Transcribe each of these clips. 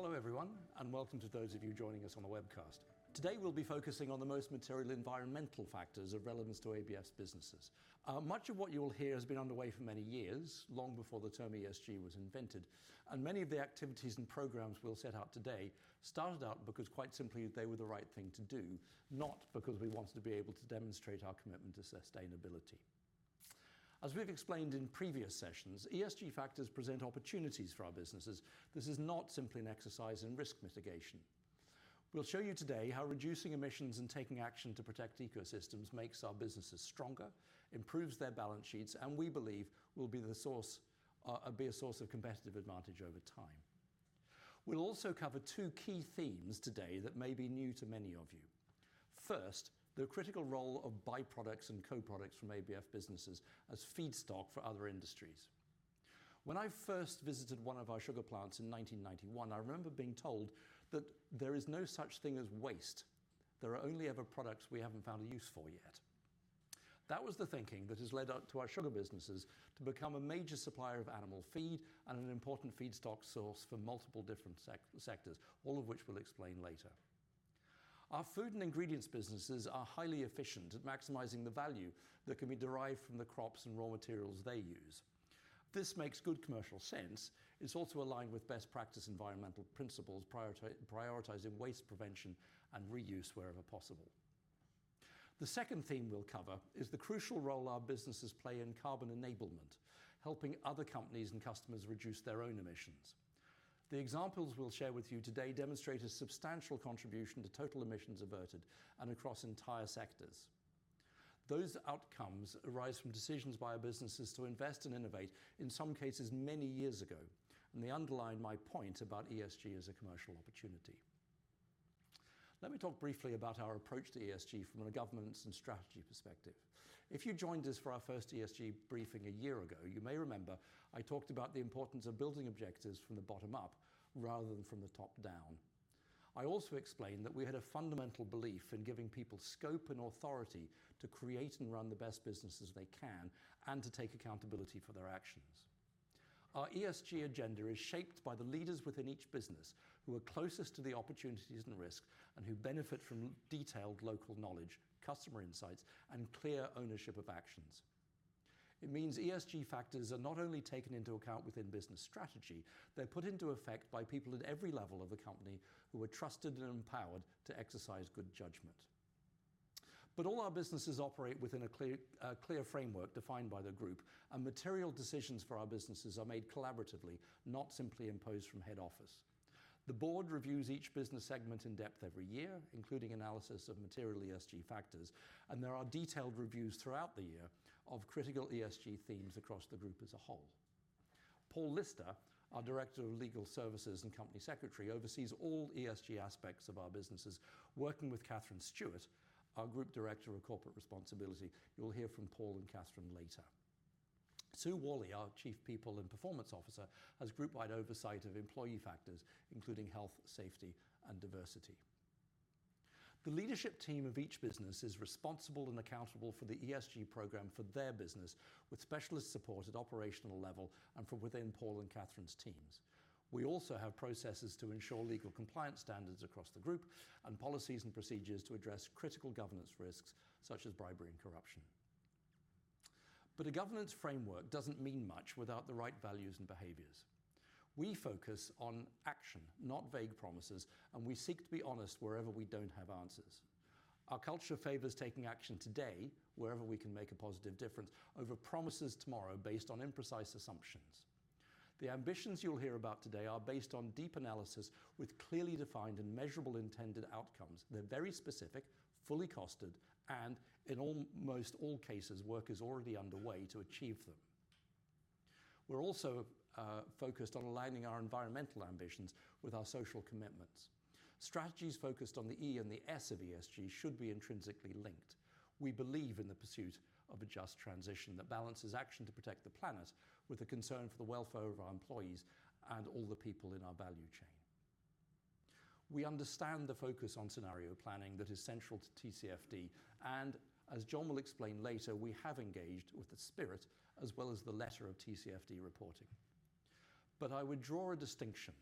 Hello, everyone, and welcome to those of you joining us on the webcast. Today we'll be focusing on the most material environmental factors of relevance to ABF's businesses. Much of what you'll hear has been underway for many years, long before the term ESG was invented, and many of the activities and programs we'll set out today started out because quite simply, they were the right thing to do, not because we wanted to be able to demonstrate our commitment to sustainability. As we've explained in previous sessions, ESG factors present opportunities for our businesses. This is not simply an exercise in risk mitigation. We'll show you today how reducing emissions and taking action to protect ecosystems makes our businesses stronger, improves their balance sheets, and we believe will be a source of competitive advantage over time. We'll also cover two key themes today that may be new to many of you. First, the critical role of byproducts and co-products from ABF businesses as feedstock for other industries. When I first visited one of our sugar plants in 1991, I remember being told that there is no such thing as waste. There are only ever products we haven't found a use for yet. That was the thinking that has led up to our sugar businesses to become a major supplier of animal feed and an important feedstock source for multiple different sectors, all of which we'll explain later. Our food and ingredients businesses are highly efficient at maximizing the value that can be derived from the crops and raw materials they use. This makes good commercial sense. It's also aligned with best practice environmental principles prioritizing waste prevention and reuse wherever possible. The second theme we'll cover is the crucial role our businesses play in carbon enablement, helping other companies and customers reduce their own emissions. The examples we'll share with you today demonstrate a substantial contribution to total emissions averted and across entire sectors. Those outcomes arise from decisions by our businesses to invest and innovate, in some cases many years ago, and they underline my point about ESG as a commercial opportunity. Let me talk briefly about our approach to ESG from a governance and strategy perspective. If you joined us for our first ESG briefing a year ago, you may remember I talked about the importance of building objectives from the bottom up rather than from the top down. I also explained that we had a fundamental belief in giving people scope and authority to create and run the best businesses they can and to take accountability for their actions. Our ESG agenda is shaped by the leaders within each business who are closest to the opportunities and risk and who benefit from detailed local knowledge, customer insights, and clear ownership of actions. It means ESG factors are not only taken into account within business strategy, they're put into effect by people at every level of the company who are trusted and empowered to exercise good judgment. All our businesses operate within a clear framework defined by the group, and material decisions for our businesses are made collaboratively, not simply imposed from head office. The board reviews each business segment in depth every year, including analysis of material ESG factors, and there are detailed reviews throughout the year of critical ESG themes across the group as a whole. Paul Lister, our Director of Legal Services and Company Secretary, oversees all ESG aspects of our businesses, working with Katharine Stewart, our Group Director of Corporate Responsibility. You'll hear from Paul and Katharine later. Sue Whalley, our Chief People and Performance Officer, has group-wide oversight of employee factors, including health, safety and diversity. The leadership team of each business is responsible and accountable for the ESG program for their business, with specialist support at operational level and from within Paul and Katharine's teams. We also have processes to ensure legal compliance standards across the group and policies and procedures to address critical governance risks such as bribery and corruption. A governance framework doesn't mean much without the right values and behaviors. We focus on action, not vague promises, and we seek to be honest wherever we don't have answers. Our culture favors taking action today wherever we can make a positive difference over promises tomorrow based on imprecise assumptions. The ambitions you'll hear about today are based on deep analysis with clearly defined and measurable intended outcomes. They're very specific, fully costed, and in almost all cases, work is already underway to achieve them. We're also focused on aligning our environmental ambitions with our social commitments. Strategies focused on the E and the S of ESG should be intrinsically linked. We believe in the pursuit of a just transition that balances action to protect the planet with a concern for the welfare of our employees and all the people in our value chain. We understand the focus on scenario planning that is central to TCFD, and as John will explain later, we have engaged with the spirit as well as the letter of TCFD reporting. I would draw a distinction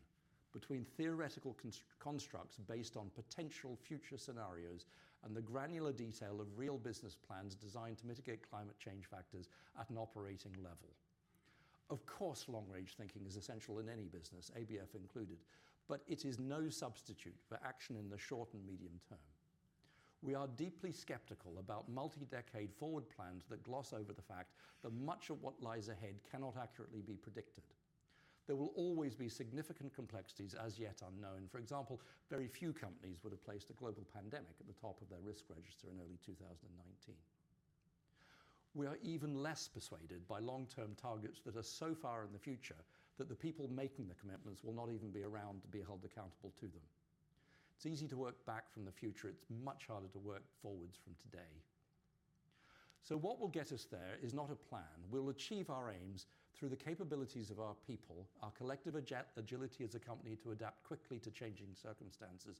between theoretical constructs based on potential future scenarios and the granular detail of real business plans designed to mitigate climate change factors at an operating level. Of course, long range thinking is essential in any business, ABF included, but it is no substitute for action in the short and medium term. We are deeply skeptical about multi-decade forward plans that gloss over the fact that much of what lies ahead cannot accurately be predicted. There will always be significant complexities as yet unknown. For example, very few companies would have placed a global pandemic at the top of their risk register in early 2019. We are even less persuaded by long-term targets that are so far in the future that the people making the commitments will not even be around to be held accountable to them. It's easy to work back from the future. It's much harder to work forwards from today. What will get us there is not a plan. We'll achieve our aims through the capabilities of our people, our collective agility as a company to adapt quickly to changing circumstances,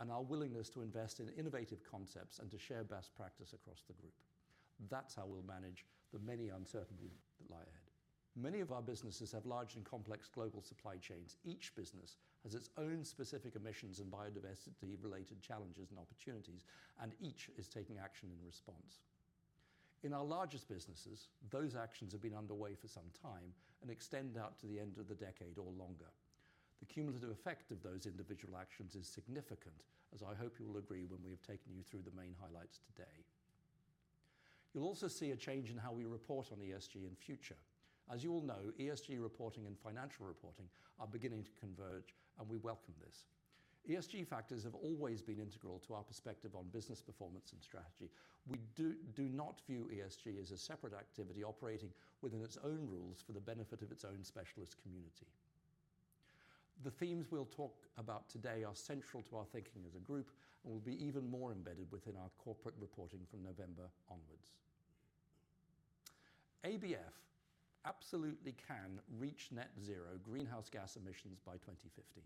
and our willingness to invest in innovative concepts and to share best practice across the group. That's how we'll manage the many uncertainties that lie ahead. Many of our businesses have large and complex global supply chains. Each business has its own specific emissions and biodiversity-related challenges and opportunities, and each is taking action in response. In our largest businesses, those actions have been underway for some time and extend out to the end of the decade or longer. The cumulative effect of those individual actions is significant, as I hope you will agree when we have taken you through the main highlights today. You'll also see a change in how we report on ESG in future. As you all know, ESG reporting and financial reporting are beginning to converge, and we welcome this. ESG factors have always been integral to our perspective on business performance and strategy. We do not view ESG as a separate activity operating within its own rules for the benefit of its own specialist community. The themes we'll talk about today are central to our thinking as a group and will be even more embedded within our corporate reporting from November onwards. ABF absolutely can reach net zero greenhouse gas emissions by 2050.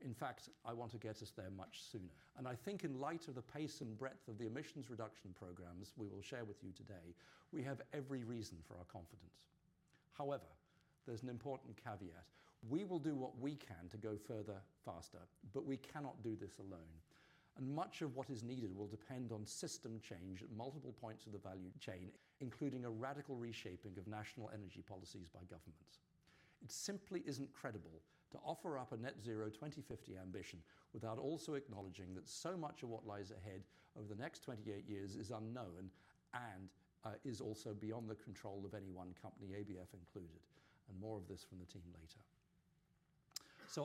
In fact, I want to get us there much sooner. I think in light of the pace and breadth of the emissions reduction programs we will share with you today, we have every reason for our confidence. However, there's an important caveat. We will do what we can to go further, faster, but we cannot do this alone. Much of what is needed will depend on system change at multiple points of the value chain, including a radical reshaping of national energy policies by governments. It simply isn't credible to offer up a net zero 2050 ambition without also acknowledging that so much of what lies ahead over the next 28 years is unknown and is also beyond the control of any one company, ABF included. More of this from the team later.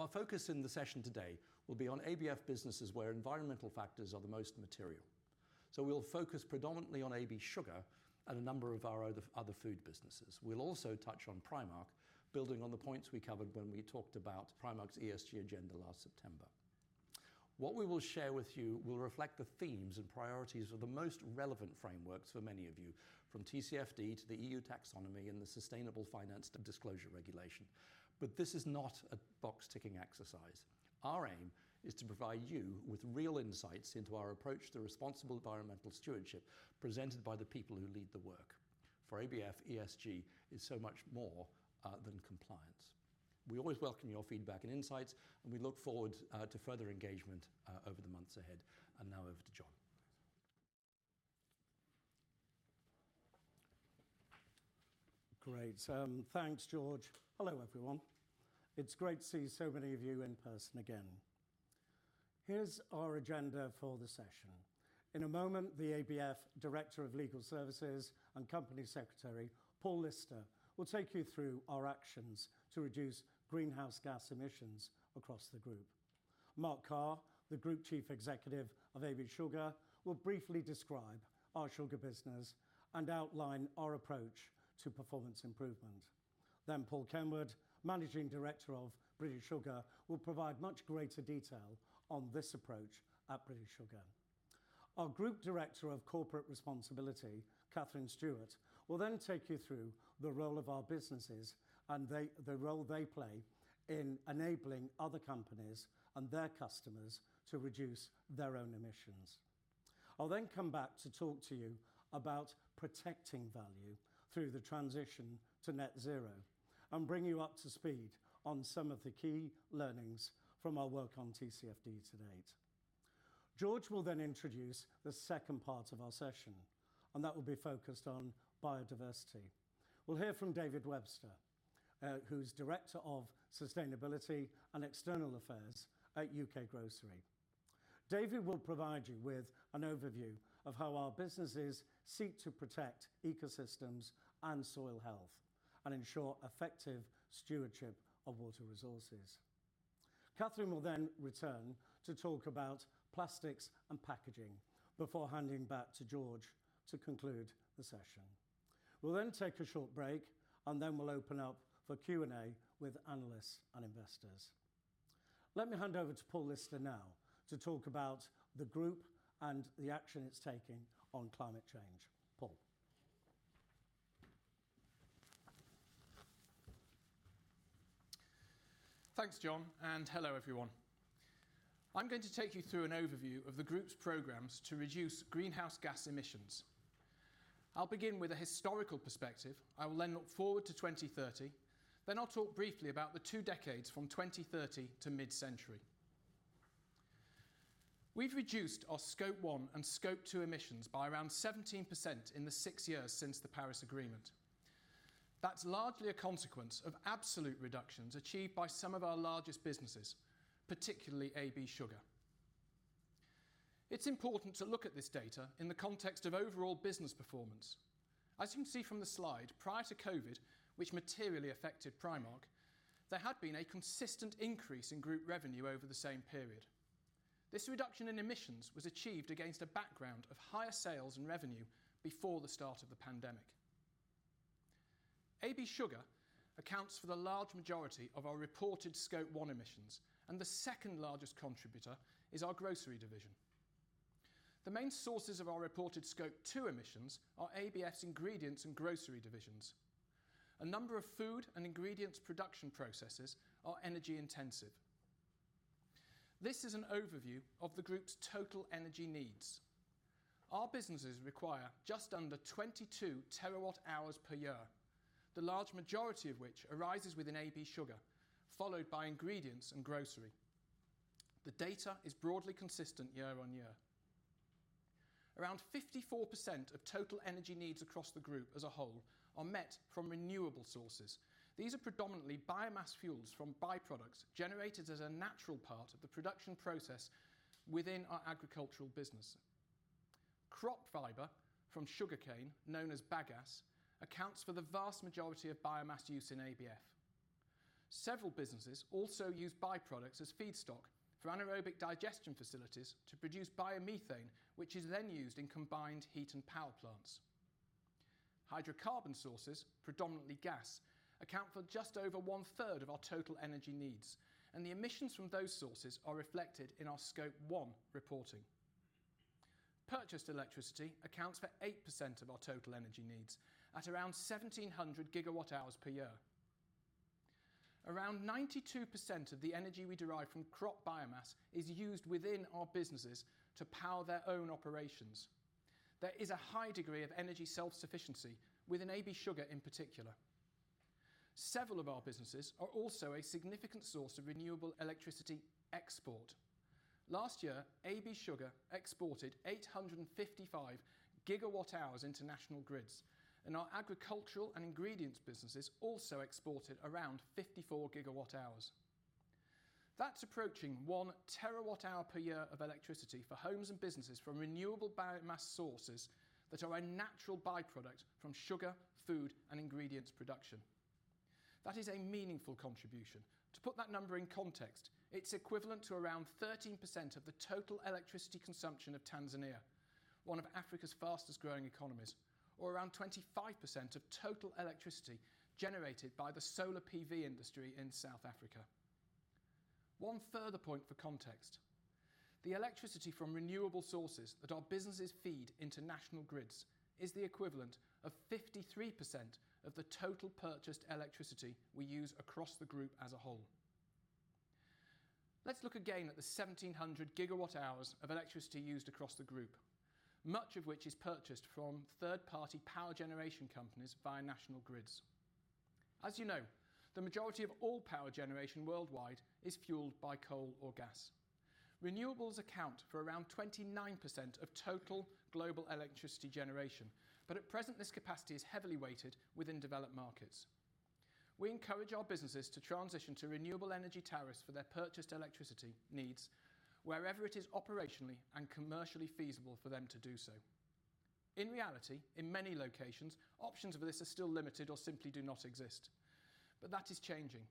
Our focus in the session today will be on ABF businesses where environmental factors are the most material. We'll focus predominantly on AB Sugar and a number of our other food businesses. We'll also touch on Primark, building on the points we covered when we talked about Primark's ESG agenda last September. What we will share with you will reflect the themes and priorities of the most relevant frameworks for many of you, from TCFD to the EU Taxonomy and the Sustainable Finance Disclosure Regulation. This is not a box-ticking exercise. Our aim is to provide you with real insights into our approach to responsible environmental stewardship presented by the people who lead the work. For ABF, ESG is so much more than compliance. We always welcome your feedback and insights, and we look forward to further engagement over the months ahead. Now over to John. Great. Thanks, George. Hello, everyone. It's great to see so many of you in person again. Here's our agenda for the session. In a moment, the ABF Director of Legal Services and Company Secretary, Paul Lister, will take you through our actions to reduce greenhouse gas emissions across the group. Mark Carr, the Group Chief Executive of AB Sugar, will briefly describe our sugar business and outline our approach to performance improvement. Paul Kenward, Managing Director of British Sugar, will provide much greater detail on this approach at British Sugar. Our Group Director of Corporate Responsibility, Katharine Stewart, will then take you through the role our businesses play in enabling other companies and their customers to reduce their own emissions. I'll then come back to talk to you about protecting value through the transition to net zero and bring you up to speed on some of the key learnings from our work on TCFD to date. George will then introduce the second part of our session, and that will be focused on biodiversity. We'll hear from David Webster, who's Director of Sustainability and External Affairs at U.K. Grocery. David will provide you with an overview of how our businesses seek to protect ecosystems and soil health and ensure effective stewardship of water resources. Katharine will then return to talk about plastics and packaging before handing back to George to conclude the session. We'll then take a short break, and then we'll open up for Q&A with analysts and investors. Let me hand over to Paul Lister now to talk about the group and the action it's taking on climate change. Paul. Thanks, John, and hello everyone. I'm going to take you through an overview of the group's programs to reduce greenhouse gas emissions. I'll begin with a historical perspective. I will then look forward to 2030, then I'll talk briefly about the two decades from 2030 to mid-century. We've reduced our Scope 1 and Scope 2 emissions by around 17% in the six years since the Paris Agreement. That's largely a consequence of absolute reductions achieved by some of our largest businesses, particularly AB Sugar. It's important to look at this data in the context of overall business performance. As you can see from the slide, prior to COVID, which materially affected Primark, there had been a consistent increase in group revenue over the same period. This reduction in emissions was achieved against a background of higher sales and revenue before the start of the pandemic. AB Sugar accounts for the large majority of our reported Scope 1 emissions, and the second largest contributor is our grocery division. The main sources of our reported Scope 2 emissions are ABF Ingredients and Grocery divisions. A number of food and ingredients production processes are energy intensive. This is an overview of the group's total energy needs. Our businesses require just under 22 TWh per year, the large majority of which arises within AB Sugar, followed by Ingredients and Grocery. The data is broadly consistent year-over-year. Around 54% of total energy needs across the group as a whole are met from renewable sources. These are predominantly biomass fuels from by-products generated as a natural part of the production process within our agricultural business. Crop fiber from sugarcane, known as bagasse, accounts for the vast majority of biomass use in ABF. Several businesses also use by-products as feedstock for anaerobic digestion facilities to produce biomethane, which is then used in combined heat and power plants. Hydrocarbon sources, predominantly gas, account for just over 1/3 of our total energy needs, and the emissions from those sources are reflected in our Scope 1 reporting. Purchased electricity accounts for 8% of our total energy needs at around 1,700 GWh per year. Around 92% of the energy we derive from crop biomass is used within our businesses to power their own operations. There is a high degree of energy self-sufficiency within AB Sugar in particular. Several of our businesses are also a significant source of renewable electricity export. Last year, AB Sugar exported 855 GWh into national grids, and our Agricultural and Ingredients businesses also exported around 54 GWh. That's approaching 1 TWh per year of electricity for homes and businesses from renewable biomass sources that are a natural by-product from sugar, food, and ingredients production. That is a meaningful contribution. To put that number in context, it's equivalent to around 13% of the total electricity consumption of Tanzania, one of Africa's fastest-growing economies, or around 25% of total electricity generated by the solar PV industry in South Africa. One further point for context, the electricity from renewable sources that our businesses feed into national grids is the equivalent of 53% of the total purchased electricity we use across the group as a whole. Let's look again at the 1,700 GWh of electricity used across the group, much of which is purchased from third-party power generation companies via national grids. As you know, the majority of all power generation worldwide is fueled by coal or gas. Renewables account for around 29% of total global electricity generation, but at present this capacity is heavily weighted within developed markets. We encourage our businesses to transition to renewable energy tariffs for their purchased electricity needs wherever it is operationally and commercially feasible for them to do so. In reality, in many locations, options for this are still limited or simply do not exist, but that is changing.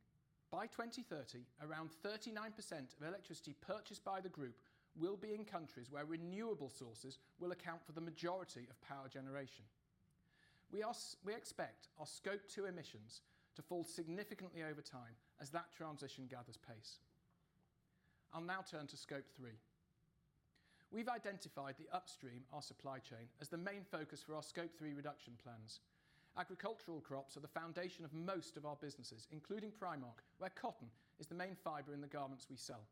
By 2030, around 39% of electricity purchased by the group will be in countries where renewable sources will account for the majority of power generation. We expect our Scope 2 emissions to fall significantly over time as that transition gathers pace. I'll now turn to Scope 3. We've identified the upstream, our supply chain, as the main focus for our Scope 3 reduction plans. Agricultural crops are the foundation of most of our businesses, including Primark, where cotton is the main fiber in the garments we sell.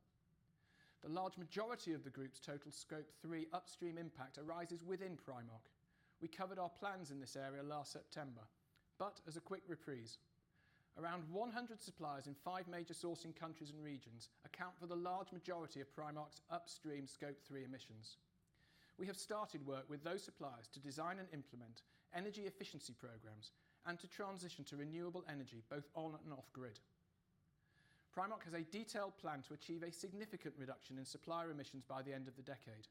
The large majority of the group's total Scope 3 upstream impact arises within Primark. We covered our plans in this area last September, but as a quick reprise, around 100 suppliers in five major sourcing countries and regions account for the large majority of Primark's upstream Scope 3 emissions. We have started work with those suppliers to design and implement energy efficiency programs and to transition to renewable energy, both on and off grid. Primark has a detailed plan to achieve a significant reduction in supplier emissions by the end of the decade.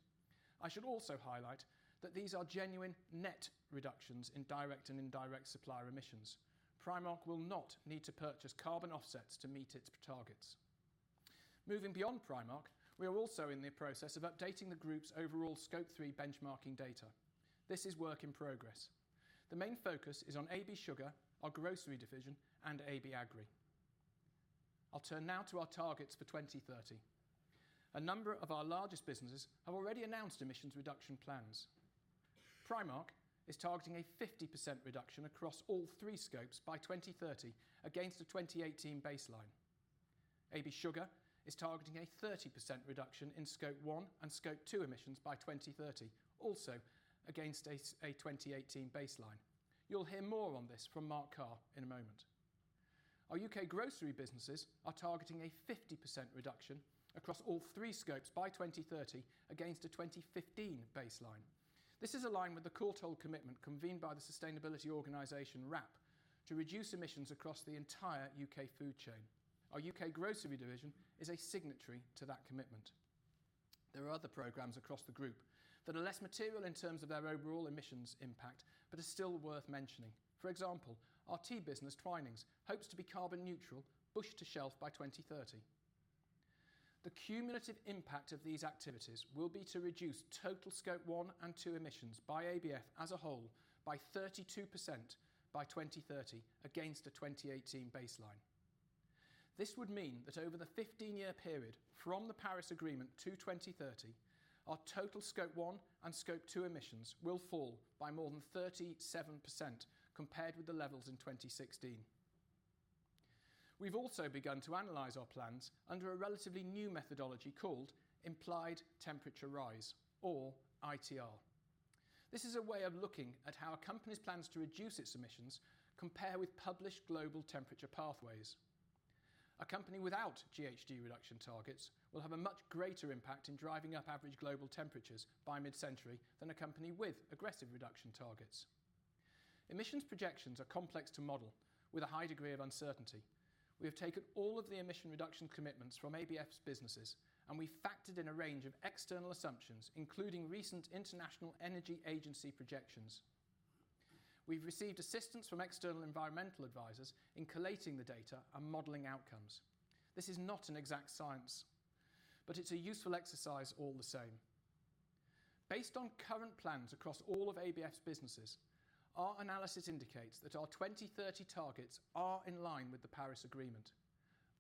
I should also highlight that these are genuine net reductions in direct and indirect supplier emissions. Primark will not need to purchase carbon offsets to meet its targets. Moving beyond Primark, we are also in the process of updating the group's overall Scope 3 benchmarking data. This is work in progress. The main focus is on AB Sugar, our Grocery division, and AB Agri. I'll turn now to our targets for 2030. A number of our largest businesses have already announced emissions reduction plans. Primark is targeting a 50% reduction across all three scopes by 2030 against a 2018 baseline. AB Sugar is targeting a 30% reduction in Scope 1 and Scope 2 emissions by 2030, also against a 2018 baseline. You'll hear more on this from Mark Carr in a moment. Our U.K. Grocery businesses are targeting a 50% reduction across all three scopes by 2030 against a 2015 baseline. This is aligned with the Courtauld Commitment convened by the sustainability organization WRAP to reduce emissions across the entire U.K. food chain. Our U.K. Grocery division is a signatory to that commitment. There are other programs across the group that are less material in terms of their overall emissions impact, but are still worth mentioning. For example, our tea business, Twinings, hopes to be carbon neutral bush to shelf by 2030. The cumulative impact of these activities will be to reduce total Scope 1 and 2 emissions by ABF as a whole by 32% by 2030 against a 2018 baseline. This would mean that over the 15-year period from the Paris Agreement to 2030, our total Scope 1 and Scope 2 emissions will fall by more than 37% compared with the levels in 2016. We've also begun to analyze our plans under a relatively new methodology called Implied Temperature Rise or ITR. This is a way of looking at how a company's plans to reduce its emissions compare with published global temperature pathways. A company without GHG reduction targets will have a much greater impact in driving up average global temperatures by mid-century than a company with aggressive reduction targets. Emissions projections are complex to model with a high degree of uncertainty. We have taken all of the emission reduction commitments from ABF's businesses, and we factored in a range of external assumptions, including recent International Energy Agency projections. We've received assistance from external environmental advisors in collating the data and modeling outcomes. This is not an exact science, but it's a useful exercise all the same. Based on current plans across all of ABF's businesses, our analysis indicates that our 2030 targets are in line with the Paris Agreement.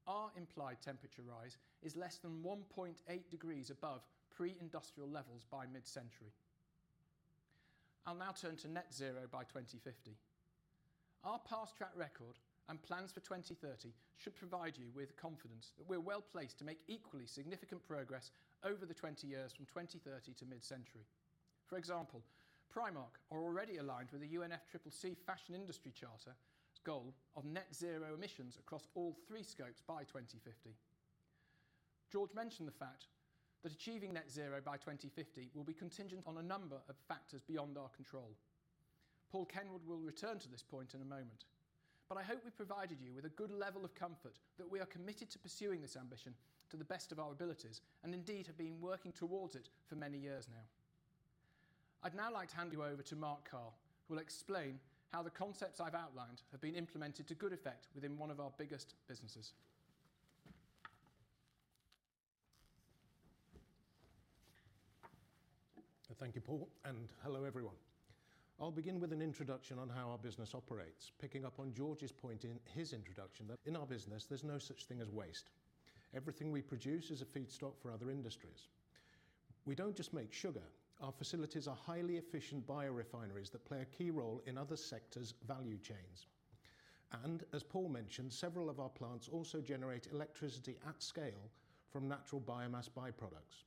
Our implied temperature rise is less than 1.8 degrees above pre-industrial levels by mid-century. I'll now turn to net zero by 2050. Our past track record and plans for 2030 should provide you with confidence that we're well-placed to make equally significant progress over the 20 years from 2030 to mid-century. For example, Primark are already aligned with the UNFCCC Fashion Industry Charter's goal of net zero emissions across all three scopes by 2050. George mentioned the fact that achieving net zero by 2050 will be contingent on a number of factors beyond our control. Paul Kenward will return to this point in a moment, but I hope we've provided you with a good level of comfort that we are committed to pursuing this ambition to the best of our abilities and indeed have been working towards it for many years now. I'd now like to hand you over to Mark Carr, who will explain how the concepts I've outlined have been implemented to good effect within one of our biggest businesses. Thank you, Paul, and hello everyone. I'll begin with an introduction on how our business operates, picking up on George's point in his introduction that in our business, there's no such thing as waste. Everything we produce is a feedstock for other industries. We don't just make sugar. Our facilities are highly efficient biorefineries that play a key role in other sectors' value chains. As Paul mentioned, several of our plants also generate electricity at scale from natural biomass by-products.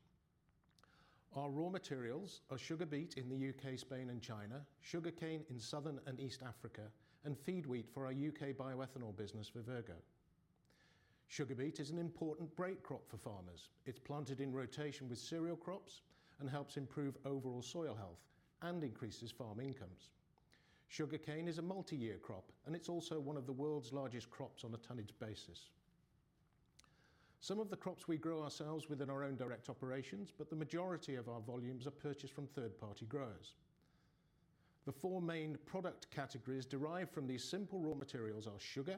Our raw materials are sugar beet in the U.K., Spain and China, sugarcane in Southern and East Africa, and feed wheat for our U.K. bioethanol business, Vivergo. Sugar beet is an important break crop for farmers. It's planted in rotation with cereal crops and helps improve overall soil health and increases farm incomes. Sugarcane is a multi-year crop, and it's also one of the world's largest crops on a tonnage basis. Some of the crops we grow ourselves within our own direct operations, but the majority of our volumes are purchased from third-party growers. The four main product categories derived from these simple raw materials are sugar,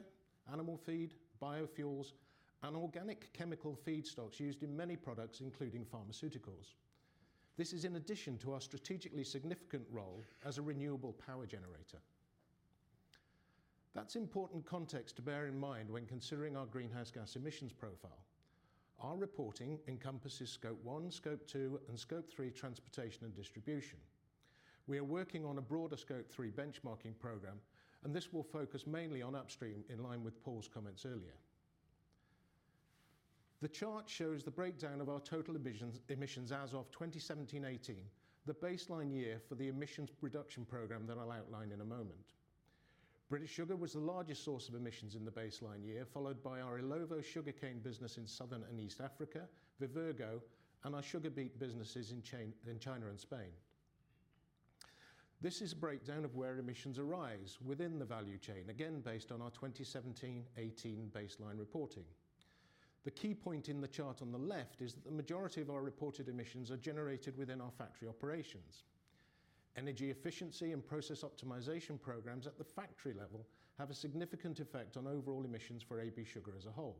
animal feed, biofuels, and organic chemical feedstocks used in many products, including pharmaceuticals. This is in addition to our strategically significant role as a renewable power generator. That's important context to bear in mind when considering our greenhouse gas emissions profile. Our reporting encompasses Scope 1, Scope 2, and Scope 3 transportation and distribution. We are working on a broader Scope 3 benchmarking program, and this will focus mainly on upstream in line with Paul's comments earlier. The chart shows the breakdown of our total emissions as of 2017-18, the baseline year for the emissions reduction program that I'll outline in a moment. British Sugar was the largest source of emissions in the baseline year, followed by our Illovo sugarcane business in Southern and East Africa, Vivergo, and our sugar beet businesses in China and Spain. This is a breakdown of where emissions arise within the value chain, again, based on our 2017-18 baseline reporting. The key point in the chart on the left is that the majority of our reported emissions are generated within our factory operations. Energy efficiency and process optimization programs at the factory level have a significant effect on overall emissions for AB Sugar as a whole.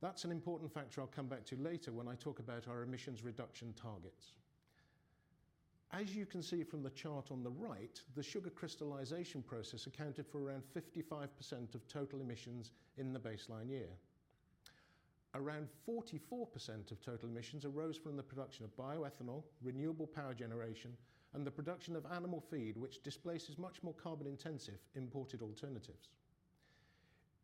That's an important factor I'll come back to later when I talk about our emissions reduction targets. As you can see from the chart on the right, the sugar crystallization process accounted for around 55% of total emissions in the baseline year. Around 44% of total emissions arose from the production of bioethanol, renewable power generation, and the production of animal feed, which displaces much more carbon-intensive imported alternatives.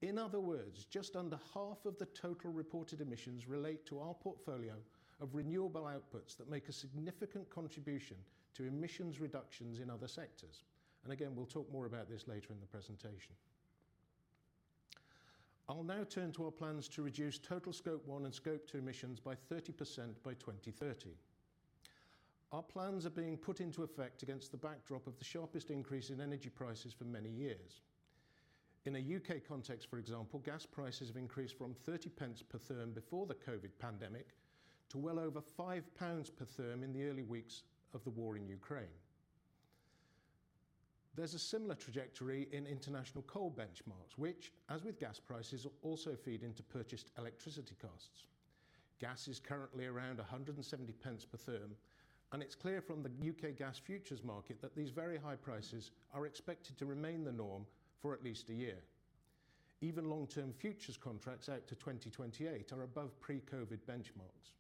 In other words, just under half of the total reported emissions relate to our portfolio of renewable outputs that make a significant contribution to emissions reductions in other sectors. Again, we'll talk more about this later in the presentation. I'll now turn to our plans to reduce total Scope 1 and Scope 2 emissions by 30% by 2030. Our plans are being put into effect against the backdrop of the sharpest increase in energy prices for many years. In a U.K. context, for example, gas prices have increased from 0.30 per therm before the COVID pandemic to well over 5 lbs per therm in the early weeks of the war in Ukraine. There's a similar trajectory in international coal benchmarks, which, as with gas prices, also feed into purchased electricity costs. Gas is currently around 1.70 per therm, and it's clear from the U.K. gas futures market that these very high prices are expected to remain the norm for at least a year. Even long-term futures contracts out to 2028 are above pre-COVID benchmarks.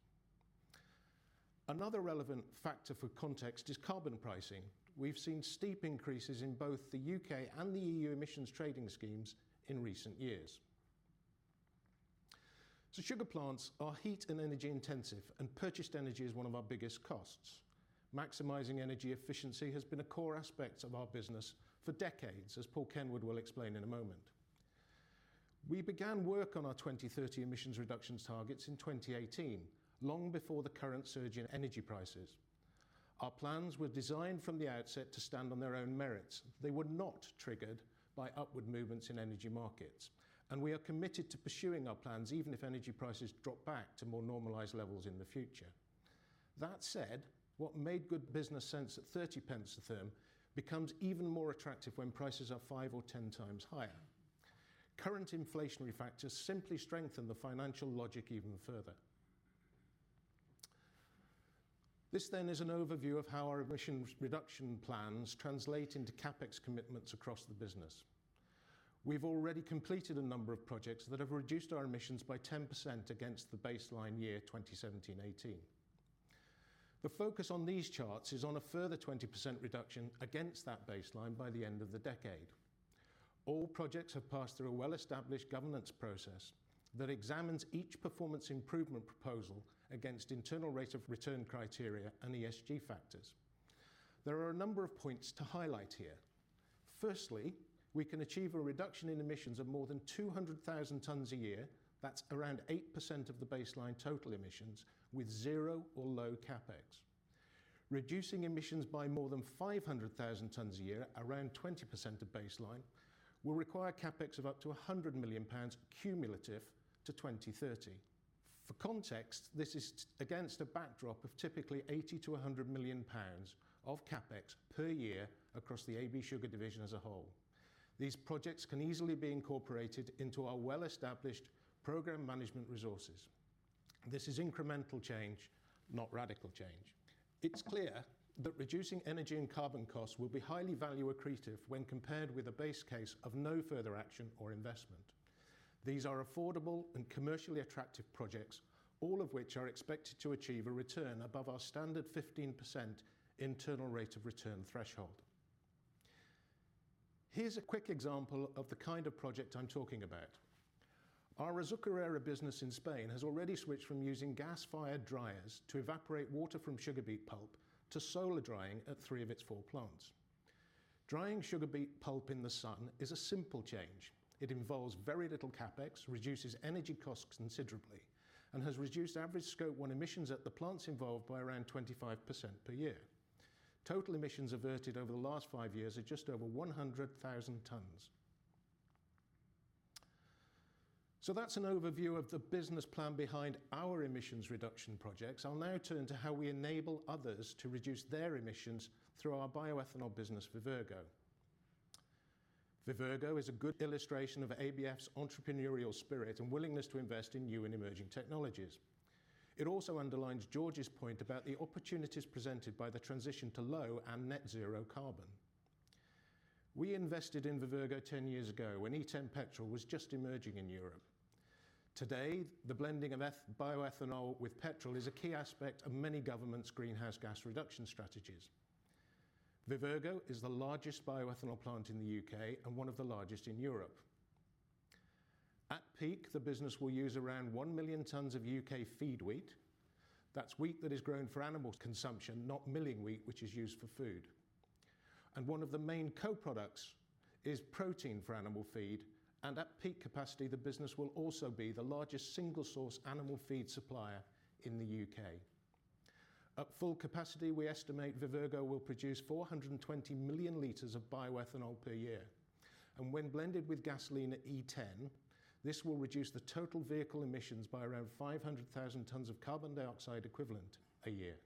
Another relevant factor for context is carbon pricing. We've seen steep increases in both the U.K. and the E.U. emissions trading schemes in recent years. Sugar plants are heat and energy intensive, and purchased energy is one of our biggest costs. Maximizing energy efficiency has been a core aspect of our business for decades, as Paul Kenward will explain in a moment. We began work on our 2030 emissions reductions targets in 2018, long before the current surge in energy prices. Our plans were designed from the outset to stand on their own merits. They were not triggered by upward movements in energy markets, and we are committed to pursuing our plans even if energy prices drop back to more normalized levels in the future. That said, what made good business sense at 0.30 a therm becomes even more attractive when prices are five or 10 times higher. Current inflationary factors simply strengthen the financial logic even further. This is an overview of how our emissions reduction plans translate into CapEx commitments across the business. We've already completed a number of projects that have reduced our emissions by 10% against the baseline year 2017-18. The focus on these charts is on a further 20% reduction against that baseline by the end of the decade. All projects have passed through a well-established governance process that examines each performance improvement proposal against internal rate of return criteria and ESG factors. There are a number of points to highlight here. Firstly, we can achieve a reduction in emissions of more than 200,000 tons a year, that's around 8% of the baseline total emissions with zero or low CapEx. Reducing emissions by more than 500,000 tons a year, around 20% of baseline, will require CapEx of up to 100 million pounds cumulative to 2030. For context, this is against a backdrop of typically 80 million-100 million pounds of CapEx per year across the AB Sugar division as a whole. These projects can easily be incorporated into our well-established program management resources. This is incremental change, not radical change. It's clear that reducing energy and carbon costs will be highly value accretive when compared with a base case of no further action or investment. These are affordable and commercially attractive projects, all of which are expected to achieve a return above our standard 15% internal rate of return threshold. Here's a quick example of the kind of project I'm talking about. Our Azucarera business in Spain has already switched from using gas-fired dryers to evaporate water from sugar beet pulp to solar drying at three of its four plants. Drying sugar beet pulp in the sun is a simple change. It involves very little CapEx, reduces energy costs considerably, and has reduced average Scope 1 emissions at the plants involved by around 25% per year. Total emissions averted over the last five years are just over 100,000 tons. That's an overview of the business plan behind our emissions reduction projects. I'll now turn to how we enable others to reduce their emissions through our bioethanol business, Vivergo. Vivergo is a good illustration of ABF's entrepreneurial spirit and willingness to invest in new and emerging technologies. It also underlines George's point about the opportunities presented by the transition to low and net zero carbon. We invested in Vivergo 10 years ago when E10 petrol was just emerging in Europe. Today, the blending of E10 bioethanol with petrol is a key aspect of many governments' greenhouse gas reduction strategies. Vivergo is the largest bioethanol plant in the U.K. and one of the largest in Europe. At peak, the business will use around 1 million tons of U.K. feed wheat. That's wheat that is grown for animal consumption, not milling wheat, which is used for food. One of the main co-products is protein for animal feed, and at peak capacity, the business will also be the largest single source animal feed supplier in the U.K. At full capacity, we estimate Vivergo will produce 420 million L of bioethanol per year, and when blended with gasoline at E10, this will reduce the total vehicle emissions by around 500,000 tons of carbon dioxide equivalent a year.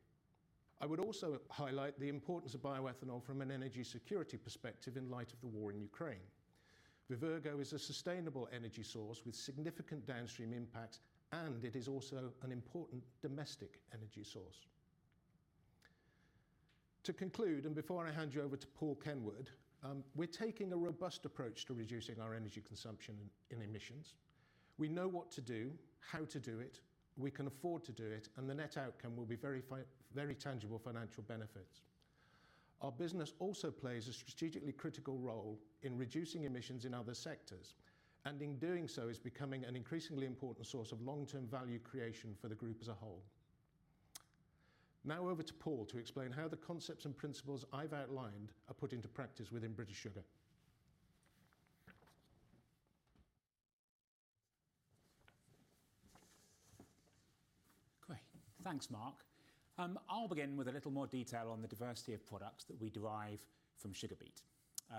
I would also highlight the importance of bioethanol from an energy security perspective in light of the war in Ukraine. Vivergo is a sustainable energy source with significant downstream impact, and it is also an important domestic energy source. To conclude, and before I hand you over to Paul Kenward, we're taking a robust approach to reducing our energy consumption and emissions. We know what to do, how to do it, we can afford to do it, and the net outcome will be very tangible financial benefits. Our business also plays a strategically critical role in reducing emissions in other sectors, and in doing so is becoming an increasingly important source of long-term value creation for the group as a whole. Now over to Paul to explain how the concepts and principles I've outlined are put into practice within British Sugar. Great. Thanks, Mark. I'll begin with a little more detail on the diversity of products that we derive from sugar beet.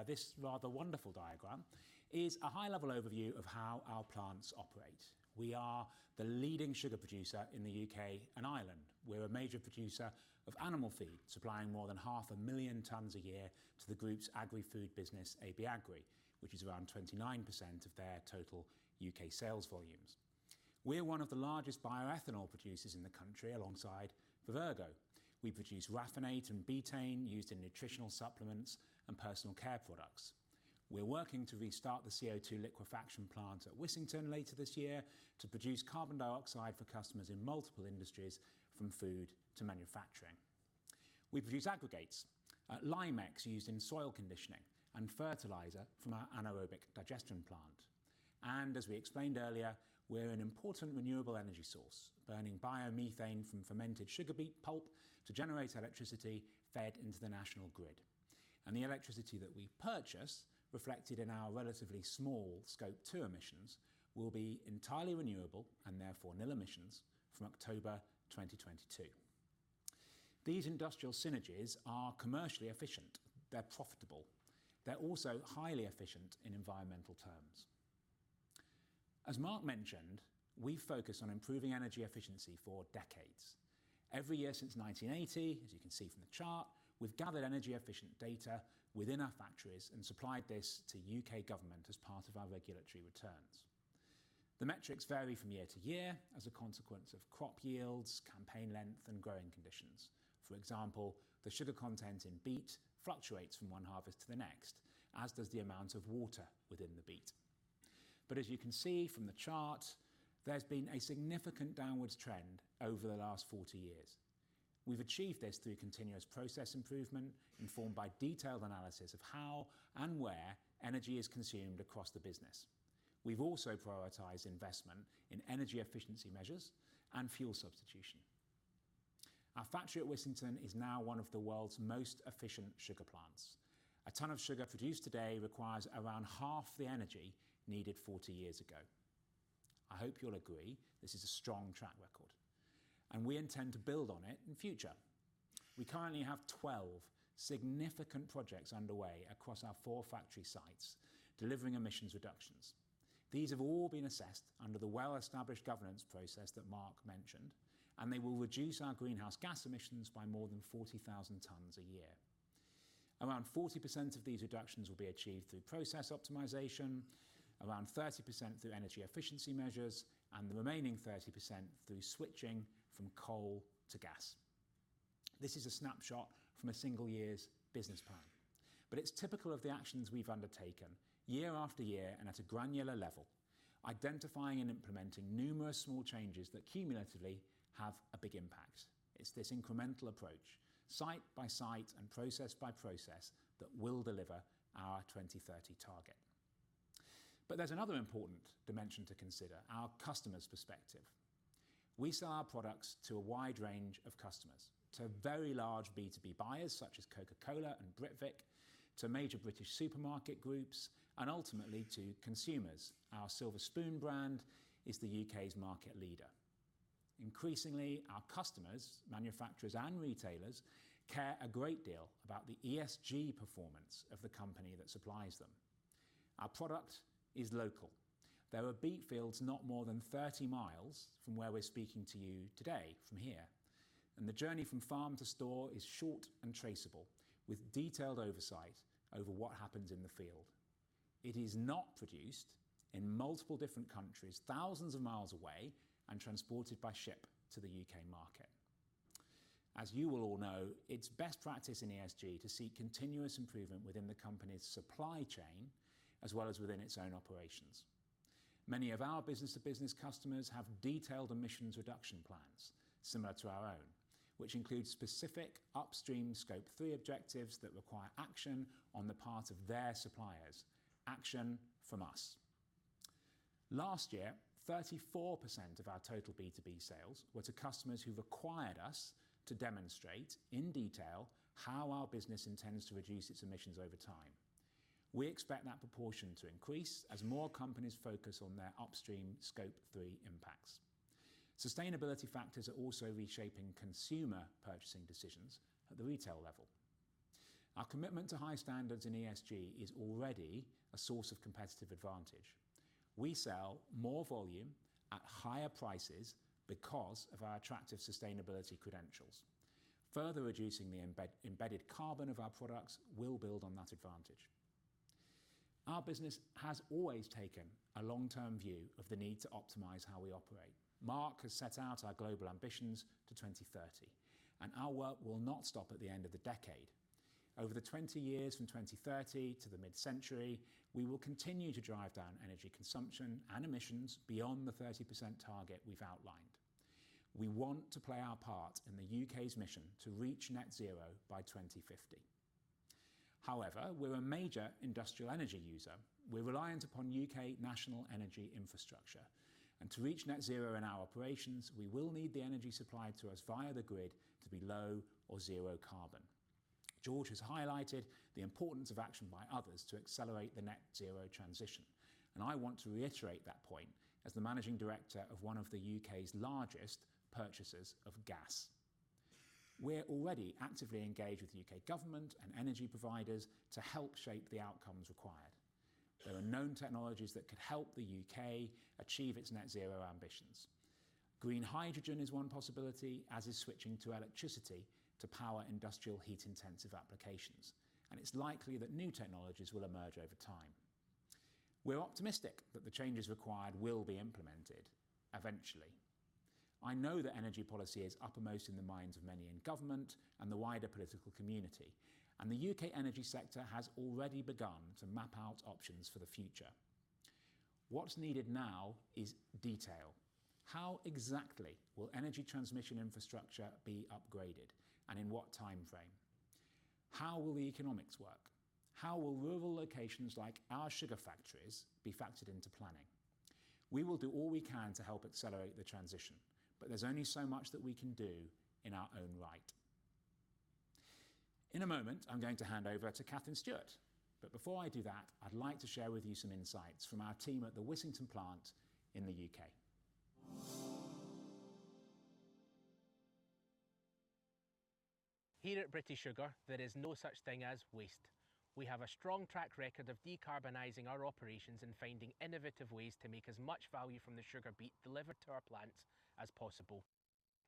This rather wonderful diagram is a high-level overview of how our plants operate. We are the leading sugar producer in the U.K. and Ireland. We're a major producer of animal feed, supplying more than 500,000 tons a year to the group's agri food business, AB Agri, which is around 29% of their total U.K. sales volumes. We're one of the largest bioethanol producers in the country alongside Vivergo. We produce raffinose and betaine used in nutritional supplements and personal care products. We're working to restart the CO2 liquefaction plant at Wissington later this year to produce carbon dioxide for customers in multiple industries, from food to manufacturing. We produce aggregates, lime mix used in soil conditioning and fertilizer from our anaerobic digestion plant. As we explained earlier, we're an important renewable energy source, burning biomethane from fermented sugar beet pulp to generate electricity fed into the national grid. The electricity that we purchase, reflected in our relatively small Scope 2 emissions, will be entirely renewable and therefore nil emissions from October 2022. These industrial synergies are commercially efficient. They're profitable. They're also highly efficient in environmental terms. As Mark mentioned, we focus on improving energy efficiency for decades. Every year since 1980, as you can see from the chart, we've gathered energy efficiency data within our factories and supplied this to U.K. Government as part of our regulatory returns. The metrics vary from year to year as a consequence of crop yields, campaign length, and growing conditions. For example, the sugar content in beet fluctuates from one harvest to the next, as does the amount of water within the beet. As you can see from the chart, there's been a significant downwards trend over the last 40 years. We've achieved this through continuous process improvement, informed by detailed analysis of how and where energy is consumed across the business. We've also prioritized investment in energy efficiency measures and fuel substitution. Our factory at Wissington is now one of the world's most efficient sugar plants. A ton of sugar produced today requires around half the energy needed 40 years ago. I hope you'll agree this is a strong track record, and we intend to build on it in future. We currently have 12 significant projects underway across our four factory sites, delivering emissions reductions. These have all been assessed under the well-established governance process that Mark mentioned, and they will reduce our greenhouse gas emissions by more than 40,000 tons a year. Around 40% of these reductions will be achieved through process optimization, around 30% through energy efficiency measures, and the remaining 30% through switching from coal to gas. This is a snapshot from a single year's business plan, but it's typical of the actions we've undertaken year after year and at a granular level, identifying and implementing numerous small changes that cumulatively have a big impact. It's this incremental approach, site by site and process by process, that will deliver our 2030 target. There's another important dimension to consider, our customer's perspective. We sell our products to a wide range of customers. To very large B2B buyers such as Coca-Cola and Britvic, to major British supermarket groups, and ultimately to consumers. Our Silver Spoon brand is the U.K.'s market leader. Increasingly, our customers, manufacturers and retailers, care a great deal about the ESG performance of the company that supplies them. Our product is local. There are beet fields not more than 30 mi from where we're speaking to you today, from here. The journey from farm to store is short and traceable, with detailed oversight over what happens in the field. It is not produced in multiple different countries, thousands of miles away and transported by ship to the U.K. market. As you will all know, it's best practice in ESG to seek continuous improvement within the company's supply chain as well as within its own operations. Many of our business-to-business customers have detailed emissions reduction plans similar to our own, which include specific upstream Scope 3 objectives that require action on the part of their suppliers. Action from us. Last year, 34% of our total B2B sales were to customers who've required us to demonstrate in detail how our business intends to reduce its emissions over time. We expect that proportion to increase as more companies focus on their upstream Scope 3 impacts. Sustainability factors are also reshaping consumer purchasing decisions at the retail level. Our commitment to high standards in ESG is already a source of competitive advantage. We sell more volume at higher prices because of our attractive sustainability credentials. Further reducing the embedded carbon of our products will build on that advantage. Our business has always taken a long-term view of the need to optimize how we operate. Mark has set out our global ambitions to 2030, and our work will not stop at the end of the decade. Over the twenty years from 2030 to the mid-century, we will continue to drive down energy consumption and emissions beyond the 30% target we've outlined. We want to play our part in the U.K.'s mission to reach net zero by 2050. However, we're a major industrial energy user. We're reliant upon U.K. national energy infrastructure. To reach net zero in our operations, we will need the energy supplied to us via the grid to be low or zero carbon. George has highlighted the importance of action by others to accelerate the net zero transition, and I want to reiterate that point as the managing director of one of the U.K.'s largest purchasers of gas. We're already actively engaged with the U.K. government and energy providers to help shape the outcomes required. There are known technologies that could help the U.K. achieve its net zero ambitions. Green hydrogen is one possibility, as is switching to electricity to power industrial heat-intensive applications. It's likely that new technologies will emerge over time. We're optimistic that the changes required will be implemented eventually. I know that energy policy is uppermost in the minds of many in government and the wider political community, and the U.K. energy sector has already begun to map out options for the future. What's needed now is detail. How exactly will energy transmission infrastructure be upgraded, and in what timeframe? How will the economics work? How will rural locations like our sugar factories be factored into planning? We will do all we can to help accelerate the transition, but there's only so much that we can do in our own right. In a moment, I'm going to hand over to Katharine Stewart. Before I do that, I'd like to share with you some insights from our team at the Wissington plant in the U.K. Here at British Sugar, there is no such thing as waste. We have a strong track record of decarbonizing our operations and finding innovative ways to make as much value from the sugar beet delivered to our plants as possible.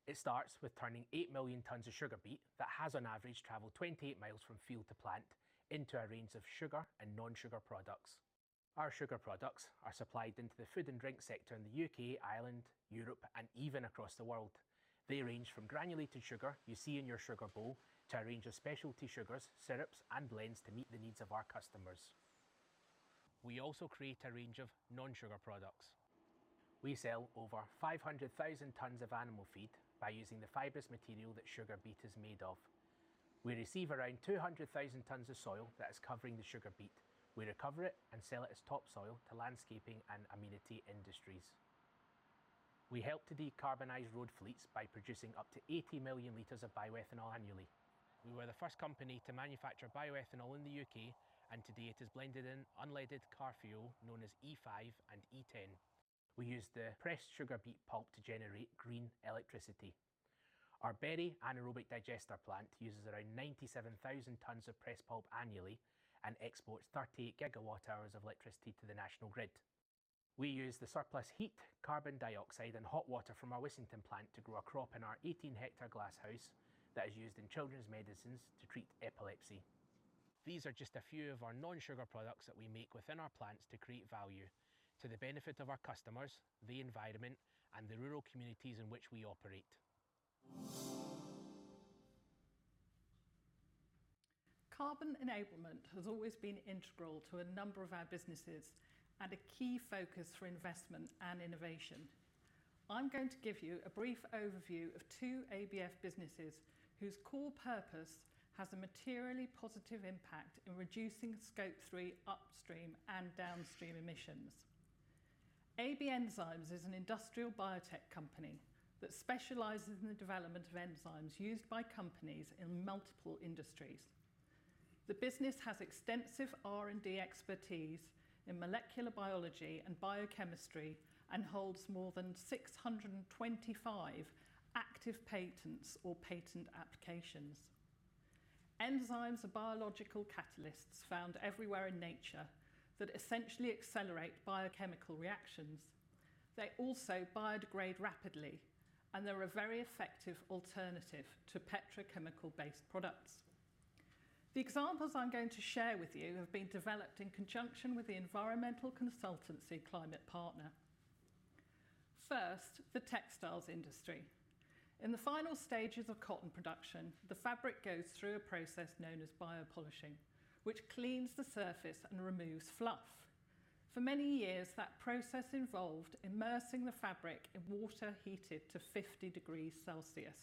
It starts with turning 8 million tons of sugar beet that has on average traveled 28 mi from field to plant into a range of sugar and non-sugar products. Our sugar products are supplied into the food and drink sector in the U.K., Ireland, Europe, and even across the world. They range from granulated sugar you see in your sugar bowl to a range of specialty sugars, syrups, and blends to meet the needs of our customers. We also create a range of non-sugar products. We sell over 500,000 tons of animal feed by using the fibrous material that sugar beet is made of. We receive around 200,000 tons of soil that is covering the sugar beet. We recover it and sell it as topsoil to landscaping and amenity industries. We help to decarbonize road fleets by producing up to 80 million L of bioethanol annually. We were the first company to manufacture bioethanol in the U.K., and today it is blended in unleaded car fuel known as E5 and E10. We use the pressed sugar beet pulp to generate green electricity. Our Bury Anaerobic Digester plant uses around 97,000 tons of press pulp annually and exports 38 GWh of electricity to the national grid. We use the surplus heat, carbon dioxide, and hot water from our Wissington plant to grow a crop in our 18 hectare glass house that is used in children's medicines to treat epilepsy. These are just a few of our non-sugar products that we make within our plants to create value to the benefit of our customers, the environment, and the rural communities in which we operate. Carbon enablement has always been integral to a number of our businesses and a key focus for investment and innovation. I'm going to give you a brief overview of two ABF businesses whose core purpose has a materially positive impact in reducing Scope 3 upstream and downstream emissions. AB Enzymes is an industrial biotech company that specializes in the development of enzymes used by companies in multiple industries. The business has extensive R&D expertise in molecular biology and biochemistry, and holds more than 625 active patents or patent applications. Enzymes are biological catalysts found everywhere in nature that essentially accelerate biochemical reactions. They also biodegrade rapidly, and they're a very effective alternative to petrochemical-based products. The examples I'm going to share with you have been developed in conjunction with the environmental consultancy ClimatePartner. First, the textiles industry. In the final stages of cotton production, the fabric goes through a process known as biopolishing, which cleans the surface and removes fluff. For many years, that process involved immersing the fabric in water heated to 50 degrees Celsius.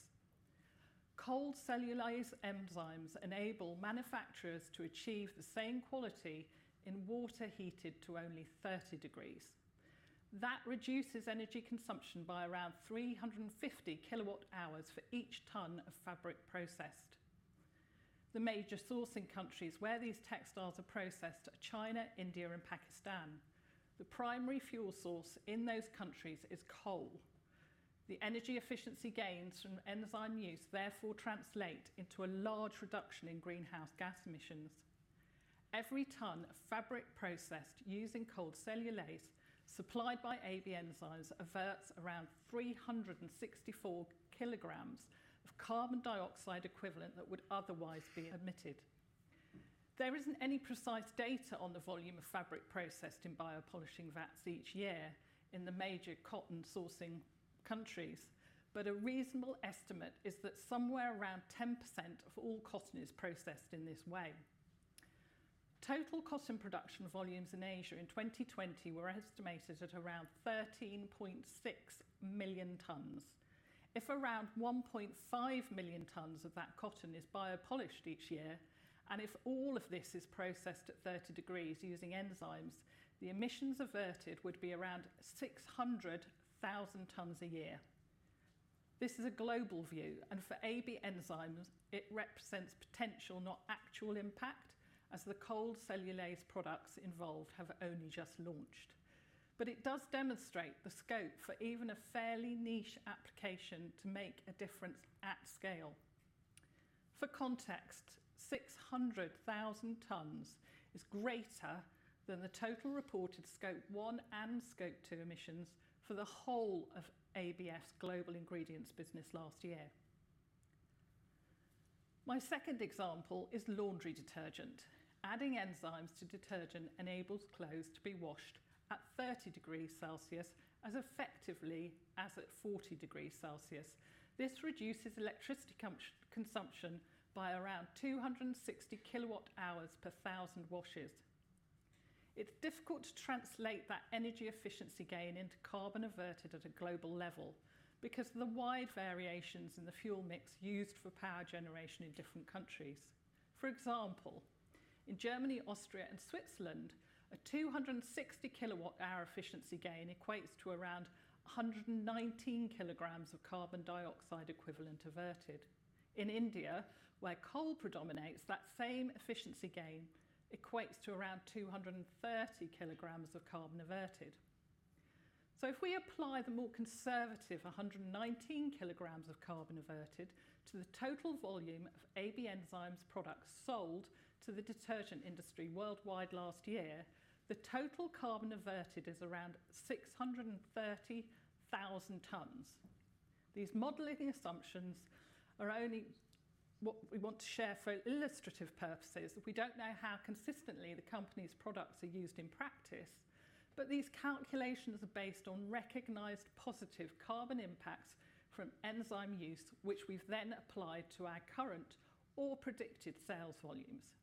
Cold cellulase enzymes enable manufacturers to achieve the same quality in water heated to only 30 degrees. That reduces energy consumption by around 350 kWh for each ton of fabric processed. The major sourcing countries where these textiles are processed are China, India, and Pakistan. The primary fuel source in those countries is coal. The energy efficiency gains from enzyme use therefore translate into a large reduction in greenhouse gas emissions. Every ton of fabric processed using cold cellulase supplied by AB Enzymes averts around 364 kg of carbon dioxide equivalent that would otherwise be emitted. There isn't any precise data on the volume of fabric processed in biopolishing vats each year in the major cotton sourcing countries, but a reasonable estimate is that somewhere around 10% of all cotton is processed in this way. Total cotton production volumes in Asia in 2020 were estimated at around 13.6 million tons. If around 1.5 million tons of that cotton is biopolished each year, and if all of this is processed at 30 degrees using enzymes, the emissions averted would be around 600,000 tons a year. This is a global view, and for AB Enzymes, it represents potential, not actual impact, as the cold cellulase products involved have only just launched. It does demonstrate the scope for even a fairly niche application to make a difference at scale. For context, 600,000 tons is greater than the total reported Scope 1 and Scope 2 emissions for the whole of ABF's global ingredients business last year. My second example is laundry detergent. Adding enzymes to detergent enables clothes to be washed at 30 degrees Celsius as effectively as at 40 degrees Celsius. This reduces electricity consumption by around 260 kWh per 1,000 washes. It's difficult to translate that energy efficiency gain into carbon averted at a global level because of the wide variations in the fuel mix used for power generation in different countries. For example, in Germany, Austria, and Switzerland, a 260 kWh efficiency gain equates to around 119 kg of carbon dioxide equivalent averted. In India, where coal predominates, that same efficiency gain equates to around 230 kg of carbon averted. If we apply the more conservative 119 kg of carbon averted to the total volume of AB Enzymes products sold to the detergent industry worldwide last year, the total carbon averted is around 630,000 tons. These modeling assumptions are only what we want to share for illustrative purposes. We don't know how consistently the company's products are used in practice, but these calculations are based on recognized positive carbon impacts from enzyme use, which we've then applied to our current or predicted sales volumes.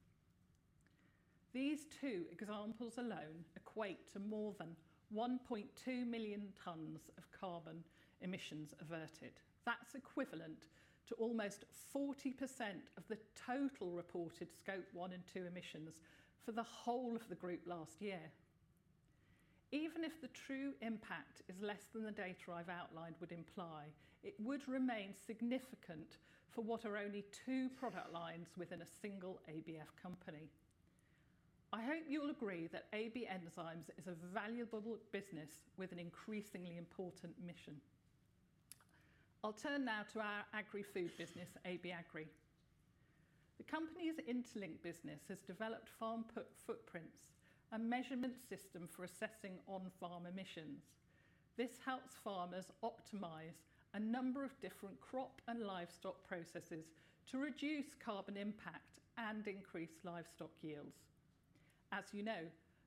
These two examples alone equate to more than 1.2 million tons of carbon emissions averted. That's equivalent to almost 40% of the total reported Scope 1 and 2 emissions for the whole of the group last year. Even if the true impact is less than the data I've outlined would imply, it would remain significant for what are only two product lines within a single ABF company. I hope you'll agree that AB Enzymes is a valuable business with an increasingly important mission. I'll turn now to our agri-food business, AB Agri. The company's IntelliLink business has developed Farm Print Footprints, a measurement system for assessing on-farm emissions. This helps farmers optimize a number of different crop and livestock processes to reduce carbon impact and increase livestock yields. As you know,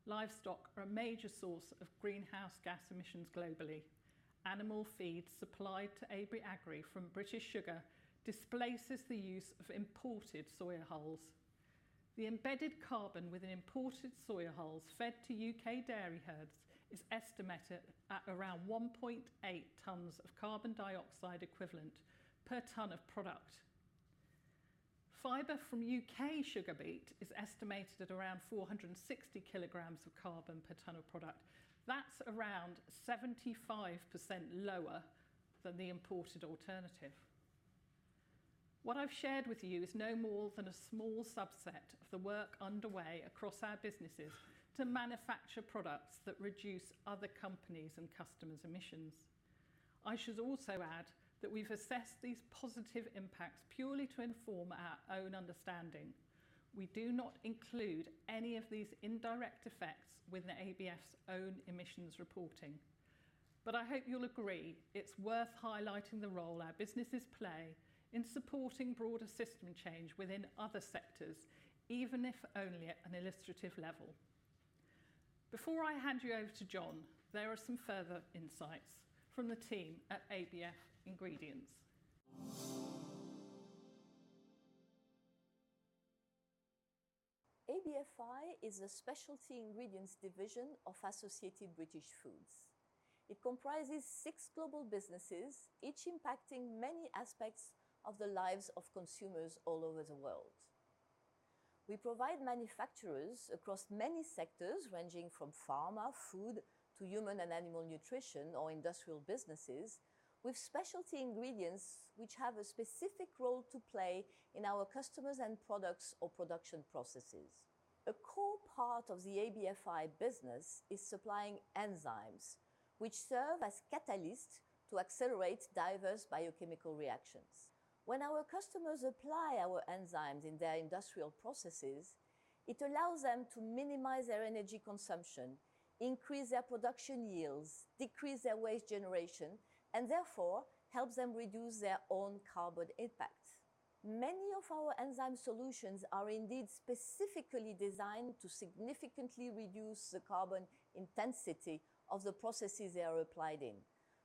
livestock are a major source of greenhouse gas emissions globally. Animal feed supplied to AB Agri from British Sugar displaces the use of imported soya hulls. The embedded carbon within imported soya hulls fed to U.K. Dairy herds is estimated at around 1.8 tons of carbon dioxide equivalent per tonne of product. Fiber from U.K. sugar beet is estimated at around 460 kg of carbon per tonne of product. That's around 75% lower than the imported alternative. What I've shared with you is no more than a small subset of the work underway across our businesses to manufacture products that reduce other companies' and customers' emissions. I should also add that we've assessed these positive impacts purely to inform our own understanding. We do not include any of these indirect effects within ABF's own emissions reporting. I hope you'll agree it's worth highlighting the role our businesses play in supporting broader system change within other sectors, even if only at an illustrative level. Before I hand you over to John, there are some further insights from the team at ABF Ingredients. ABF Ingredients is a specialty ingredients division of Associated British Foods. It comprises six global businesses, each impacting many aspects of the lives of consumers all over the world. We provide manufacturers across many sectors ranging from pharma, food, to human and animal nutrition or industrial businesses with specialty ingredients which have a specific role to play in our customers' end products or production processes. A core part of the ABF Ingredients business is supplying enzymes, which serve as catalysts to accelerate diverse biochemical reactions. When our customers apply our enzymes in their industrial processes, it allows them to minimize their energy consumption, increase their production yields, decrease their waste generation, and therefore helps them reduce their own carbon impact. Many of our enzyme solutions are indeed specifically designed to significantly reduce the carbon intensity of the processes they are applied in,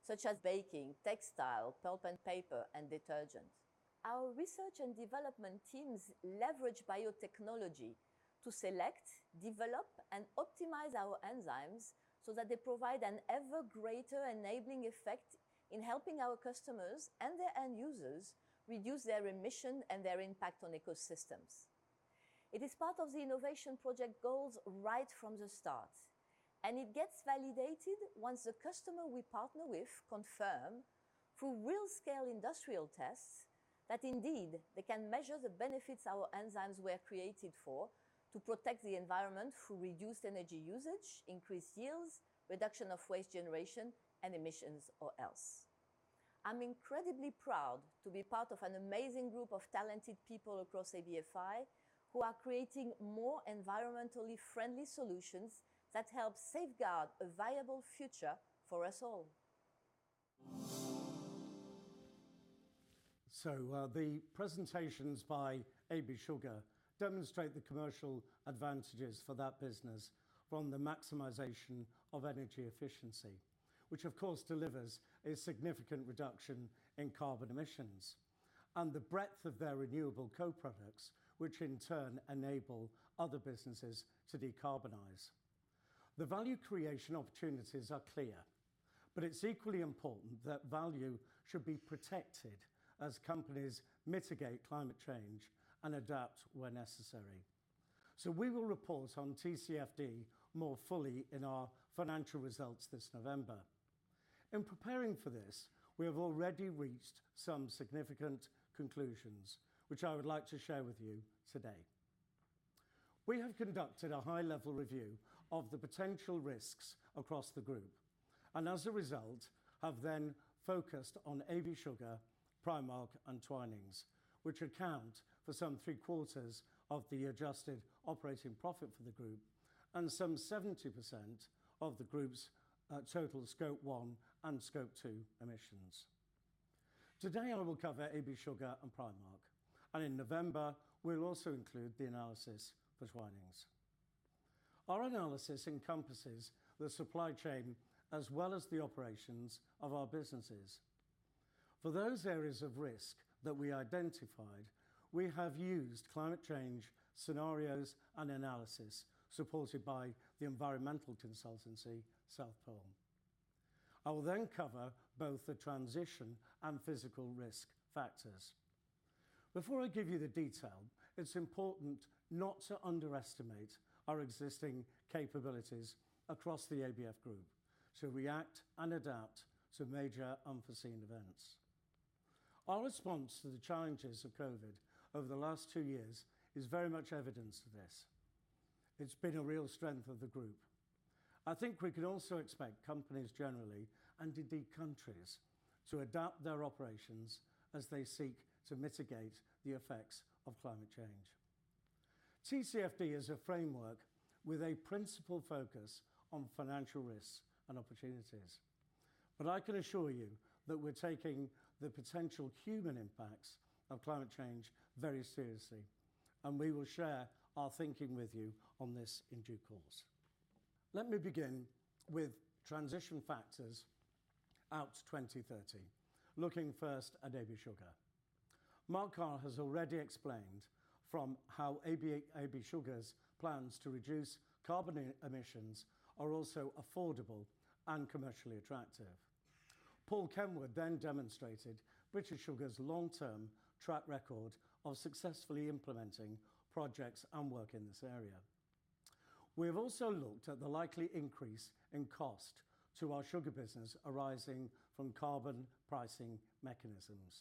such as baking, textile, pulp and paper, and detergents. Our research and development teams leverage biotechnology to select, develop, and optimize our enzymes so that they provide an ever greater enabling effect in helping our customers and their end users reduce their emission and their impact on ecosystems. It is part of the innovation project goals right from the start, and it gets validated once the customer we partner with confirm through real scale industrial tests that indeed they can measure the benefits our enzymes were created for to protect the environment through reduced energy usage, increased yields, reduction of waste generation, and emissions or else. I'm incredibly proud to be part of an amazing group of talented people across ABF who are creating more environmentally friendly solutions that help safeguard a viable future for us all. The presentations by AB Sugar demonstrate the commercial advantages for that business from the maximization of energy efficiency, which of course delivers a significant reduction in carbon emissions and the breadth of their renewable co-products, which in turn enable other businesses to decarbonize. The value creation opportunities are clear, but it's equally important that value should be protected as companies mitigate climate change and adapt when necessary. We will report on TCFD more fully in our financial results this November. In preparing for this, we have already reached some significant conclusions, which I would like to share with you today. We have conducted a high-level review of the potential risks across the group and as a result have then focused on AB Sugar, Primark and Twinings, which account for some three-quarters of the adjusted operating profit for the group and some 70% of the group's total Scope 1 and Scope 2 emissions. Today, I will cover AB Sugar and Primark, and in November, we'll also include the analysis for Twinings. Our analysis encompasses the supply chain as well as the operations of our businesses. For those areas of risk that we identified, we have used climate change scenarios and analysis supported by the environmental consultancy, South Pole. I will then cover both the transition and physical risk factors. Before I give you the detail, it's important not to underestimate our existing capabilities across the ABF group to react and adapt to major unforeseen events. Our response to the challenges of COVID over the last two years is very much evidence of this. It's been a real strength of the group. I think we can also expect companies generally, and indeed countries, to adapt their operations as they seek to mitigate the effects of climate change. TCFD is a framework with a principal focus on financial risks and opportunities. I can assure you that we're taking the potential human impacts of climate change very seriously, and we will share our thinking with you on this in due course. Let me begin with transition factors out to 2030, looking first at AB Sugar. Mark Carr has already explained how AB Sugar's plans to reduce carbon emissions are also affordable and commercially attractive. Paul Kenward then demonstrated British Sugar's long-term track record of successfully implementing projects and work in this area. We have also looked at the likely increase in cost to our sugar business arising from carbon pricing mechanisms,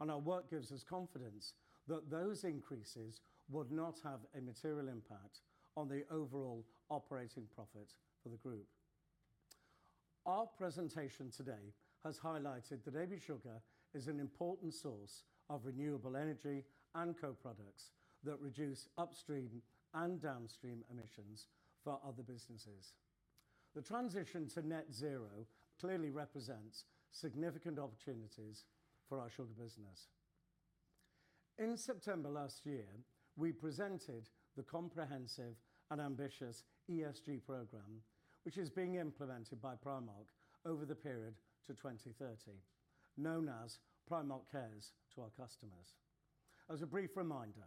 and our work gives us confidence that those increases would not have a material impact on the overall operating profit for the group. Our presentation today has highlighted that AB Sugar is an important source of renewable energy and co-products that reduce upstream and downstream emissions for other businesses. The transition to net zero clearly represents significant opportunities for our sugar business. In September last year, we presented the comprehensive and ambitious ESG program, which is being implemented by Primark over the period to 2030, known as Primark Cares to our customers. As a brief reminder,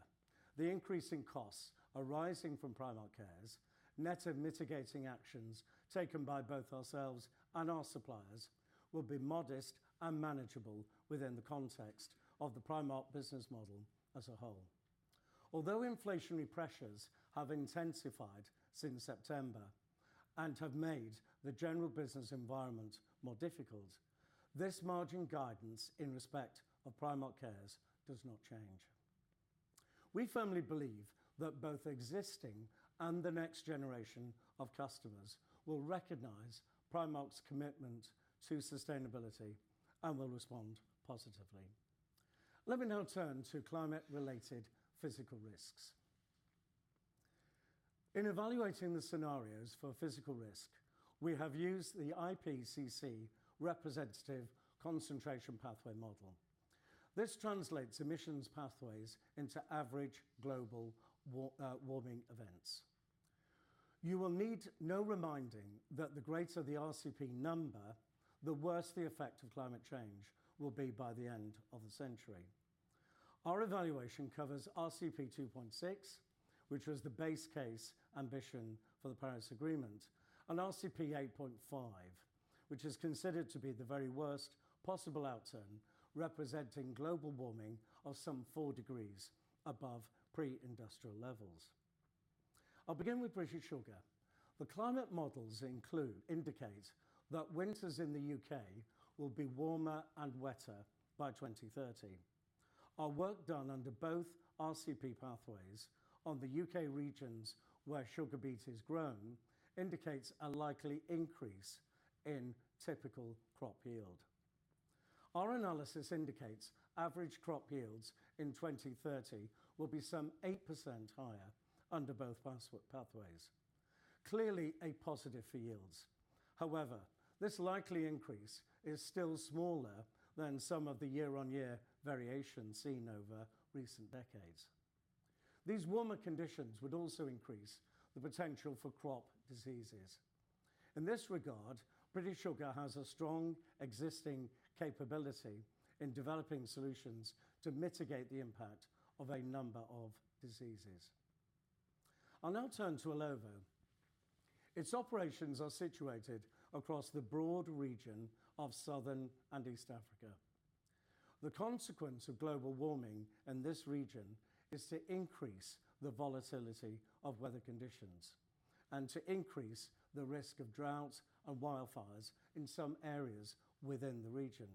the increasing costs arising from Primark Cares, net of mitigating actions taken by both ourselves and our suppliers, will be modest and manageable within the context of the Primark business model as a whole. Although inflationary pressures have intensified since September and have made the general business environment more difficult, this margin guidance in respect of Primark Cares does not change. We firmly believe that both existing and the next generation of customers will recognize Primark's commitment to sustainability and will respond positively. Let me now turn to climate-related physical risks. In evaluating the scenarios for physical risk, we have used the IPCC representative concentration pathway model. This translates emissions pathways into average global warming events. You will need no reminding that the greater the RCP number, the worse the effect of climate change will be by the end of the century. Our evaluation covers RCP 2.6, which was the base case ambition for the Paris Agreement, and RCP 8.5, which is considered to be the very worst possible outcome, representing global warming of some 4 degrees above pre-industrial levels. I'll begin with British Sugar. The climate models indicate that winters in the U.K. will be warmer and wetter by 2030. Our work done under both RCP pathways on the U.K. regions where sugar beet is grown indicates a likely increase in typical crop yield. Our analysis indicates average crop yields in 2030 will be some 8% higher under both pathways. Clearly a positive for yields. However, this likely increase is still smaller than some of the year-on-year variation seen over recent decades. These warmer conditions would also increase the potential for crop diseases. In this regard, British Sugar has a strong existing capability in developing solutions to mitigate the impact of a number of diseases. I'll now turn to Illovo. Its operations are situated across the broad region of Southern and East Africa. The consequence of global warming in this region is to increase the volatility of weather conditions and to increase the risk of droughts and wildfires in some areas within the region.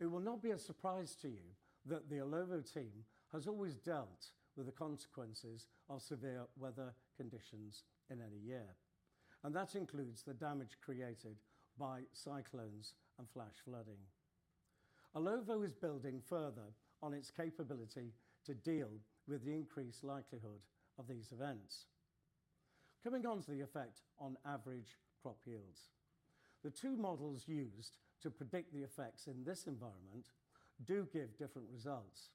It will not be a surprise to you that the Illovo team has always dealt with the consequences of severe weather conditions in any year, and that includes the damage created by cyclones and flash flooding. Illovo is building further on its capability to deal with the increased likelihood of these events. Coming on to the effect on average crop yields. The two models used to predict the effects in this environment do give different results.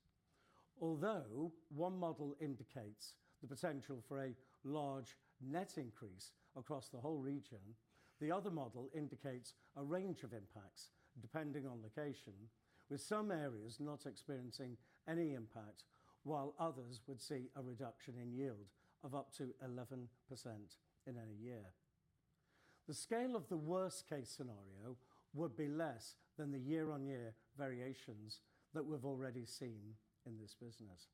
Although one model indicates the potential for a large net increase across the whole region, the other model indicates a range of impacts depending on location, with some areas not experiencing any impact, while others would see a reduction in yield of up to 11% in any year. The scale of the worst-case scenario would be less than the year-on-year variations that we've already seen in this business.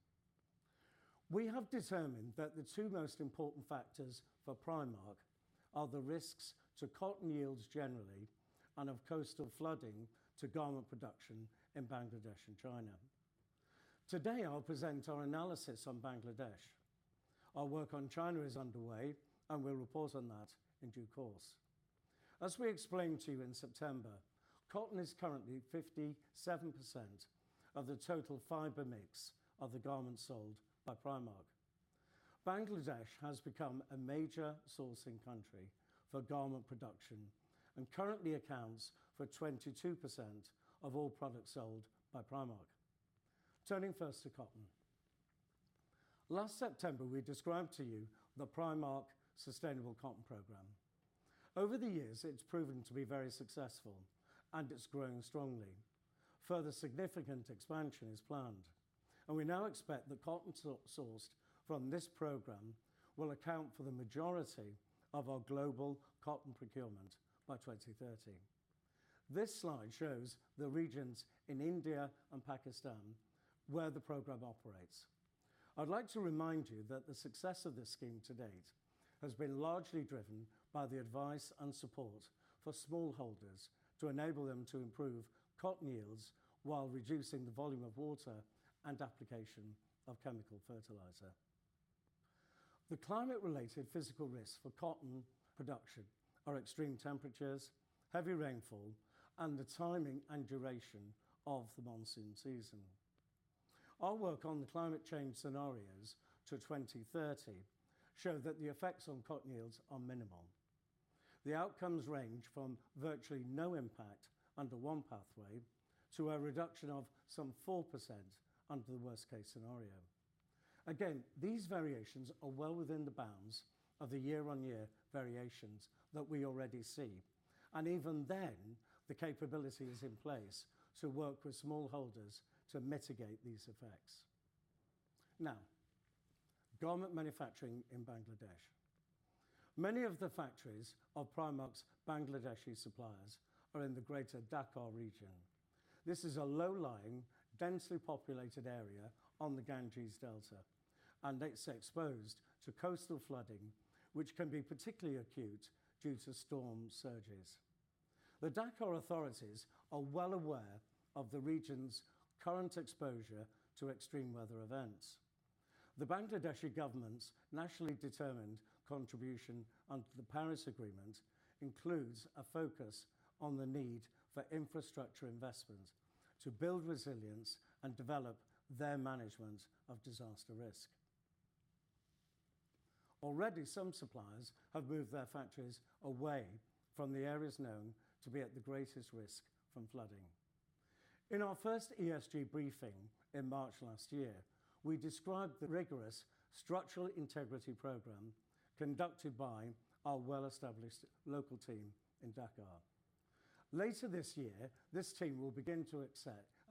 We have determined that the two most important factors for Primark are the risks to cotton yields generally and of coastal flooding to garment production in Bangladesh and China. Today, I'll present our analysis on Bangladesh. Our work on China is underway, and we'll report on that in due course. As we explained to you in September, cotton is currently 57% of the total fiber mix of the garments sold by Primark. Bangladesh has become a major sourcing country for garment production and currently accounts for 22% of all products sold by Primark. Turning first to cotton. Last September, we described to you the Primark Sustainable Cotton Program. Over the years, it's proven to be very successful and it's growing strongly. Further significant expansion is planned, and we now expect that cotton sourced from this program will account for the majority of our global cotton procurement by 2030. This slide shows the regions in India and Pakistan where the program operates. I'd like to remind you that the success of this scheme to date has been largely driven by the advice and support for smallholders to enable them to improve cotton yields while reducing the volume of water and application of chemical fertilizer. The climate-related physical risks for cotton production are extreme temperatures, heavy rainfall, and the timing and duration of the monsoon season. Our work on the climate change scenarios to 2030 show that the effects on cotton yields are minimal. The outcomes range from virtually no impact under one pathway to a reduction of some 4% under the worst-case scenario. Again, these variations are well within the bounds of the year-on-year variations that we already see, and even then, the capability is in place to work with smallholders to mitigate these effects. Now, garment manufacturing in Bangladesh. Many of the factories of Primark's Bangladeshi suppliers are in the greater Dhaka region. This is a low-lying, densely populated area on the Ganges Delta, and it's exposed to coastal flooding, which can be particularly acute due to storm surges. The Dhaka authorities are well aware of the region's current exposure to extreme weather events. The Bangladeshi government's nationally determined contribution under the Paris Agreement includes a focus on the need for infrastructure investment to build resilience and develop their management of disaster risk. Already, some suppliers have moved their factories away from the areas known to be at the greatest risk from flooding. In our first ESG briefing in March last year, we described the rigorous structural integrity program conducted by our well-established local team in Dhaka. Later this year, this team will begin to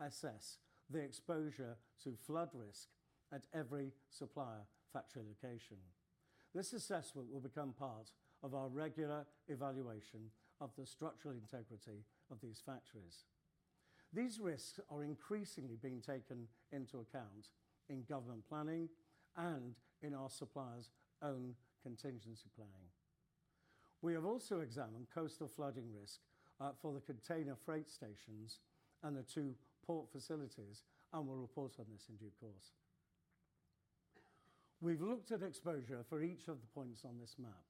assess the exposure to flood risk at every supplier factory location. This assessment will become part of our regular evaluation of the structural integrity of these factories. These risks are increasingly being taken into account in government planning and in our suppliers' own contingency planning. We have also examined coastal flooding risk for the container freight stations and the two port facilities and will report on this in due course. We've looked at exposure for each of the points on this map,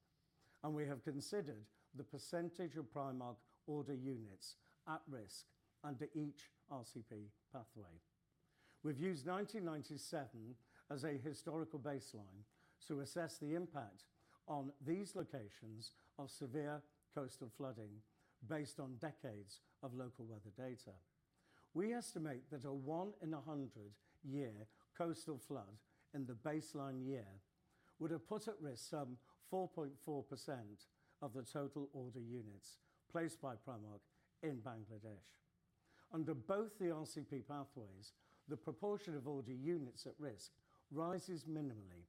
and we have considered the percentage of Primark order units at risk under each RCP pathway. We've used 1997 as a historical baseline to assess the impact on these locations of severe coastal flooding based on decades of local weather data. We estimate that a one in 100 year coastal flood in the baseline year would have put at risk some 4.4% of the total order units placed by Primark in Bangladesh. Under both the RCP pathways, the proportion of order units at risk rises minimally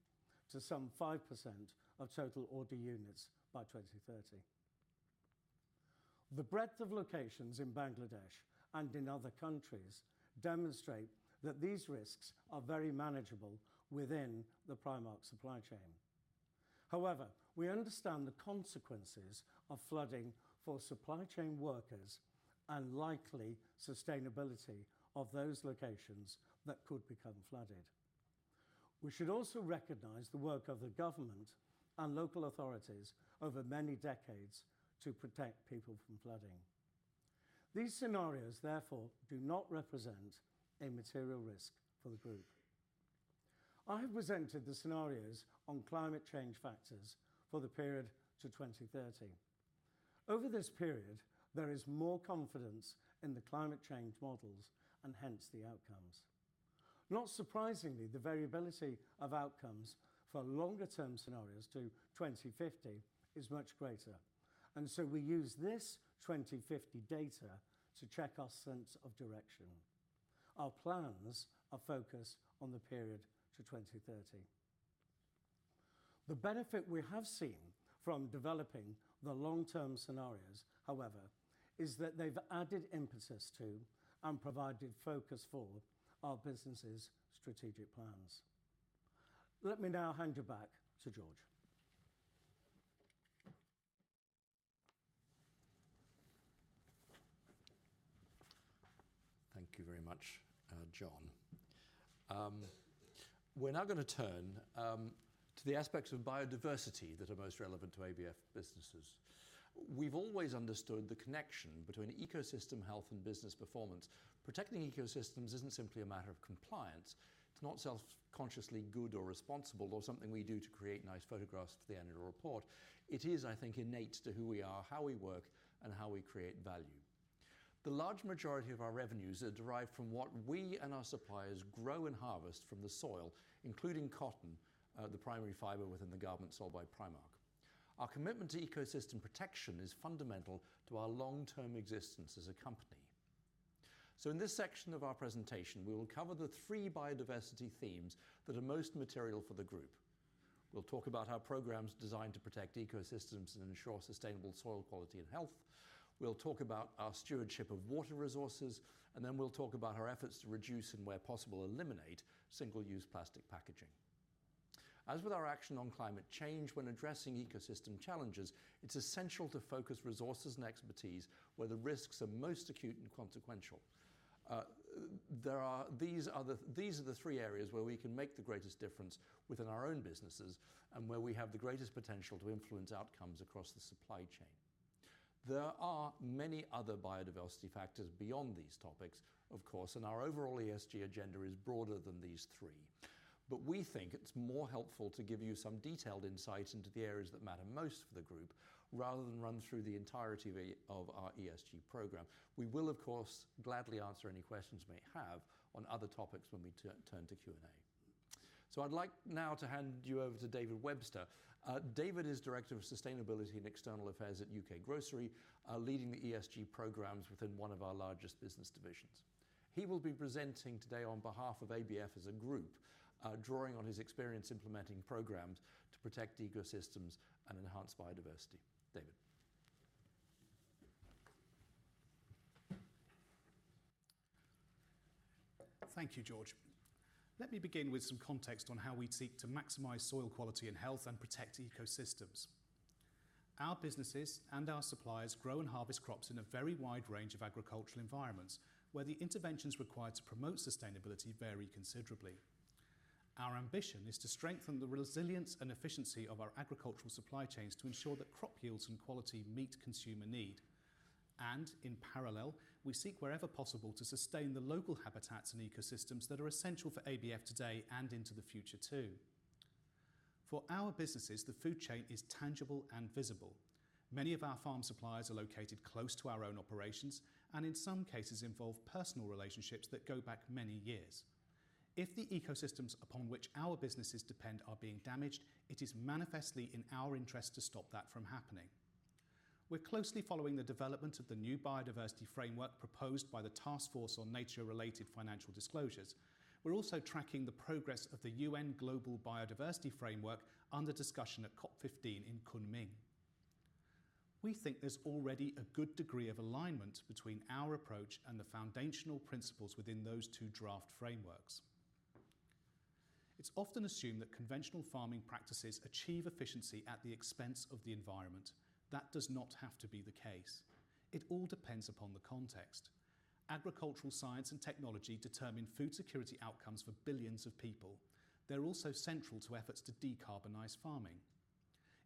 to some 5% of total order units by 2030. The breadth of locations in Bangladesh and in other countries demonstrate that these risks are very manageable within the Primark supply chain. However, we understand the consequences of flooding for supply chain workers and likely sustainability of those locations that could become flooded. We should also recognize the work of the government and local authorities over many decades to protect people from flooding. These scenarios, therefore, do not represent a material risk for the group. I have presented the scenarios on climate change factors for the period to 2030. Over this period, there is more confidence in the climate change models and hence the outcomes. Not surprisingly, the variability of outcomes for longer-term scenarios to 2050 is much greater, and so we use this 2050 data to check our sense of direction. Our plans are focused on the period to 2030. The benefit we have seen from developing the long-term scenarios, however, is that they've added emphasis to and provided focus for our businesses' strategic plans. Let me now hand you back to George. Thank you very much, John. We're now gonna turn to the aspects of biodiversity that are most relevant to ABF businesses. We've always understood the connection between ecosystem health and business performance. Protecting ecosystems isn't simply a matter of compliance. It's not self-consciously good or responsible or something we do to create nice photographs for the annual report. It is, I think, innate to who we are, how we work, and how we create value. The large majority of our revenues are derived from what we and our suppliers grow and harvest from the soil, including cotton, the primary fiber within the garments sold by Primark. Our commitment to ecosystem protection is fundamental to our long-term existence as a company. In this section of our presentation, we will cover the three biodiversity themes that are most material for the group. We'll talk about our programs designed to protect ecosystems and ensure sustainable soil quality and health. We'll talk about our stewardship of water resources, and then we'll talk about our efforts to reduce and, where possible, eliminate single-use plastic packaging. As with our action on climate change, when addressing ecosystem challenges, it's essential to focus resources and expertise where the risks are most acute and consequential. These are the three areas where we can make the greatest difference within our own businesses and where we have the greatest potential to influence outcomes across the supply chain. There are many other biodiversity factors beyond these topics, of course, and our overall ESG agenda is broader than these three. We think it's more helpful to give you some detailed insights into the areas that matter most for the group rather than run through the entirety of our ESG program. We will, of course, gladly answer any questions you may have on other topics when we turn to Q&A. I'd like now to hand you over to David Webster. David is Director of Sustainability and External Affairs at U.K. Grocery, leading the ESG programs within one of our largest business divisions. He will be presenting today on behalf of ABF as a group, drawing on his experience implementing programs to protect ecosystems and enhance biodiversity. David. Thank you, George. Let me begin with some context on how we seek to maximize soil quality and health and protect ecosystems. Our businesses and our suppliers grow and harvest crops in a very wide range of agricultural environments where the interventions required to promote sustainability vary considerably. Our ambition is to strengthen the resilience and efficiency of our agricultural supply chains to ensure that crop yields and quality meet consumer need. In parallel, we seek wherever possible to sustain the local habitats and ecosystems that are essential for ABF today and into the future too. For our businesses, the food chain is tangible and visible. Many of our farm suppliers are located close to our own operations and in some cases involve personal relationships that go back many years. If the ecosystems upon which our businesses depend are being damaged, it is manifestly in our interest to stop that from happening. We're closely following the development of the new biodiversity framework proposed by the Taskforce on Nature-related Financial Disclosures. We're also tracking the progress of the UN Global Biodiversity Framework under discussion at COP15 in Kunming. We think there's already a good degree of alignment between our approach and the foundational principles within those two draft frameworks. It's often assumed that conventional farming practices achieve efficiency at the expense of the environment. That does not have to be the case. It all depends upon the context. Agricultural science and technology determine food security outcomes for billions of people. They're also central to efforts to decarbonize farming.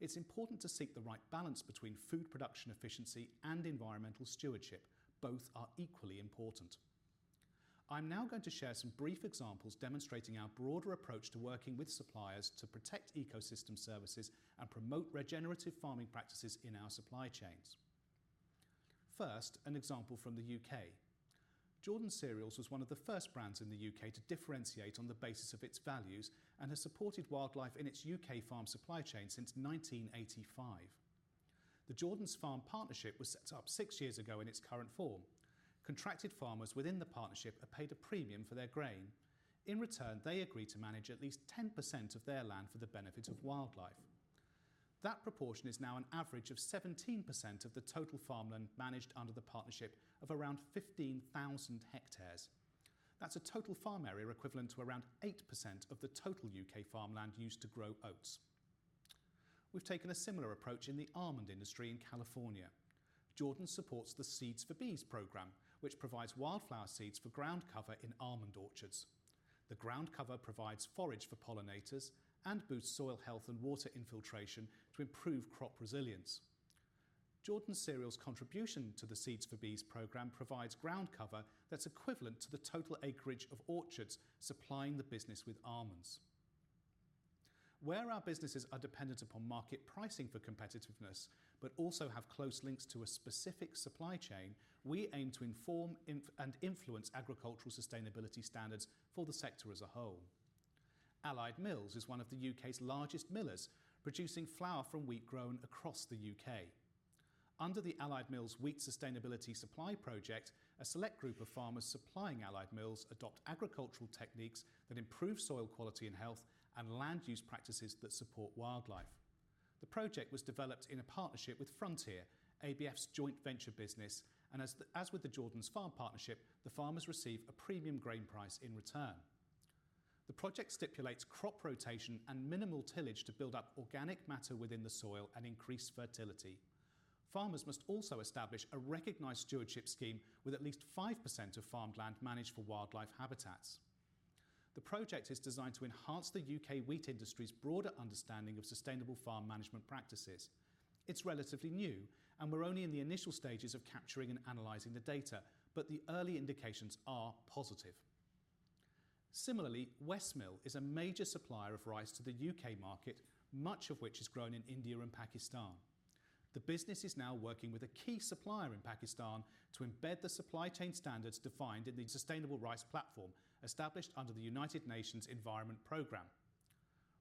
It's important to seek the right balance between food production efficiency and environmental stewardship. Both are equally important. I'm now going to share some brief examples demonstrating our broader approach to working with suppliers to protect ecosystem services and promote regenerative farming practices in our supply chains. First, an example from the U.K. Jordans Cereals was one of the first brands in the U.K. to differentiate on the basis of its values and has supported wildlife in its U.K. farm supply chain since 1985. The Jordans Farm Partnership was set up six years ago in its current form. Contracted farmers within the partnership are paid a premium for their grain. In return, they agree to manage at least 10% of their land for the benefit of wildlife. That proportion is now an average of 17% of the total farmland managed under the partnership of around 15,000 ha. That's a total farm area equivalent to around 8% of the total U.K. farmland used to grow oats. We've taken a similar approach in the almond industry in California. Jordans supports the Seeds for Bees program, which provides wildflower seeds for ground cover in almond orchards. The ground cover provides forage for pollinators and boosts soil health and water infiltration to improve crop resilience. Jordans Cereals' contribution to the Seeds for Bees program provides ground cover that's equivalent to the total acreage of orchards supplying the business with almonds. Where our businesses are dependent upon market pricing for competitiveness but also have close links to a specific supply chain, we aim to inform and influence agricultural sustainability standards for the sector as a whole. Allied Mills is one of the U.K.'s largest millers, producing flour from wheat grown across the U.K. Under the Allied Mills Wheat Sustainability Supply project, a select group of farmers supplying Allied Mills adopt agricultural techniques that improve soil quality and health and land use practices that support wildlife. The project was developed in a partnership with Frontier, ABF's joint venture business, and as with the Jordans Farm Partnership, the farmers receive a premium grain price in return. The project stipulates crop rotation and minimal tillage to build up organic matter within the soil and increase fertility. Farmers must also establish a recognized stewardship scheme with at least 5% of farmland managed for wildlife habitats. The project is designed to enhance the U.K. wheat industry's broader understanding of sustainable farm management practices. It's relatively new, and we're only in the initial stages of capturing and analyzing the data, but the early indications are positive. Similarly, Westmill is a major supplier of rice to the U.K. market, much of which is grown in India and Pakistan. The business is now working with a key supplier in Pakistan to embed the supply chain standards defined in the Sustainable Rice Platform established under the United Nations Environment Program.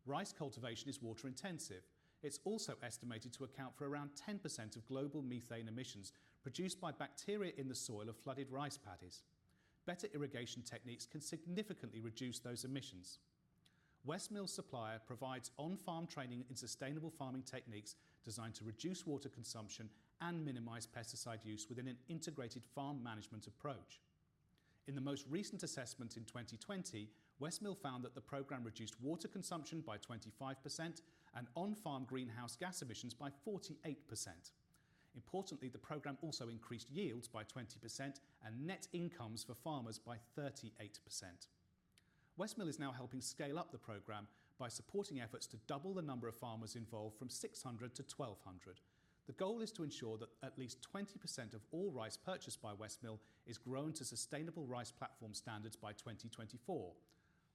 Rice cultivation is water-intensive. It's also estimated to account for around 10% of global methane emissions produced by bacteria in the soil of flooded rice paddies. Better irrigation techniques can significantly reduce those emissions. Westmill supplier provides on-farm training in sustainable farming techniques designed to reduce water consumption and minimize pesticide use within an integrated farm management approach. In the most recent assessment in 2020, Westmill found that the program reduced water consumption by 25% and on-farm greenhouse gas emissions by 48%. Importantly, the program also increased yields by 20% and net incomes for farmers by 38%. Westmill is now helping scale up the program by supporting efforts to double the number of farmers involved from 600 to 1,200. The goal is to ensure that at least 20% of all rice purchased by Westmill is grown to Sustainable Rice Platform standards by 2024.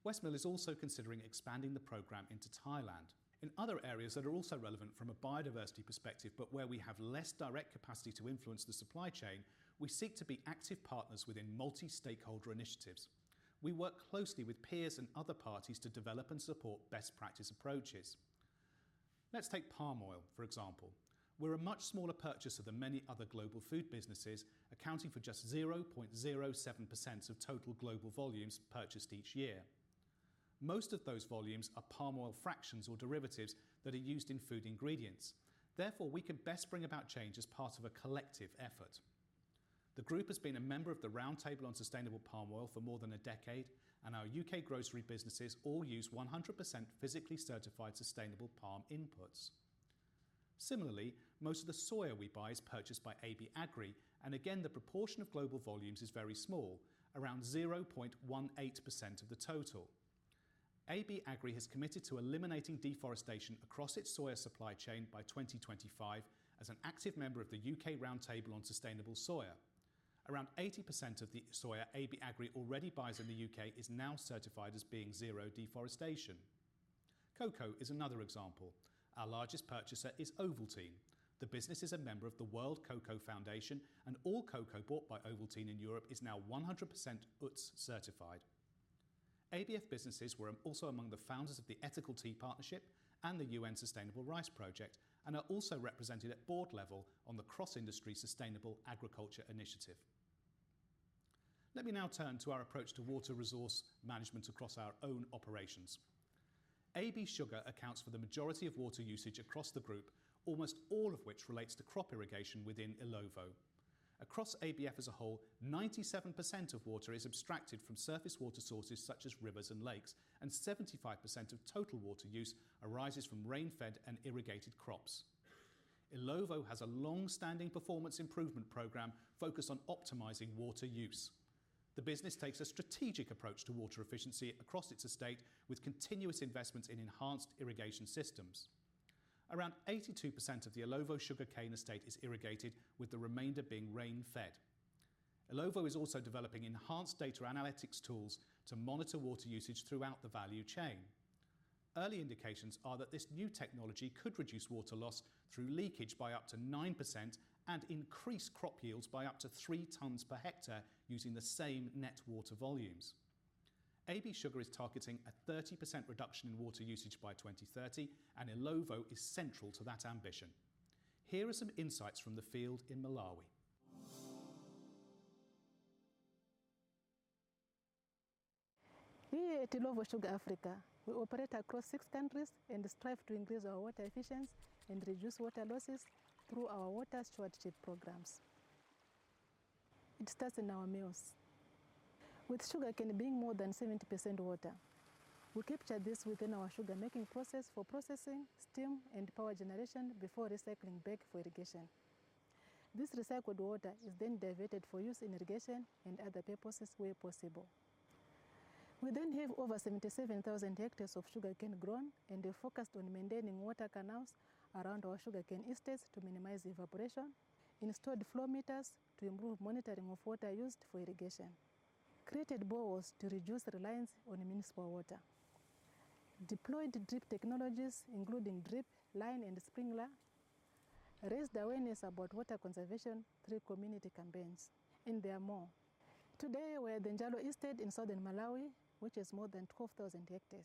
Westmill is also considering expanding the program into Thailand. In other areas that are also relevant from a biodiversity perspective, but where we have less direct capacity to influence the supply chain, we seek to be active partners within multi-stakeholder initiatives. We work closely with peers and other parties to develop and support best practice approaches. Let's take palm oil, for example. We're a much smaller purchaser than many other global food businesses, accounting for just 0.07% of total global volumes purchased each year. Most of those volumes are palm oil fractions or derivatives that are used in food ingredients. Therefore, we can best bring about change as part of a collective effort. The group has been a member of the Roundtable on Sustainable Palm Oil for more than a decade, and our U.K. grocery businesses all use 100% physically certified sustainable palm inputs. Similarly, most of the soya we buy is purchased by AB Agri, and again, the proportion of global volumes is very small, around 0.18% of the total. AB Agri has committed to eliminating deforestation across its soya supply chain by 2025 as an active member of the U.K. Roundtable on Sustainable Soya. Around 80% of the soya AB Agri already buys in the U.K. is now certified as being zero deforestation. Cocoa is another example. Our largest purchaser is Ovaltine. The business is a member of the World Cocoa Foundation, and all cocoa bought by Ovaltine in Europe is now 100% UTZ-certified. ABF businesses were also among the founders of the Ethical Tea Partnership and the Sustainable Rice Platform and are also represented at board level on the cross-industry Sustainable Agriculture Initiative Platform. Let me now turn to our approach to water resource management across our own operations. AB Sugar accounts for the majority of water usage across the group, almost all of which relates to crop irrigation within Illovo. Across ABF as a whole, 97% of water is abstracted from surface water sources such as rivers and lakes, and 75% of total water use arises from rain-fed and irrigated crops. Illovo has a long-standing performance improvement program focused on optimizing water use. The business takes a strategic approach to water efficiency across its estate with continuous investments in enhanced irrigation systems. Around 82% of the Illovo sugarcane estate is irrigated, with the remainder being rain-fed. Illovo is also developing enhanced data analytics tools to monitor water usage throughout the value chain. Early indications are that this new technology could reduce water loss through leakage by up to 9% and increase crop yields by up to 3 tons per hectare using the same net water volumes. AB Sugar is targeting a 30% reduction in water usage by 2030, and Illovo is central to that ambition. Here are some insights from the field in Malawi. Here at Illovo Sugar Africa, we operate across six countries and strive to increase our water efficiency and reduce water losses through our water stewardship programs. It starts in our mills. With sugarcane being more than 70% water, we capture this within our sugar-making process for processing, steam, and power generation before recycling back for irrigation. This recycled water is then diverted for use in irrigation and other purposes where possible. We then have over 77,000 hectares of sugarcane grown, and we're focused on maintaining water canals around our sugarcane estates to minimize evaporation, installed flow meters to improve monitoring of water used for irrigation, created boreholes to reduce reliance on municipal water, deployed drip technologies including drip line and sprinkler, raised awareness about water conservation through community campaigns, and there are more. Today we're at Nchalo Sugar Estate in southern Malawi, which is more than 12,000 ha.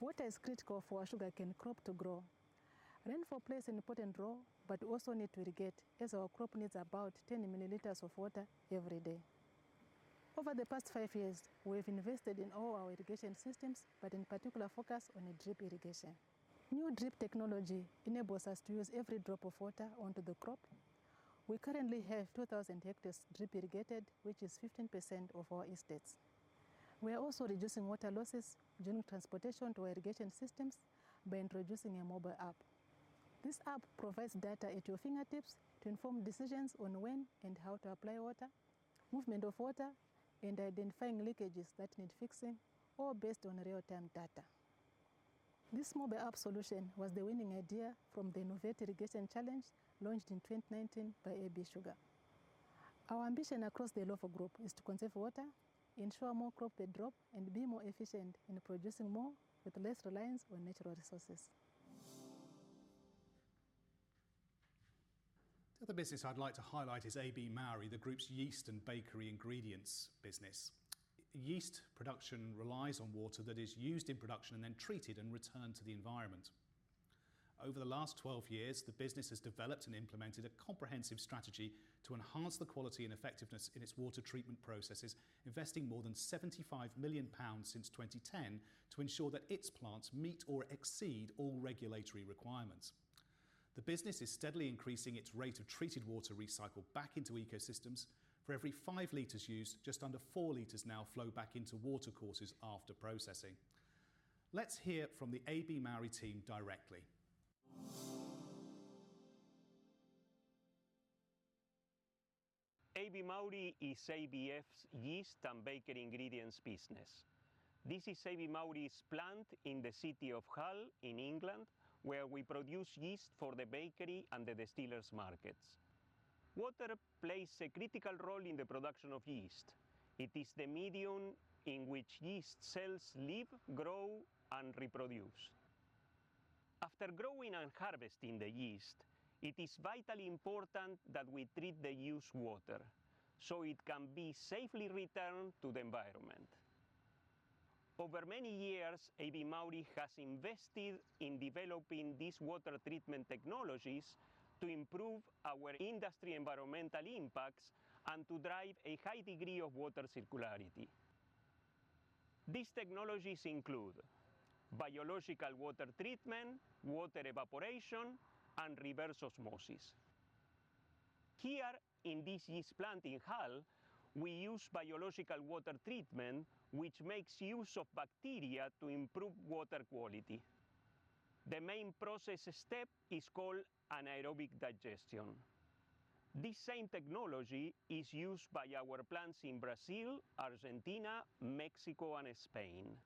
Water is critical for our sugarcane crop to grow. Rainfall plays an important role, but we also need to irrigate, as our crop needs about 10 mL of water every day. Over the past five years, we have invested in all our irrigation systems, but in particular focused on drip irrigation. New drip technology enables us to use every drop of water onto the crop. We currently have 2,000 hectares drip irrigated, which is 15% of our estates. We are also reducing water losses during transportation to irrigation systems by introducing a mobile app. This app provides data at your fingertips to inform decisions on when and how to apply water, movement of water, and identifying leakages that need fixing, all based on real-time data. This mobile app solution was the winning idea from the Innovate Irrigation Challenge launched in 2019 by AB Sugar. Our ambition across the Illovo Group is to conserve water, ensure more crop per drop, and be more efficient in producing more with less reliance on natural resources. The other business I'd like to highlight is AB Mauri, the group's yeast and bakery ingredients business. Yeast production relies on water that is used in production and then treated and returned to the environment. Over the last 12 years, the business has developed and implemented a comprehensive strategy to enhance the quality and effectiveness in its water treatment processes, investing more than 75 million pounds since 2010 to ensure that its plants meet or exceed all regulatory requirements. The business is steadily increasing its rate of treated water recycled back into ecosystems. For every 5 L used, just under 4 L now flow back into water courses after processing. Let's hear from the AB Mauri team directly. AB Mauri is ABF's yeast and bakery ingredients business. This is AB Mauri's plant in the city of Hull in England, where we produce yeast for the bakery and the distillers markets. Water plays a critical role in the production of yeast. It is the medium in which yeast cells live, grow, and reproduce. After growing and harvesting the yeast, it is vitally important that we treat the used water so it can be safely returned to the environment. Over many years, AB Mauri has invested in developing these water treatment technologies to improve our industry environmental impacts and to drive a high degree of water circularity. These technologies include biological water treatment, water evaporation, and reverse osmosis. Here in this yeast plant in Hull, we use biological water treatment, which makes use of bacteria to improve water quality. The main process step is called anaerobic digestion. This same technology is used by our plants in Brazil, Argentina, Mexico, and Spain.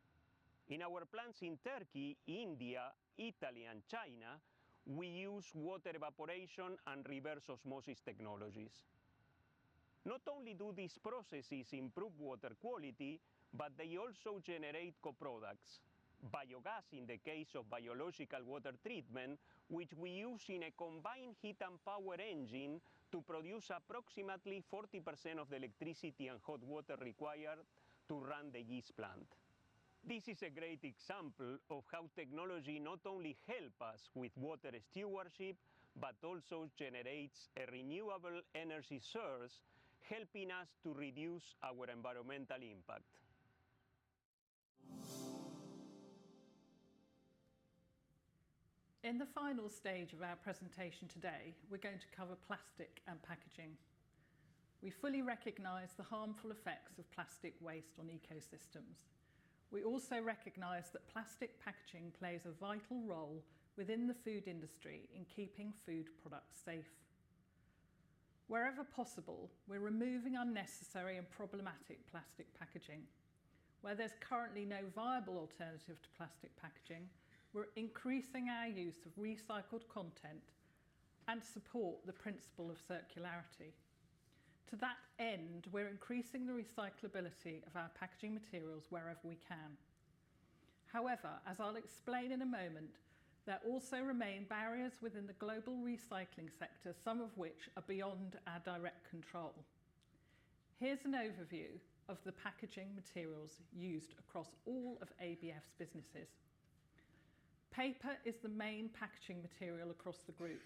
In our plants in Turkey, India, Italy, and China, we use water evaporation and reverse osmosis technologies. Not only do these processes improve water quality, but they also generate co-products, biogas in the case of biological water treatment, which we use in a combined heat and power engine to produce approximately 40% of the electricity and hot water required to run the yeast plant. This is a great example of how technology not only help us with water stewardship, but also generates a renewable energy source, helping us to reduce our environmental impact. In the final stage of our presentation today, we're going to cover plastic and packaging. We fully recognize the harmful effects of plastic waste on ecosystems. We also recognize that plastic packaging plays a vital role within the food industry in keeping food products safe. Wherever possible, we're removing unnecessary and problematic plastic packaging. Where there's currently no viable alternative to plastic packaging, we're increasing our use of recycled content and support the principle of circularity. To that end, we're increasing the recyclability of our packaging materials wherever we can. However, as I'll explain in a moment, there also remain barriers within the global recycling sector, some of which are beyond our direct control. Here's an overview of the packaging materials used across all of ABF's businesses. Paper is the main packaging material across the group,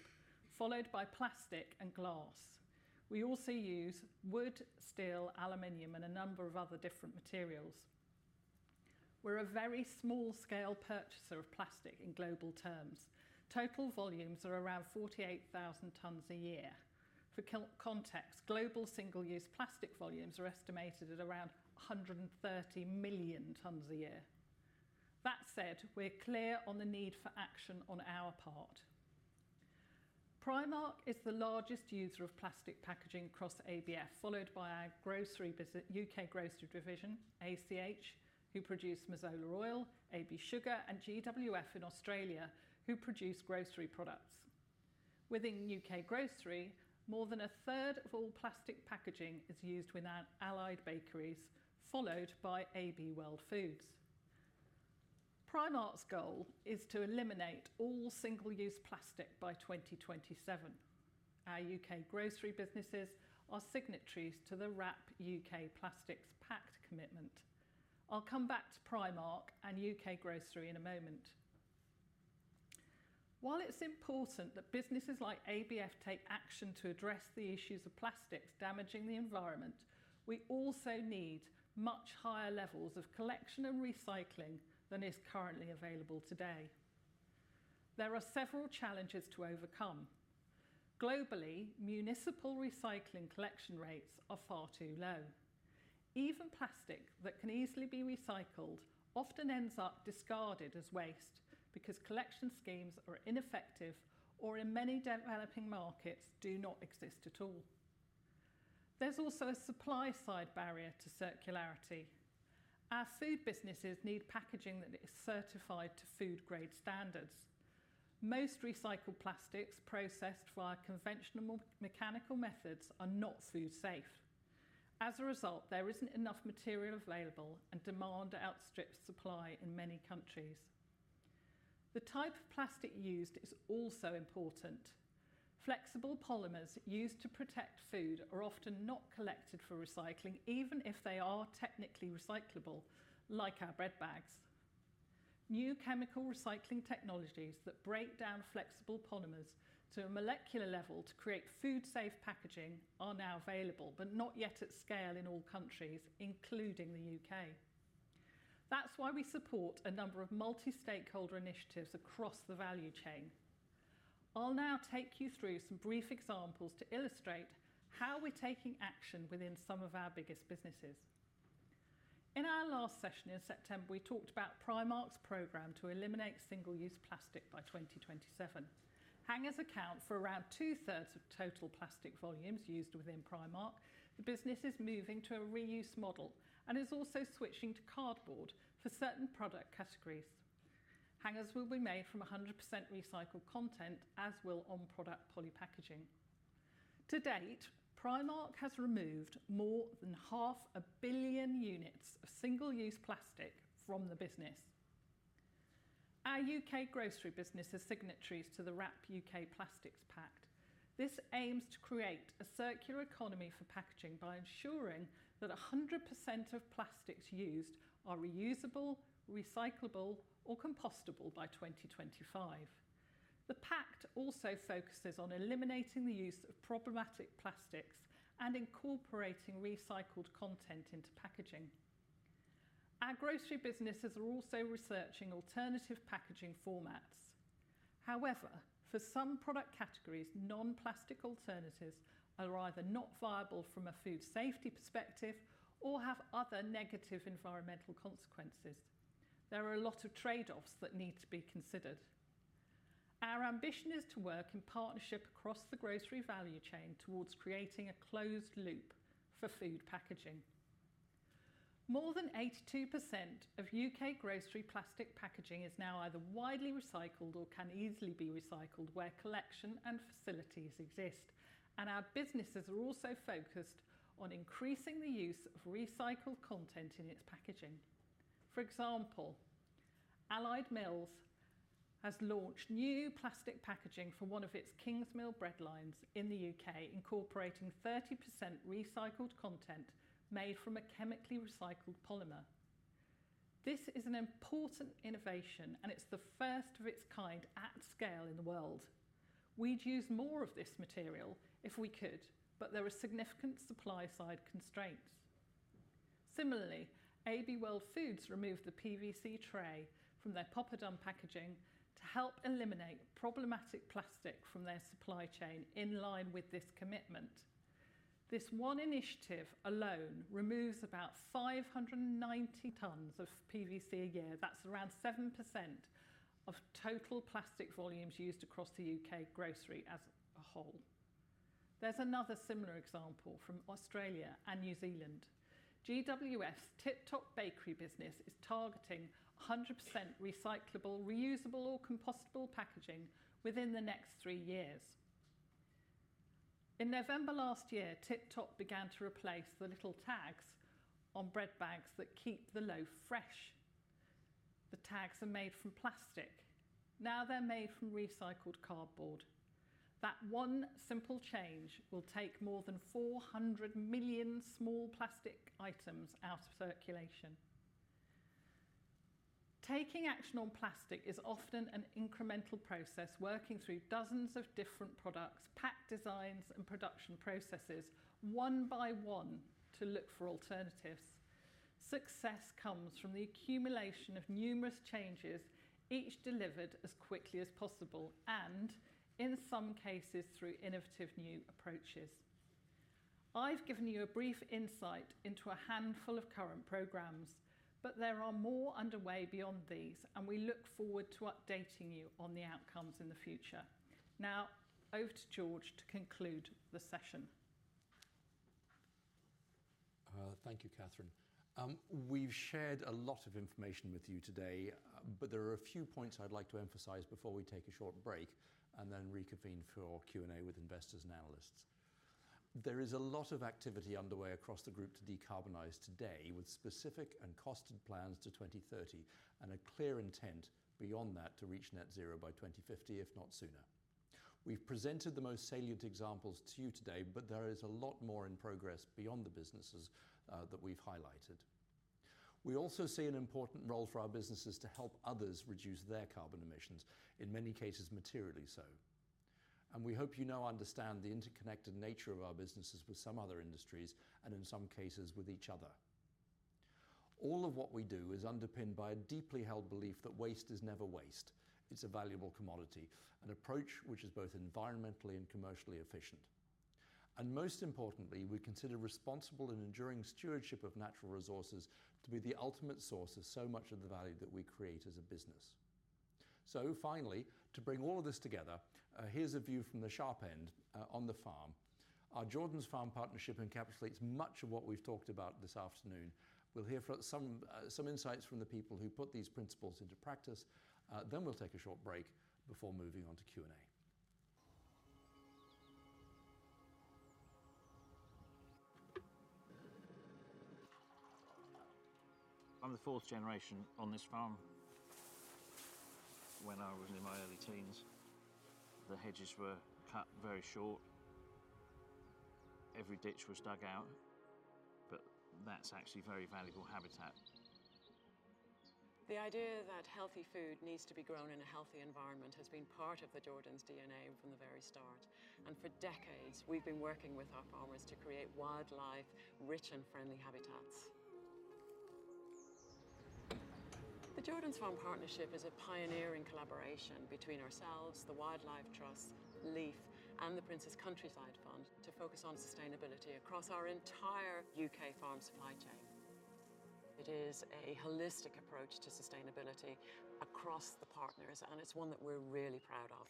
followed by plastic and glass. We also use wood, steel, aluminum, and a number of other different materials. We're a very small scale purchaser of plastic in global terms. Total volumes are around 48,000 tons a year. For context, global single-use plastic volumes are estimated at around 130 million tons a year. That said, we're clear on the need for action on our part. Primark is the largest user of plastic packaging across ABF, followed by our U.K. Grocery division, ACH, who produce Mazola oil, AB Sugar, and GWF in Australia, who produce grocery products. Within U.K. Grocery, more than 1/3 of all plastic packaging is used within Allied Bakeries, followed by AB World Foods. Primark's goal is to eliminate all single-use plastic by 2027. Our U.K. Grocery businesses are signatories to the WRAP U.K. Plastics Pact commitment. I'll come back to Primark and U.K. grocery in a moment. While it's important that businesses like ABF take action to address the issues of plastics damaging the environment, we also need much higher levels of collection and recycling than is currently available today. There are several challenges to overcome. Globally, municipal recycling collection rates are far too low. Even plastic that can easily be recycled often ends up discarded as waste because collection schemes are ineffective or in many developing markets do not exist at all. There's also a supply-side barrier to circularity. Our food businesses need packaging that is certified to food grade standards. Most recycled plastics processed via conventional mechanical methods are not food safe. As a result, there isn't enough material available and demand outstrips supply in many countries. The type of plastic used is also important. Flexible polymers used to protect food are often not collected for recycling, even if they are technically recyclable, like our bread bags. New chemical recycling technologies that break down flexible polymers to a molecular level to create food-safe packaging are now available, but not yet at scale in all countries, including the U.K. That's why we support a number of multi-stakeholder initiatives across the value chain. I'll now take you through some brief examples to illustrate how we're taking action within some of our biggest businesses. In our last session in September, we talked about Primark's program to eliminate single-use plastic by 2027. Hangers account for around 2/3 of total plastic volumes used within Primark. The business is moving to a reuse model and is also switching to cardboard for certain product categories. Hangers will be made from 100% recycled content, as will on-product poly packaging. To date, Primark has removed more than 500 million units of single-use plastic from the business. Our U.K. Grocery business is signatories to the U.K. Plastics Pact. This aims to create a circular economy for packaging by ensuring that 100% of plastics used are reusable, recyclable or compostable by 2025. The pact also focuses on eliminating the use of problematic plastics and incorporating recycled content into packaging. Our grocery businesses are also researching alternative packaging formats. However, for some product categories, non-plastic alternatives are either not viable from a food safety perspective or have other negative environmental consequences. There are a lot of trade-offs that need to be considered. Our ambition is to work in partnership across the grocery value chain towards creating a closed loop for food packaging. More than 82% of U.K. Grocery plastic packaging is now either widely recycled or can easily be recycled where collection and facilities exist, and our businesses are also focused on increasing the use of recycled content in its packaging. For example, Allied Mills has launched new plastic packaging for one of its Kingsmill bread lines in the U.K., incorporating 30% recycled content made from a chemically recycled polymer. This is an important innovation, and it's the first of its kind at scale in the world. We'd use more of this material if we could, but there are significant supply side constraints. Similarly, AB World Foods removed the PVC tray from their poppadom packaging to help eliminate problematic plastic from their supply chain in line with this commitment. This one initiative alone removes about 590 tons of PVC a year. That's around 7% of total plastic volumes used across the U.K. grocery as a whole. There's another similar example from Australia and New Zealand. GWF Tip Top Bakery business is targeting 100% recyclable, reusable or compostable packaging within the next three years. In November last year, Tip Top began to replace the little tags on bread bags that keep the loaf fresh. The tags are made from plastic. Now they're made from recycled cardboard. That one simple change will take more than 400 million small plastic items out of circulation. Taking action on plastic is often an incremental process, working through dozens of different products, pack designs and production processes, one by one to look for alternatives. Success comes from the accumulation of numerous changes, each delivered as quickly as possible and in some cases, through innovative new approaches. I've given you a brief insight into a handful of current programs, but there are more underway beyond these, and we look forward to updating you on the outcomes in the future. Now over to George to conclude the session. Thank you, Katharine. We've shared a lot of information with you today, but there are a few points I'd like to emphasize before we take a short break and then reconvene for Q&A with investors and analysts. There is a lot of activity underway across the group to decarbonize today with specific and costed plans to 2030 and a clear intent beyond that to reach net zero by 2050, if not sooner. We've presented the most salient examples to you today, but there is a lot more in progress beyond the businesses that we've highlighted. We also see an important role for our businesses to help others reduce their carbon emissions, in many cases, materially so. We hope you now understand the interconnected nature of our businesses with some other industries and in some cases with each other. All of what we do is underpinned by a deeply held belief that waste is never waste. It's a valuable commodity, an approach which is both environmentally and commercially efficient. Most importantly, we consider responsible and enduring stewardship of natural resources to be the ultimate source of so much of the value that we create as a business. Finally, to bring all of this together, here's a view from the sharp end, on the farm. Our Jordans Farm Partnership encapsulates much of what we've talked about this afternoon. We'll hear some insights from the people who put these principles into practice. We'll take a short break before moving on to Q&A. I'm the fourth generation on this farm. When I was in my early teens, the hedges were cut very short. Every ditch was dug out, but that's actually very valuable habitat. The idea that healthy food needs to be grown in a healthy environment has been part of the Jordans DNA from the very start, and for decades we've been working with our farmers to create wildlife rich and friendly habitats. The Jordans Farm Partnership is a pioneering collaboration between ourselves, The Wildlife Trusts, LEAF, and the Prince's Countryside Fund to focus on sustainability across our entire U.K. farm supply chain. It is a holistic approach to sustainability across the partners, and it's one that we're really proud of.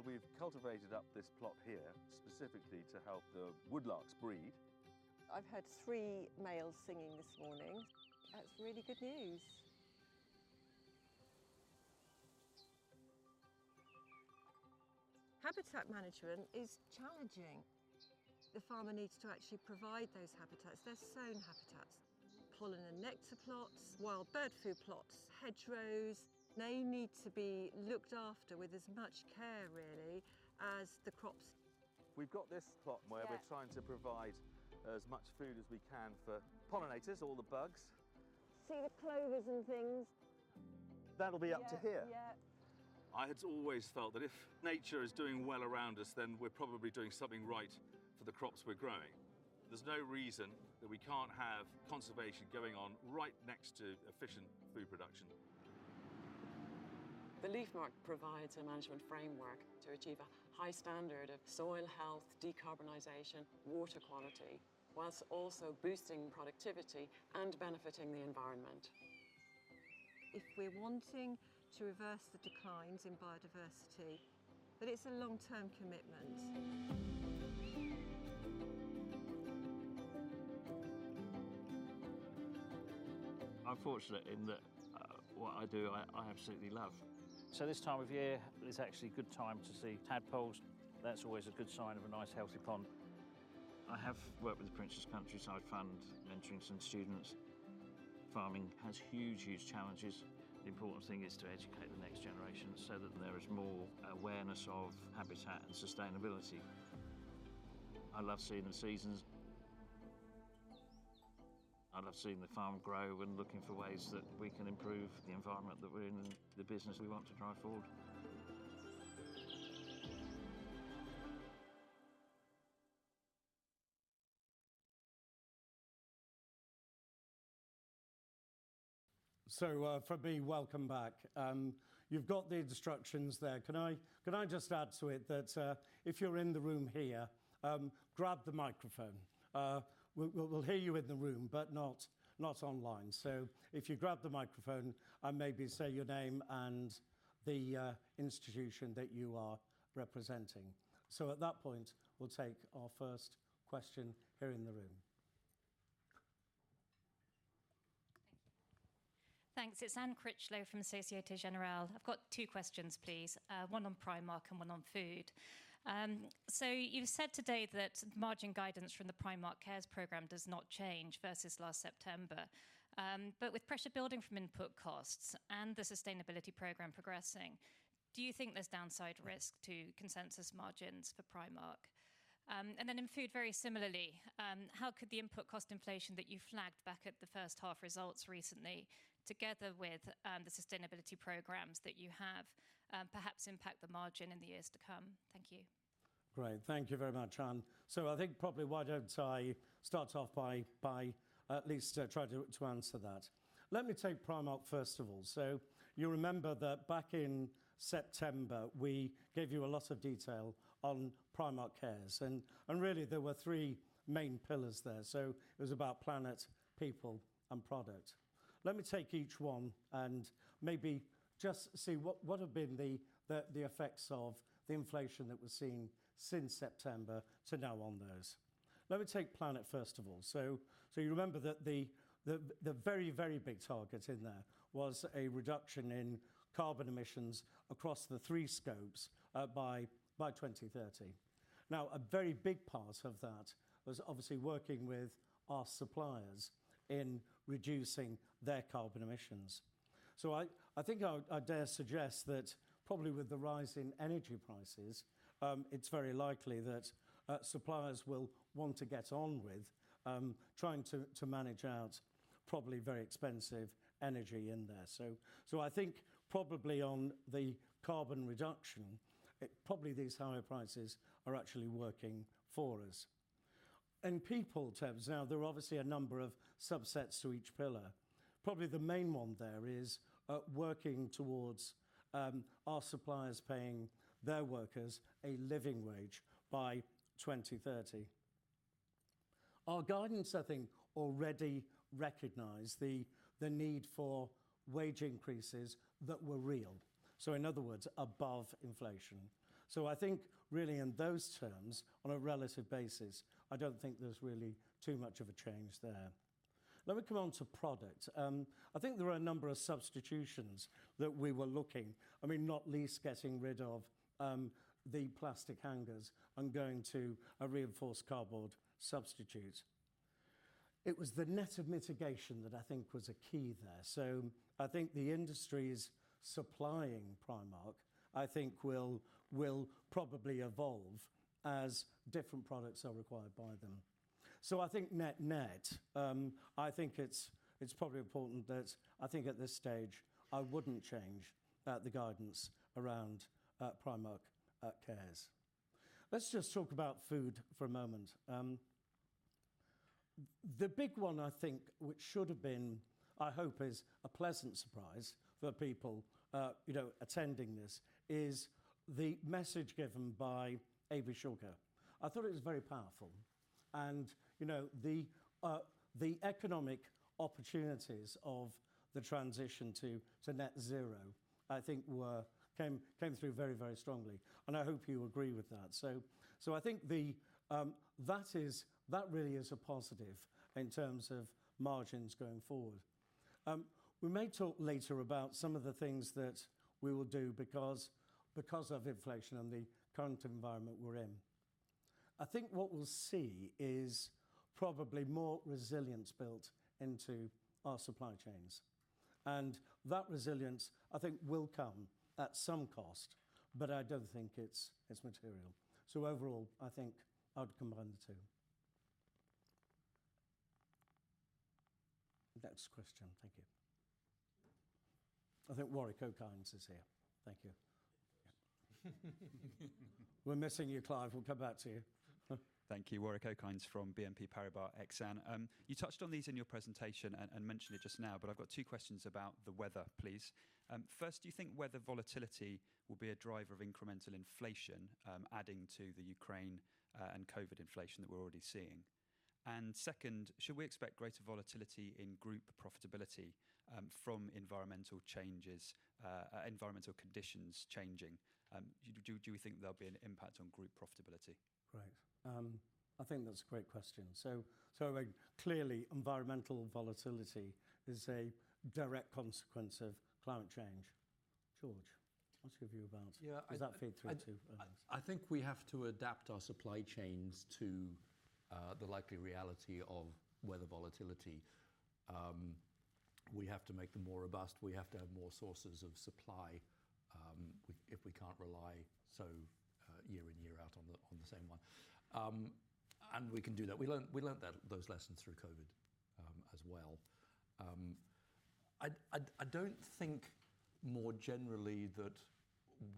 We've cultivated up this plot here specifically to help the woodlarks breed. I've heard three males singing this morning. That's really good news. Habitat management is challenging. The farmer needs to actually provide those habitats. They're sown habitats. Pollen and nectar plots, wild bird food plots, hedgerows, they need to be looked after with as much care really as the crops. We've got this plot where we're trying to provide as much food as we can for pollinators, all the bugs. See the clovers and things. That'll be up to here. Yeah. I had always felt that if nature is doing well around us, then we're probably doing something right for the crops we're growing. There's no reason that we can't have conservation going on right next to efficient food production. The LEAF Marque provides a management framework to achieve a high standard of soil health, decarbonization, water quality, while also boosting productivity and benefiting the environment. If we're wanting to reverse the declines in biodiversity, then it's a long-term commitment. I'm fortunate in that what I do, I absolutely love. This time of year is actually a good time to see tadpoles. That's always a good sign of a nice healthy pond. I have worked with The Prince's Countryside Fund, mentoring some students. Farming has huge challenges. The important thing is to educate the next generation so that there is more awareness of habitat and sustainability. I love seeing the seasons. I've seen the farm grow and looking for ways that we can improve the environment that we're in and the business we want to drive forward. Fabi, welcome back. You've got the instructions there. Can I just add to it that if you're in the room here, grab the microphone. We'll hear you in the room, but not online. If you grab the microphone and maybe say your name and the institution that you are representing. At that point, we'll take our first question here in the room. Thank you. It's Anne Critchlow from Société Générale. I've got two questions, please. One on Primark and one on food. You've said today that margin guidance from the Primark Cares program does not change versus last September. With pressure building from input costs and the sustainability program progressing, do you think there's downside risk to consensus margins for Primark? Then in food, very similarly, how could the input cost inflation that you flagged back at the first-half results recently, together with the sustainability programs that you have, perhaps impact the margin in the years to come? Thank you. Great. Thank you very much, Anne. I think probably why don't I start off by at least trying to answer that. Let me take Primark first of all. You remember that back in September, we gave you a lot of detail on Primark Cares and really there were three main pillars there. It was about planet, people and product. Let me take each one and maybe just see what have been the effects of the inflation that we're seeing since September to now on those. Let me take planet first of all. You remember that the very big target in there was a reduction in carbon emissions across the three scopes by 2030. Now, a very big part of that was obviously working with our suppliers in reducing their carbon emissions. I think I dare suggest that probably with the rise in energy prices, it's very likely that suppliers will want to get on with trying to manage out probably very expensive energy in there. I think probably on the carbon reduction, these higher prices are actually working for us. In people terms, there are obviously a number of subsets to each pillar. Probably the main one there is working towards our suppliers paying their workers a living wage by 2030. Our guidance, I think, already recognized the need for wage increases that were real, so in other words, above inflation. I think really in those terms, on a relative basis, I don't think there's really too much of a change there. Let me come on to product. I think there are a number of substitutions that we were looking. I mean, not least getting rid of the plastic hangers and going to a reinforced cardboard substitute. It was the net of mitigation that I think was a key there. I think the industries supplying Primark, I think will probably evolve as different products are required by them. I think net-net, I think it's probably important that I think at this stage I wouldn't change the guidance around Primark Cares. Let's just talk about food for a moment. The big one I think, which should have been, I hope, is a pleasant surprise for people, you know, attending this, is the message given by Avishay Gal. I thought it was very powerful. You know, the economic opportunities of the transition to net zero, I think came through very strongly, and I hope you agree with that. I think that really is a positive in terms of margins going forward. We may talk later about some of the things that we will do because of inflation and the current environment we're in. I think what we'll see is probably more resilience built into our supply chains. That resilience, I think will come at some cost, but I don't think it's material. Overall, I think I would combine the two. That's the question. Thank you. I think Warwick Okines is here. Thank you. We're missing you, Clive. We'll come back to you. Thank you. Warwick Okines from BNP Paribas Exane. You touched on these in your presentation and mentioned it just now, but I've got two questions about the weather, please. First, do you think weather volatility will be a driver of incremental inflation, adding to the Ukraine and Covid inflation that we're already seeing? Second, should we expect greater volatility in group profitability from environmental changes, environmental conditions changing? Do we think there'll be an impact on group profitability? Great. I think that's a great question. Clearly environmental volatility is a direct consequence of climate change. George, what's your view about? Yeah. Does that feed through to earnings? I think we have to adapt our supply chains to the likely reality of weather volatility. We have to make them more robust. We have to have more sources of supply, if we can't rely so year in, year out on the same one. We can do that. We learned that those lessons through COVID, as well. I don't think more generally that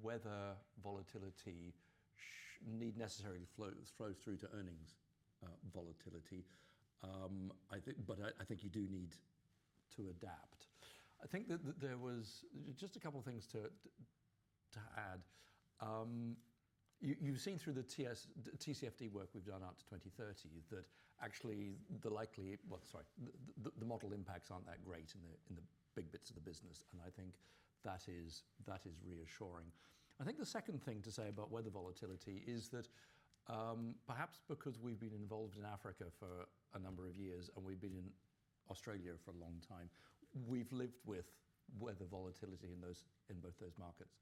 weather volatility need necessarily flow through to earnings volatility. I think you do need to adapt. I think that there was just a couple of things to add. You've seen through the TCFD work we've done out to 2030 that actually the model impacts aren't that great in the big bits of the business, and I think that is reassuring. I think the second thing to say about weather volatility is that, perhaps because we've been involved in Africa for a number of years and we've been in Australia for a long time, we've lived with weather volatility in those, in both those markets.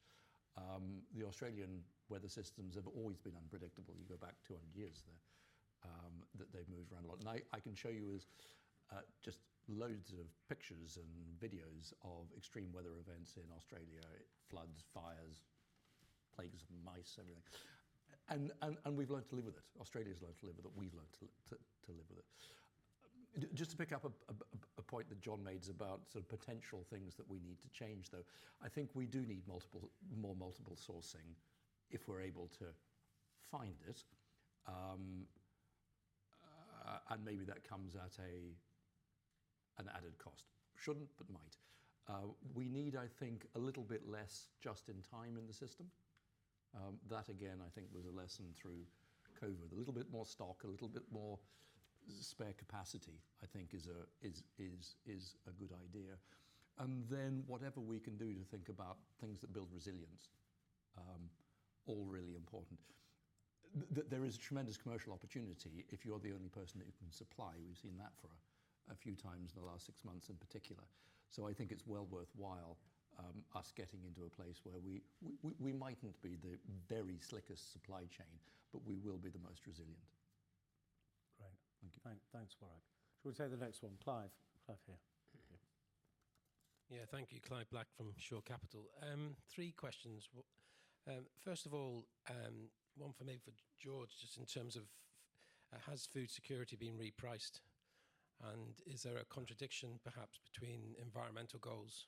The Australian weather systems have always been unpredictable. You go back 200 years there, that they've moved around a lot. I can show you just loads of pictures and videos of extreme weather events in Australia. Floods, fires, plagues of mice, everything. We've learned to live with it. Australia's learned to live with it. We've learned to live with it. Just to pick up a point that John made about sort of potential things that we need to change, though. I think we do need multiple sourcing if we're able to find it. And maybe that comes at an added cost. Shouldn't, but might. We need, I think, a little bit less just in time in the system. That again, I think was a lesson through COVID. A little bit more stock, a little bit more spare capacity, I think is a good idea. Then whatever we can do to think about things that build resilience, all really important. There is a tremendous commercial opportunity if you're the only person who can supply. We've seen that for a few times in the last six months in particular. I think it's well worthwhile, us getting into a place where we mightn't be the very slickest supply chain, but we will be the most resilient. Great. Thanks, Warwick. Shall we take the next one? Clive. Clive here. Yeah. Thank you. Clive Black from Shore Capital. Three questions. First of all, one for maybe for George, just in terms of, has food security been repriced? And is there a contradiction perhaps between environmental goals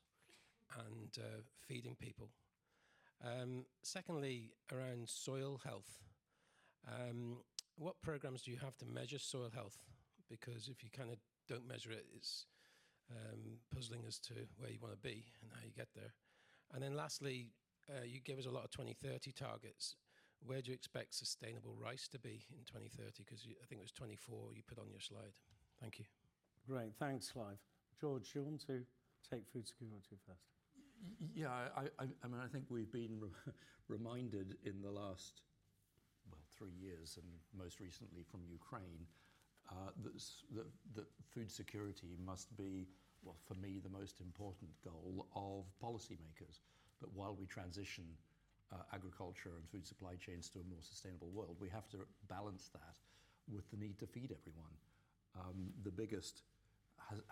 and feeding people? Secondly, around soil health, what programs do you have to measure soil health? Because if you kinda don't measure it's puzzling as to where you wanna be and how you get there. And then lastly, you gave us a lot of 2030 targets. Where do you expect sustainable rice to be in 2030? 'Cause I think it was 2024 you put on your slide. Thank you. Great. Thanks, Clive. George, do you want to take food security first? Yeah. I mean, I think we've been reminded in the last three years, and most recently from Ukraine, that food security must be, well, for me, the most important goal of policymakers. That while we transition agriculture and food supply chains to a more sustainable world, we have to balance that with the need to feed everyone. The biggest...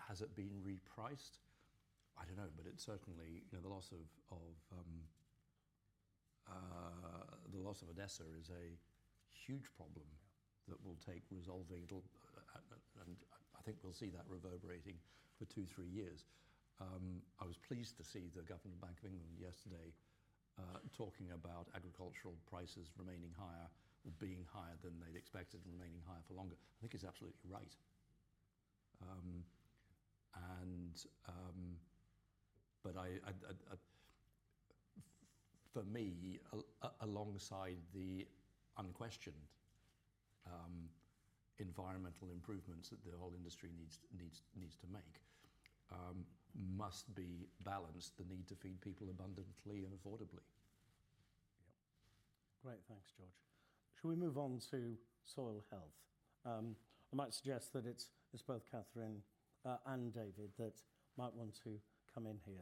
Has it been repriced? I don't know, but it certainly, you know, the loss of Odesa is a huge problem that will take resolving. It'll and I think we'll see that reverberating for two, three years. I was pleased to see the Governor, Bank of England yesterday, talking about agricultural prices remaining higher or being higher than they'd expected and remaining higher for longer. I think he's absolutely right. For me, alongside the unquestioned environmental improvements that the whole industry needs to make, must be balanced the need to feed people abundantly and affordably. Yeah. Great. Thanks, George. Shall we move on to soil health? I might suggest that it's both Katharine and David that might want to come in here.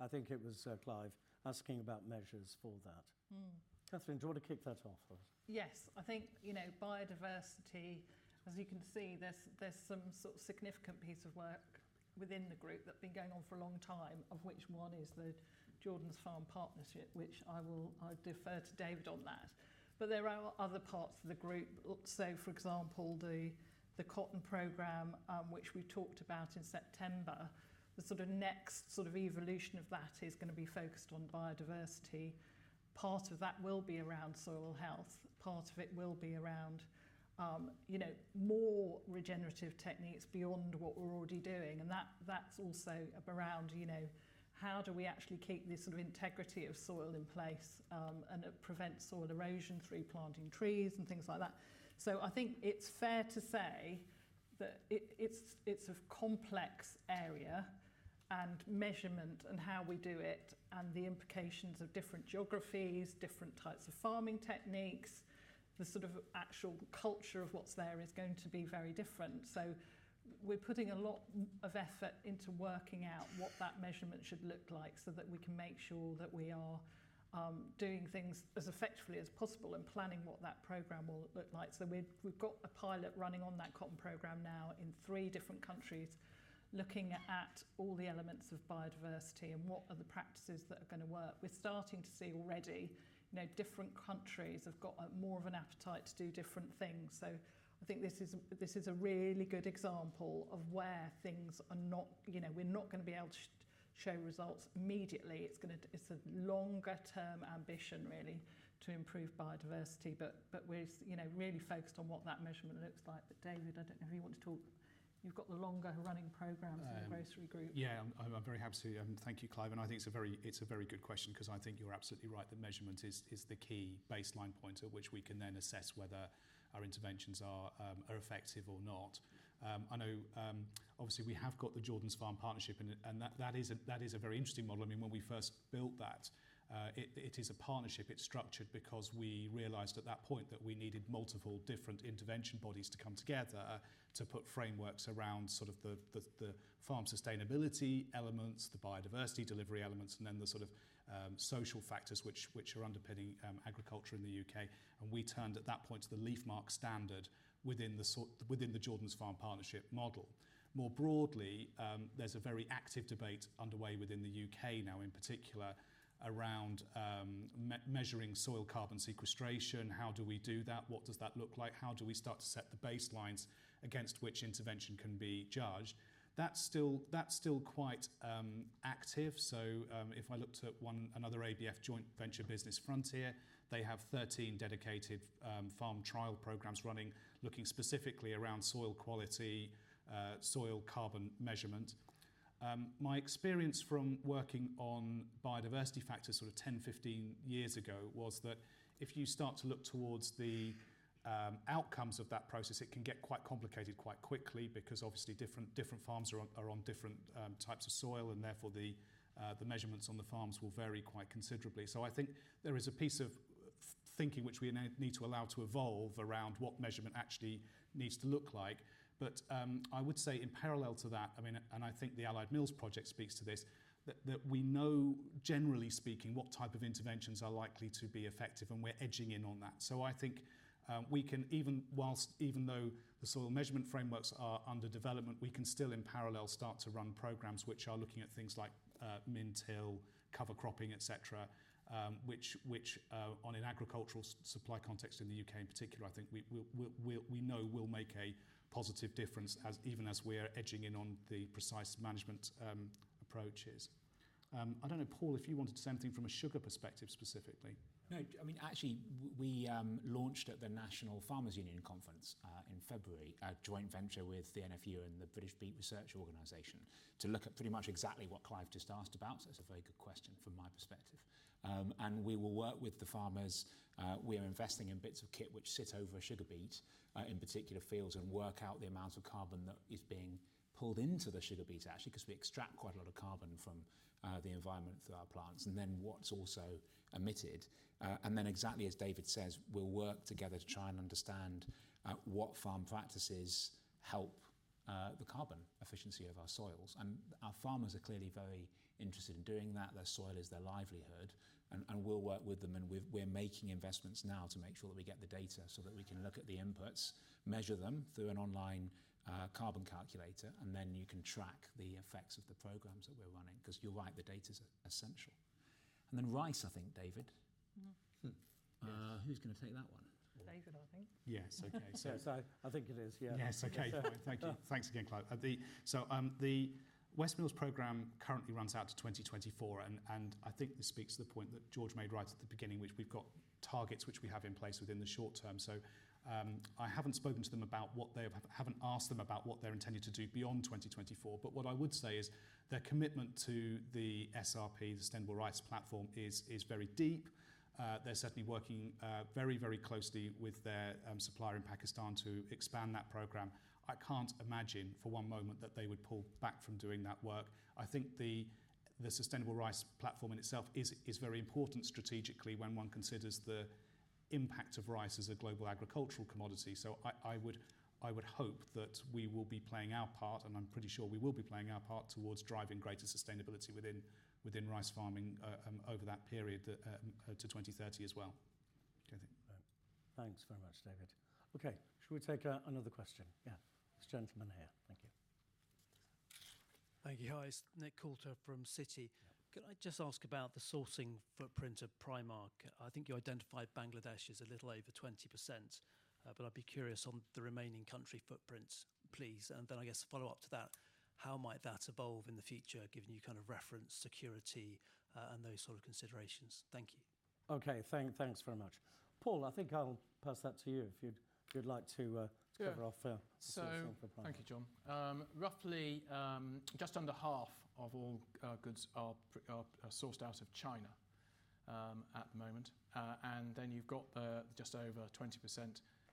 I think it was Clive asking about measures for that. Mm. Katharine, do you want to kick that off for us? Yes. I think, you know, biodiversity, as you can see, there's some sort of significant piece of work within the group that's been going on for a long time, of which one is the Jordans Farm Partnership, which I defer to David on that. But there are other parts of the group. For example, the cotton program, which we talked about in September, the next evolution of that is gonna be focused on biodiversity. Part of that will be around soil health. Part of it will be around, you know, more regenerative techniques beyond what we're already doing. That's also around, you know, how do we actually keep this sort of integrity of soil in place, and it prevents soil erosion through planting trees and things like that. I think it's fair to say that it is a complex area and measurement and how we do it and the implications of different geographies, different types of farming techniques. The sort of actual culture of what's there is going to be very different. We're putting a lot of effort into working out what that measurement should look like so that we can make sure that we are doing things as effectively as possible and planning what that program will look like. We've got a pilot running on that cotton program now in three different countries, looking at all the elements of biodiversity and what are the practices that are gonna work. We're starting to see already, you know, different countries have got more of an appetite to do different things, so I think this is a really good example of where things are not. You know, we're not gonna be able to show results immediately. It's a longer-term ambition really to improve biodiversity, but we're, you know, really focused on what that measurement looks like. David, I don't know if you want to talk. You've got the longer running programs in the grocery group. Yeah. I'm very happy to. Thank you, Clive, and I think it's a very good question 'cause I think you're absolutely right. The measurement is the key baseline point at which we can then assess whether our interventions are effective or not. I know, obviously we have got the Jordans Farm Partnership and that is a very interesting model. I mean, when we first built that, it is a partnership. It's structured because we realized at that point that we needed multiple different intervention bodies to come together to put frameworks around sort of the farm sustainability elements, the biodiversity delivery elements, and then the sort of social factors which are underpinning agriculture in the U.K., and we turned at that point to the LEAF Marque standard within the Jordans Farm Partnership model. More broadly, there's a very active debate underway within the U.K. now in particular around measuring soil carbon sequestration. How do we do that? What does that look like? How do we start to set the baselines against which intervention can be judged? That's still quite active. If I looked at one, another ABF joint venture business, Frontier, they have 13 dedicated farm trial programs running, looking specifically around soil quality, soil carbon measurement. My experience from working on biodiversity factors sort of 10, 15 years ago was that if you start to look towards the outcomes of that process, it can get quite complicated quite quickly because obviously different farms are on different types of soil and therefore the measurements on the farms will vary quite considerably. I think there is a piece of thinking which we need to allow to evolve around what measurement actually needs to look like. I would say in parallel to that, I mean, and I think the Allied Mills project speaks to this, that we know generally speaking, what type of interventions are likely to be effective, and we're edging in on that. I think we can even though the soil measurement frameworks are under development, we can still in parallel start to run programs which are looking at things like min-till, cover cropping, et cetera, which on an agricultural supply context in the U.K. in particular, I think we know will make a positive difference even as we're edging in on the precise management approaches. I don't know, Paul, if you wanted to say anything from a sugar perspective specifically. No. I mean, actually we launched at the National Farmers' Union Conference in February a joint venture with the NFU and the British Beet Research Organisation to look at pretty much exactly what Clive just asked about. It's a very good question from my perspective. We will work with the farmers. We are investing in bits of kit which sit over sugar beet in particular fields and work out the amount of carbon that is being pulled into the sugar beet actually, 'cause we extract quite a lot of carbon from the environment through our plants and then what's also emitted. Then exactly as David says, we'll work together to try and understand what farm practices help the carbon efficiency of our soils. Our farmers are clearly very interested in doing that. Their soil is their livelihood and we'll work with them and we're making investments now to make sure that we get the data so that we can look at the inputs, measure them through an online carbon calculator, and then you can track the effects of the programs that we're running 'cause you're right, the data's essential. Then rice, I think, David. Mm-hmm. Hmm. Who's gonna take that one? David, I think. Yes. Okay. Yes, I think it is. Yeah. Yes. Okay. Thank you. Thanks again, Clive. The Westmill program currently runs out to 2024 and I think this speaks to the point that George made right at the beginning, which we've got targets which we have in place within the short term. I haven't asked them about what they're intending to do beyond 2024. What I would say is their commitment to the SRP, the Sustainable Rice Platform, is very deep. They're certainly working very closely with their supplier in Pakistan to expand that program. I can't imagine for one moment that they would pull back from doing that work. I think the Sustainable Rice Platform in itself is very important strategically when one considers the impact of rice as a global agricultural commodity. I would hope that we will be playing our part, and I'm pretty sure we will be playing our part towards driving greater sustainability within rice farming over that period to 2030 as well. Do you think? Thanks very much, David. Okay, shall we take another question? Yeah, this gentleman here. Thank you. Thank you. Hi, it's Nick Coulter from Citi. Yeah. Could I just ask about the sourcing footprint of Primark? I think you identified Bangladesh as a little over 20%, but I'd be curious on the remaining country footprints, please. I guess follow up to that, how might that evolve in the future given you kind of referenced security and those sort of considerations? Thank you. Okay. Thanks very much. Paul, I think I'll pass that to you if you'd like to. Sure ...cover off, sourcing for Primark. Thank you, John. Roughly, just under half of all goods are sourced out of China at the moment. Then you've got just over 20%.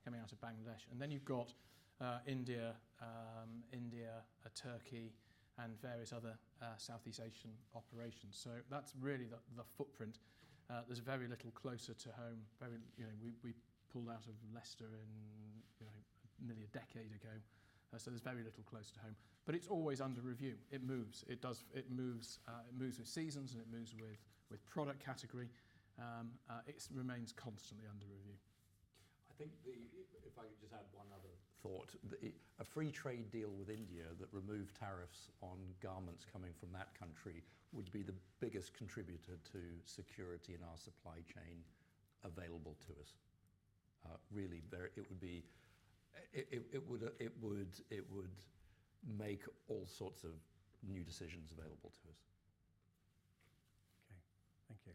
Coming out of Bangladesh. Then you've got India, Turkey, and various other Southeast Asian operations. That's really the footprint. There's very little closer to home. You know, we pulled out of Leicester nearly a decade ago. So there's very little close to home, but it's always under review. It moves. It moves with seasons, and it moves with product category. It remains constantly under review. If I could just add one other thought. A free trade deal with India that removed tariffs on garments coming from that country would be the biggest contributor to security in our supply chain available to us. It would make all sorts of new decisions available to us. Okay.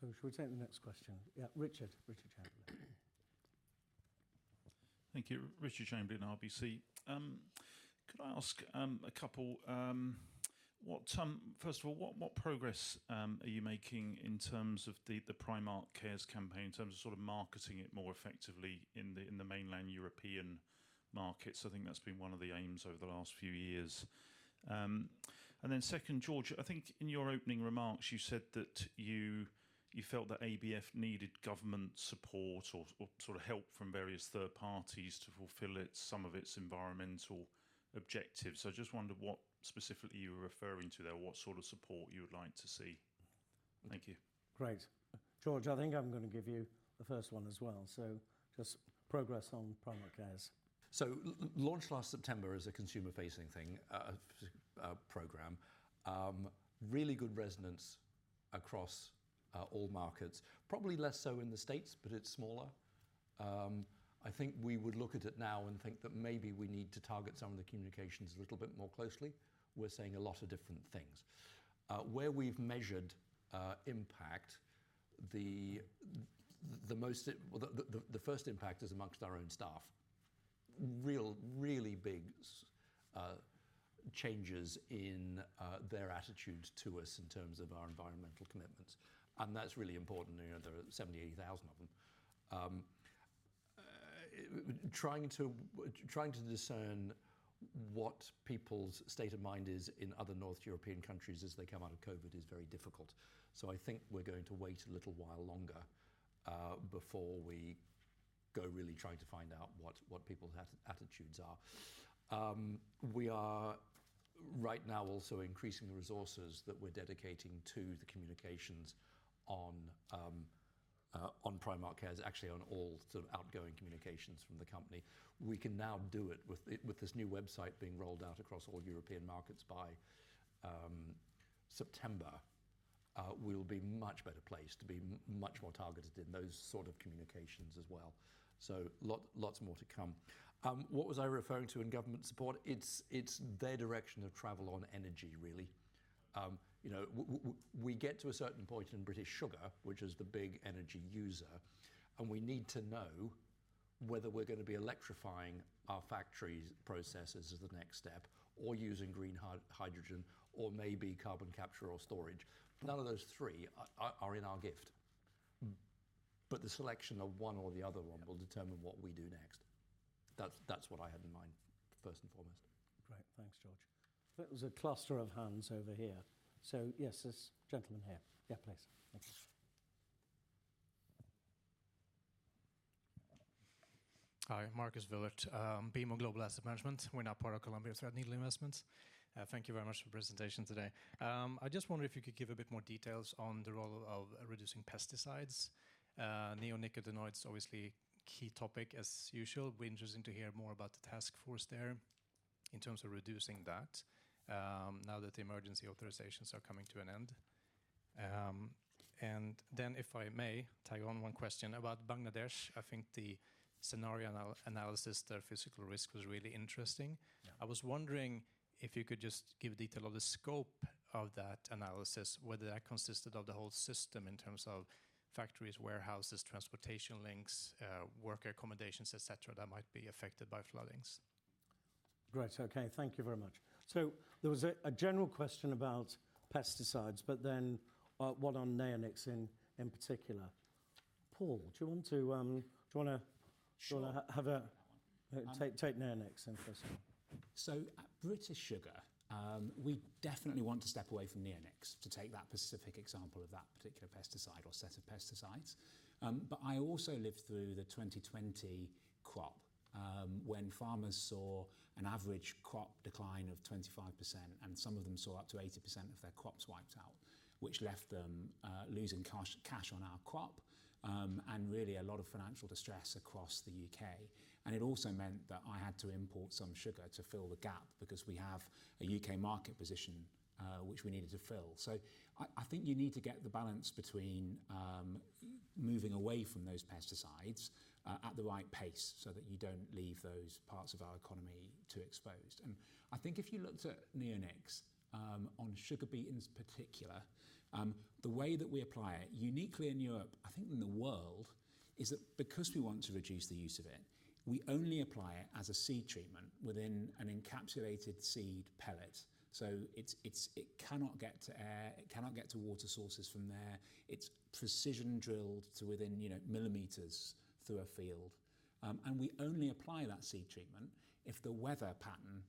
Thank you. Should we take the next question? Yeah, Richard. Richard Chamberlain. Thank you. Richard Chamberlain, RBC. Could I ask a couple first of all what progress are you making in terms of the Primark Cares campaign in terms of sort of marketing it more effectively in the mainland European markets? I think that's been one of the aims over the last few years. Second, George, I think in your opening remarks you said that you felt that ABF needed government support or sort of help from various third parties to fulfill some of its environmental objectives. I just wondered what specifically you were referring to there, what sort of support you would like to see. Thank you. Great. George, I think I'm gonna give you the first one as well. Just progress on Primark Cares. Launched last September as a consumer-facing thing, program. Really good resonance across all markets. Probably less so in the States, but it's smaller. I think we would look at it now and think that maybe we need to target some of the communications a little bit more closely. We're saying a lot of different things. Where we've measured impact, the first impact is among our own staff. Really big changes in their attitude to us in terms of our environmental commitments, and that's really important. You know, there are 70,000-80,000 of them. Trying to discern what people's state of mind is in other North European countries as they come out of COVID is very difficult. I think we're going to wait a little while longer before we go really trying to find out what people's attitudes are. We are right now also increasing resources that we're dedicating to the communications on Primark Cares. Actually on all sort of outgoing communications from the company. We can now do it with this new website being rolled out across all European markets by September. We'll be much better placed to be much more targeted in those sort of communications as well. Lots more to come. What was I referring to in government support? It's their direction of travel on energy really. You know, we get to a certain point in British Sugar, which is the big energy user, and we need to know whether we're gonna be electrifying our factories' processes as the next step or using green hydrogen or maybe carbon capture or storage. None of those three are in our gift. Mm. The selection of one or the other one. Yeah. Will determine what we do next. That's what I had in mind first and foremost. Great. Thanks, George. There was a cluster of hands over here. Yes, this gentleman here. Yeah, please. Thank you. Hi. Marcus Villert, BMO Global Asset Management. We're now part of Columbia Threadneedle Investments. Thank you very much for the presentation today. I just wonder if you could give a bit more details on the role of reducing pesticides. Neonicotinoids obviously key topic as usual. Be interesting to hear more about the task force there in terms of reducing that, now that the emergency authorizations are coming to an end. If I may tag on one question about Bangladesh, I think the scenario analysis, their physical risk was really interesting. Yeah. I was wondering if you could just give detail of the scope of that analysis, whether that consisted of the whole system in terms of factories, warehouses, transportation links, worker accommodations, et cetera, that might be affected by floodings? Great. Okay. Thank you very much. There was a general question about pesticides, but then one on neonics in particular. Paul, do you want to Sure. Take neonics then first then. At British Sugar, we definitely want to step away from neonics to take that specific example of that particular pesticide or set of pesticides. But I also lived through the 2020 crop, when farmers saw an average crop decline of 25%, and some of them saw up to 80% of their crops wiped out, which left them losing cash on our crop, and really a lot of financial distress across the U.K. It also meant that I had to import some sugar to fill the gap because we have a U.K. market position, which we needed to fill. I think you need to get the balance between moving away from those pesticides at the right pace, so that you don't leave those parts of our economy too exposed. I think if you looked at neonics on sugar beet in particular, the way that we apply it, uniquely in Europe, I think in the world, is that because we want to reduce the use of it, we only apply it as a seed treatment within an encapsulated seed pellet. So it cannot get to air, it cannot get to water sources from there. It's precision drilled to within, you know, millimeters through a field, and we only apply that seed treatment if the weather pattern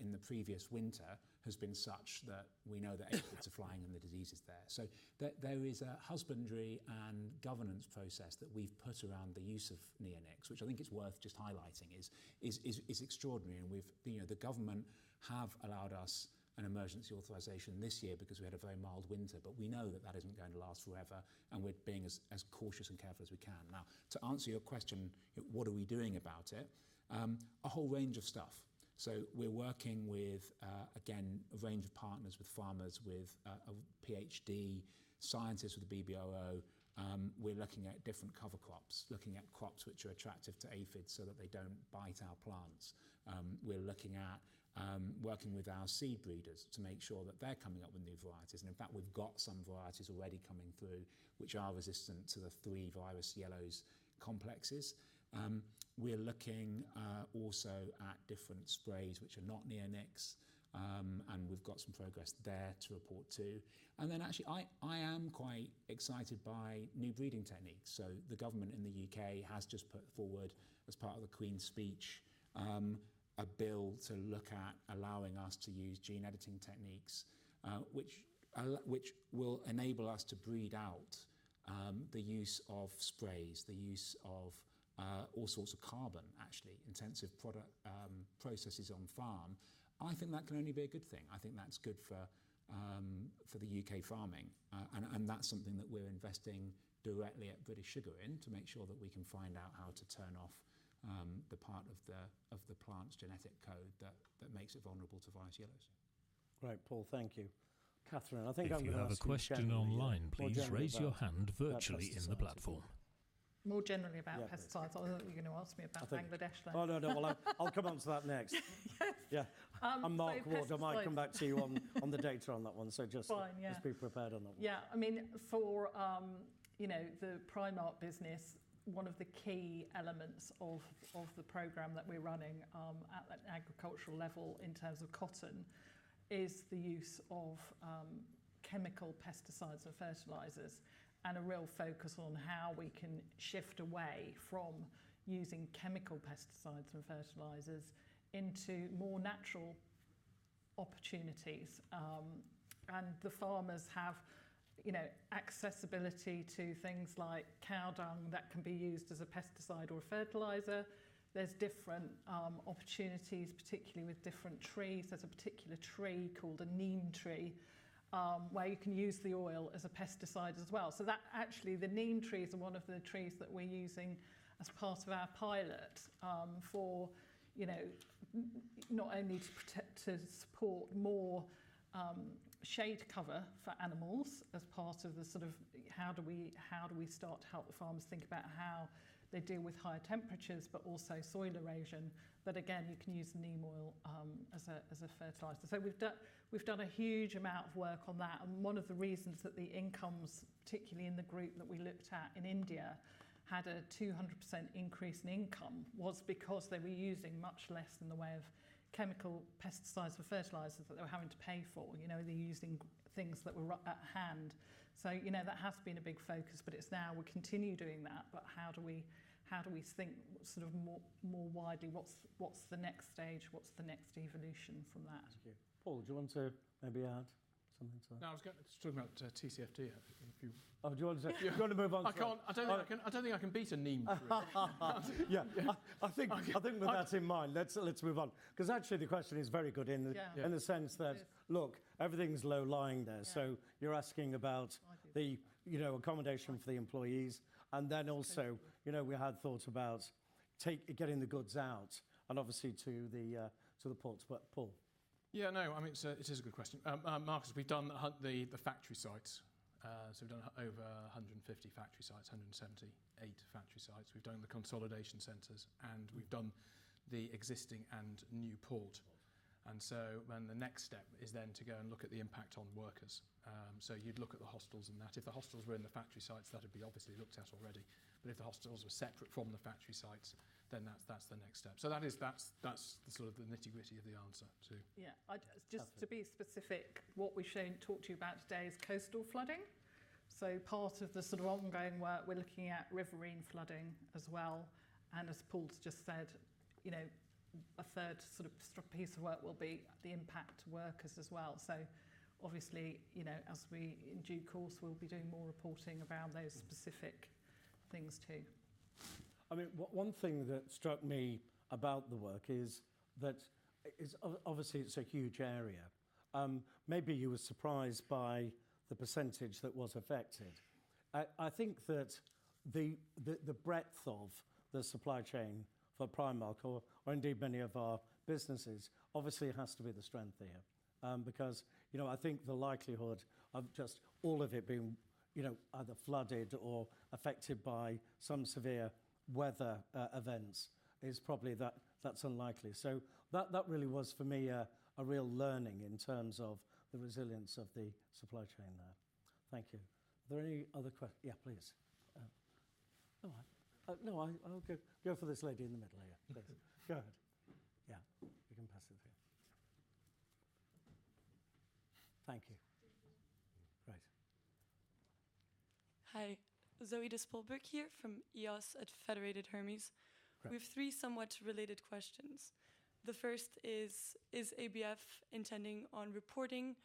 in the previous winter has been such that we know that aphids are flying and the disease is there. So there is a husbandry and governance process that we've put around the use of neonics, which I think is worth just highlighting is extraordinary. You know, the government have allowed us an emergency authorization this year because we had a very mild winter, but we know that that isn't going to last forever, and we're being as cautious and careful as we can. Now, to answer your question, what are we doing about it? A whole range of stuff. We're working with, again, a range of partners, with farmers, with a PhD, scientists with the BBRO. We're looking at different cover crops, looking at crops which are attractive to aphids so that they don't bite our plants. We're looking at working with our seed breeders to make sure that they're coming up with new varieties. In fact, we've got some varieties already coming through which are resistant to the three Virus Yellows complexes. We're looking also at different sprays which are not neonics, and we've got some progress there to report too. Actually I am quite excited by new breeding techniques. The government in the U.K. has just put forward as part of the Queen's Speech a bill to look at allowing us to use gene editing techniques, which will enable us to breed out the use of sprays, the use of all sorts of carbon actually intensive product processes on farm. I think that can only be a good thing. I think that's good for the U.K. farming. That's something that we're investing directly at British Sugar in to make sure that we can find out how to turn off the part of the plant's genetic code that makes it vulnerable to Virus Yellows. Great, Paul. Thank you. Katharine, I think I'm gonna ask you a question. If you have a question online, please raise your hand virtually in the platform. more generally about pesticides. Yeah, pesticides. I thought you were gonna ask me about Bangladesh then. Oh, no. Well, I'll come on to that next. Yes. Yeah. So- Paul Kenward, I might come back to you on the data on that one. Fine, yeah. Just be prepared on that one. Yeah. I mean, for you know, the Primark business, one of the key elements of the program that we're running at an agricultural level in terms of cotton is the use of chemical pesticides or fertilizers and a real focus on how we can shift away from using chemical pesticides and fertilizers into more natural opportunities. The farmers have you know, accessibility to things like cow dung that can be used as a pesticide or a fertilizer. There's different opportunities, particularly with different trees. There's a particular tree called a neem tree, where you can use the oil as a pesticide as well. That actually, the neem tree is one of the trees that we're using as part of our pilot, for, you know, not only to protect, to support more, shade cover for animals as part of the sort of how do we start to help the farmers think about how they deal with higher temperatures, but also soil erosion. Again, you can use neem oil, as a fertilizer. We've done a huge amount of work on that, and one of the reasons that the incomes, particularly in the group that we looked at in India, had a 200% increase in income was because they were using much less in the way of chemical pesticides for fertilizers that they were having to pay for. You know, they're using things that were at hand. You know, that has been a big focus, but it's now we continue doing that, but how do we think sort of more widely what's the next stage? What's the next evolution from that? Thank you. Paul, do you want to maybe add something to that? No, I was just talking about TCFD, if you- Oh, do you want to? Yeah. Do you want to move on to that? I don't think I can beat a neem tree. Yeah. I think with that in mind, let's move on, 'cause actually the question is very good in the- Yeah in the sense that. It is. Look, everything's low-lying there. Yeah. You're asking about the I do. You know, accommodation for the employees and then also. That's true. you know, we had thoughts about getting the goods out and obviously to the ports. Paul. Yeah, no, I mean, it's a good question. Marcus, we've done the factory sites, so we've done over 150 factory sites, 178 factory sites. We've done the consolidation centers, and we've done the existing and new port. The next step is then to go and look at the impact on workers. You'd look at the hostels and that. If the hostels were in the factory sites, that'd be obviously looked at already. But if the hostels were separate from the factory sites, then that's the next step. That's the sort of the nitty-gritty of the answer to- Just to be specific, what we've shown and talked to you about today is coastal flooding. Part of the sort of ongoing work, we're looking at riverine flooding as well. As Paul's just said, you know, a third sort of piece of work will be the impact weather as well. Obviously, you know, as we in due course will be doing more reporting around those specific things too. I mean, one thing that struck me about the work is obviously it's a huge area. Maybe you were surprised by the percentage that was affected. I think that the breadth of the supply chain for Primark or indeed many of our businesses obviously has to be the strength there. You know, I think the likelihood of just all of it being, you know, either flooded or affected by some severe weather events is probably that's unlikely. That really was for me a real learning in terms of the resilience of the supply chain there. Thank you. Are there any other que- Yeah, please. All right. No, I'll go for this lady in the middle here, please. Go ahead. Thank you. Right. Hi. Zoë de Spoelberch here from EOS at Federated Hermes. Right. We have three somewhat related questions. The first is ABF intending on reporting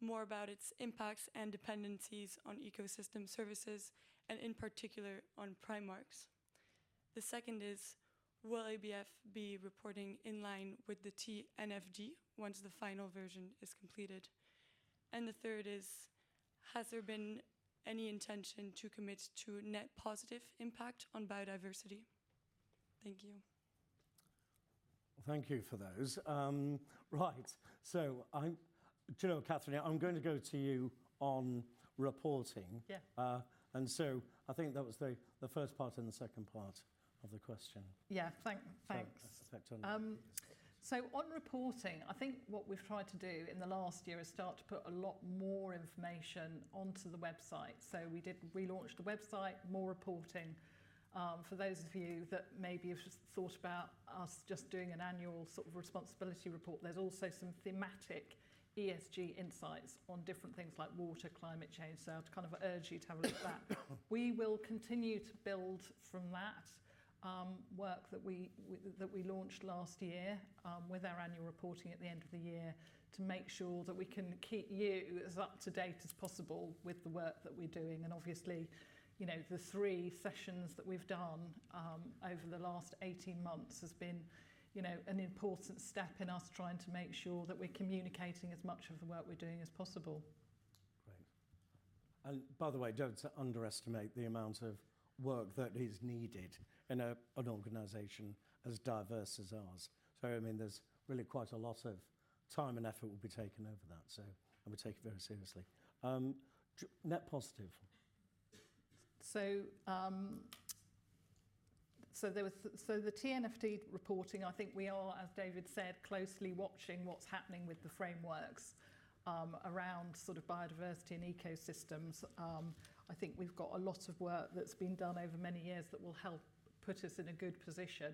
more about its impact and dependencies on ecosystem services and in particular on Primark's? The second is, will ABF be reporting in line with the TNFD once the final version is completed? The third is, has there been any intention to commit to net positive impact on biodiversity? Thank you. Thank you for those. Right. You know, Kathryn, I'm going to go to you on reporting. Yeah. I think that was the first part and the second part of the question. Yeah. Thanks. I'll take turn next. On reporting, I think what we've tried to do in the last year is start to put a lot more information onto the website. We did relaunch the website, more reporting. For those of you that maybe have just thought about us just doing an annual sort of responsibility report, there's also some thematic ESG insights on different things like water, climate change. I'd kind of urge you to have a look at that. We will continue to build from that work that we launched last year with our annual reporting at the end of the year to make sure that we can keep you as up to date as possible with the work that we're doing. Obviously, you know, the three sessions that we've done over the last 18 months has been, you know, an important step in us trying to make sure that we're communicating as much of the work we're doing as possible. Great. By the way, don't underestimate the amount of work that is needed in an organization as diverse as ours. I mean, there's really quite a lot of time and effort will be taken over that. We take it very seriously. Net positive. The TNFD reporting, I think we are, as David said, closely watching what's happening with the frameworks around sort of biodiversity and ecosystems. I think we've got a lot of work that's been done over many years that will help put us in a good position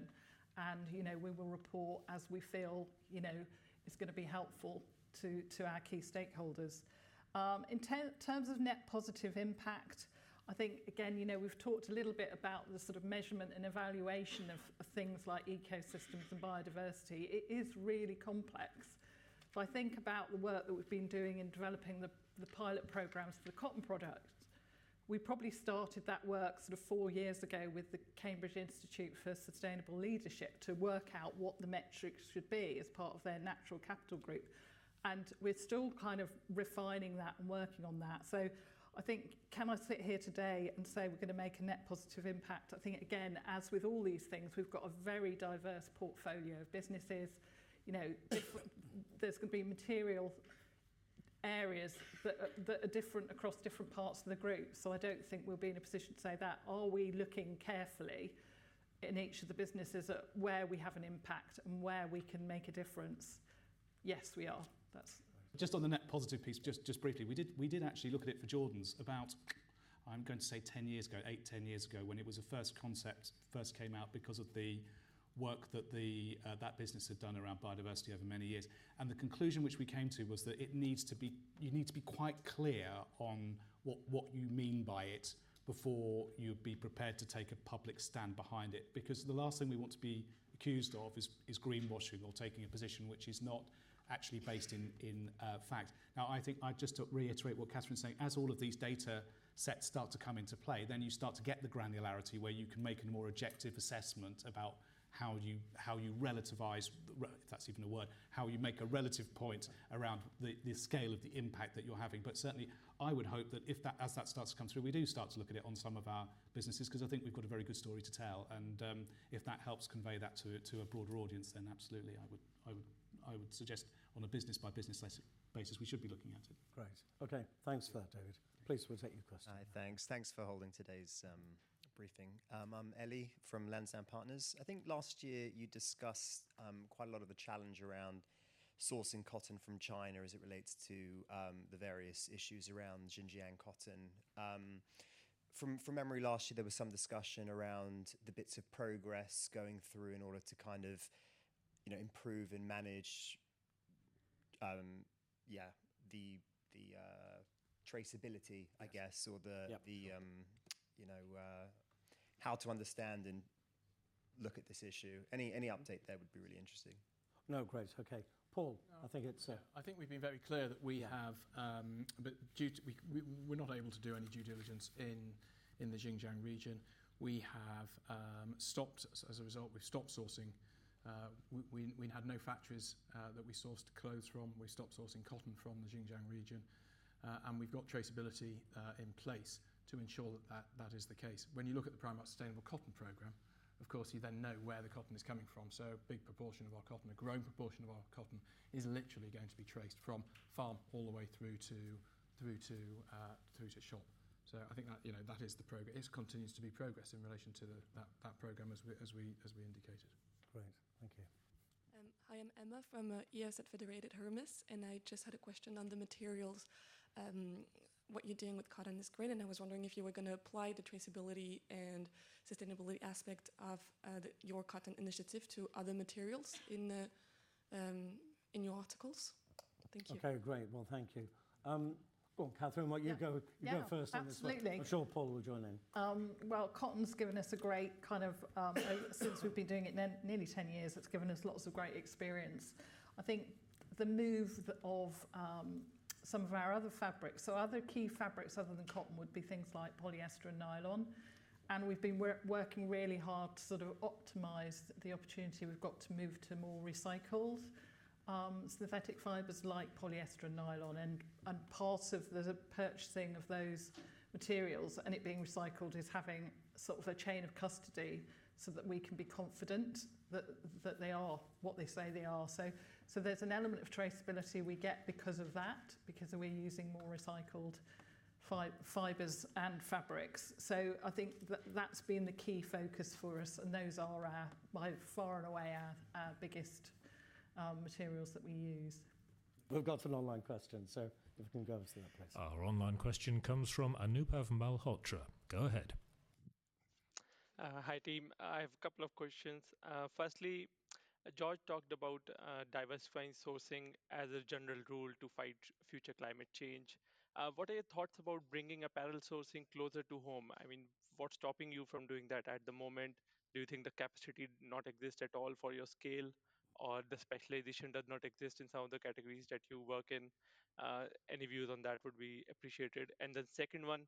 and, you know, we will report as we feel, you know, is gonna be helpful to our key stakeholders. In terms of net positive impact, I think again, you know, we've talked a little bit about the sort of measurement and evaluation of things like ecosystems and biodiversity. It is really complex. If I think about the work that we've been doing in developing the pilot programs for the cotton product, we probably started that work sort of four years ago with the Cambridge Institute for Sustainability Leadership to work out what the metrics should be as part of their natural capital group, and we're still kind of refining that and working on that. I think, can I sit here today and say we're gonna make a net positive impact? I think again, as with all these things, we've got a very diverse portfolio of businesses. There's gonna be material areas that are different across different parts of the group, so I don't think we'll be in a position to say that. Are we looking carefully in each of the businesses at where we have an impact and where we can make a difference? Yes, we are. Right. Just on the net positive piece, just briefly, we actually looked at it for Jordans about, I'm going to say 10 years ago, eight, 10 years ago, when it was first a concept that first came out because of the work that the business had done around biodiversity over many years. The conclusion which we came to was that it needs to be you need to be quite clear on what you mean by it before you'd be prepared to take a public stand behind it, because the last thing we want to be accused of is greenwashing or taking a position which is not actually based in fact. Now, I think I'd just reiterate what Kathryn's saying. As all of these data sets start to come into play, then you start to get the granularity where you can make a more objective assessment about how you relativize, if that's even a word, how you make a relative point around the scale of the impact that you're having. But certainly, I would hope that as that starts to come through, we do start to look at it on some of our businesses, 'cause I think we've got a very good story to tell. If that helps convey that to a broader audience, then absolutely I would suggest on a business by business basis, we should be looking at it. Great. Okay. Thanks for that, David. Please, we'll take your question. Hi. Thanks. Thanks for holding today's briefing. I'm Eli from Lansdowne Partners. I think last year you discussed quite a lot of the challenge around sourcing cotton from China as it relates to the various issues around Xinjiang cotton. From memory last year, there was some discussion around the bits of progress going through in order to kind of, you know, improve and manage the traceability, I guess. Yeah.... or the- Yeah you know how to understand and look at this issue. Any update there would be really interesting. No, great. Okay. Paul, I think it's. Yeah. I think we've been very clear that we have. Yeah We're not able to do any due diligence in the Xinjiang region. We have stopped, as a result, we've stopped sourcing. We have no factories that we sourced clothes from. We stopped sourcing cotton from the Xinjiang region. We've got traceability in place to ensure that is the case. When you look at the Primark Sustainable Cotton Programme, of course, you then know where the cotton is coming from. A big proportion of our cotton, a growing proportion of our cotton is literally going to be traced from farm all the way through to shop. I think that it continues to be progress in relation to that program as we indicated. Great. Thank you. Hi, I'm Emma from EOS at Federated Hermes, and I just had a question on the materials. What you're doing with cotton is great, and I was wondering if you were gonna apply the traceability and sustainability aspect of your cotton initiative to other materials in your articles. Thank you. Okay. Great. Well, thank you. Well, Katharine, why don't you go. Yeah. You go first on this one. Absolutely. I'm sure Paul will join in. Well, cotton's given us a great kind of since we've been doing it nearly 10 years, it's given us lots of great experience. I think the move of some of our other fabrics. Other key fabrics other than cotton would be things like polyester and nylon. We've been working really hard to sort of optimize the opportunity we've got to move to more recycled synthetic fibers like polyester and nylon. Part of the purchasing of those materials and it being recycled is having sort of a chain of custody so that we can be confident that they are what they say they are. There's an element of traceability we get because of that, because we're using more recycled fibers and fabrics. I think that's been the key focus for us, and those are, by far and away, our biggest materials that we use. We've got an online question, so if we can go to that please. Our online question comes from Anubhav Malhotra. Go ahead. Hi, team. I have a couple of questions. Firstly, George talked about diversifying sourcing as a general rule to fight future climate change. What are your thoughts about bringing apparel sourcing closer to home? I mean, what's stopping you from doing that at the moment? Do you think the capacity not exist at all for your scale, or the specialization does not exist in some of the categories that you work in? Any views on that would be appreciated. The second one,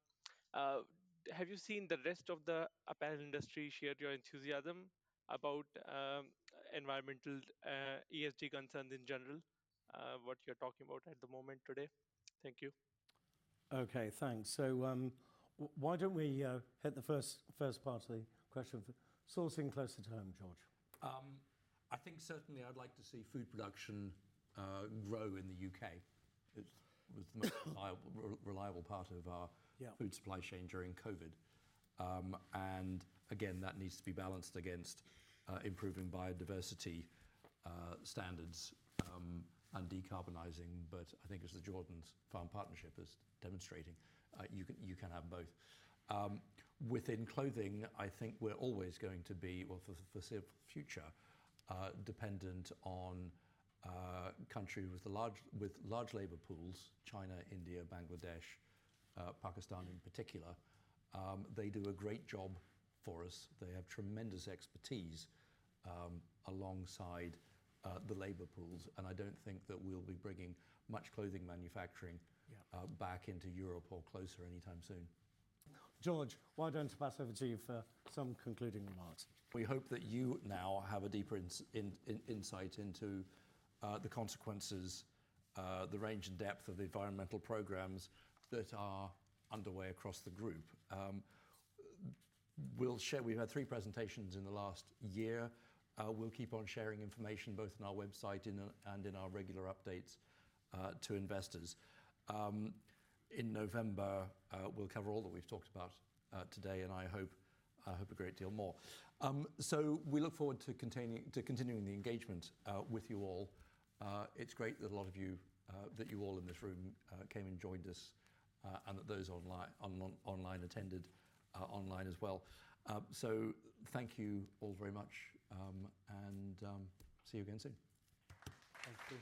have you seen the rest of the apparel industry share your enthusiasm about environmental ESG concerns in general, what you're talking about at the moment today? Thank you. Okay, thanks. Why don't we hit the first part of the question. Sourcing closer to home, George. I think certainly I'd like to see food production grow in the U.K. It was the most reliable part of our- Yeah... food supply chain during COVID. Again, that needs to be balanced against improving biodiversity standards and decarbonizing. I think as the Jordans Farm Partnership is demonstrating, you can have both. Within clothing, I think we're always going to be, well, for foreseeable future, dependent on countries with large labor pools, China, India, Bangladesh, Pakistan in particular. They do a great job for us. They have tremendous expertise alongside the labor pools, and I don't think that we'll be bringing much clothing manufacturing- Yeah back into Europe or closer anytime soon. George, why don't you pass over to you for some concluding remarks? We hope that you now have a deeper insight into the consequences, the range and depth of the environmental programs that are underway across the group. We've had three presentations in the last year. We'll keep on sharing information both on our website and in our regular updates to investors. In November, we'll cover all that we've talked about today, and I hope a great deal more. We look forward to continuing the engagement with you all. It's great that a lot of you, that you all in this room came and joined us, and that those online attended online as well. Thank you all very much, and see you again soon. Thank you.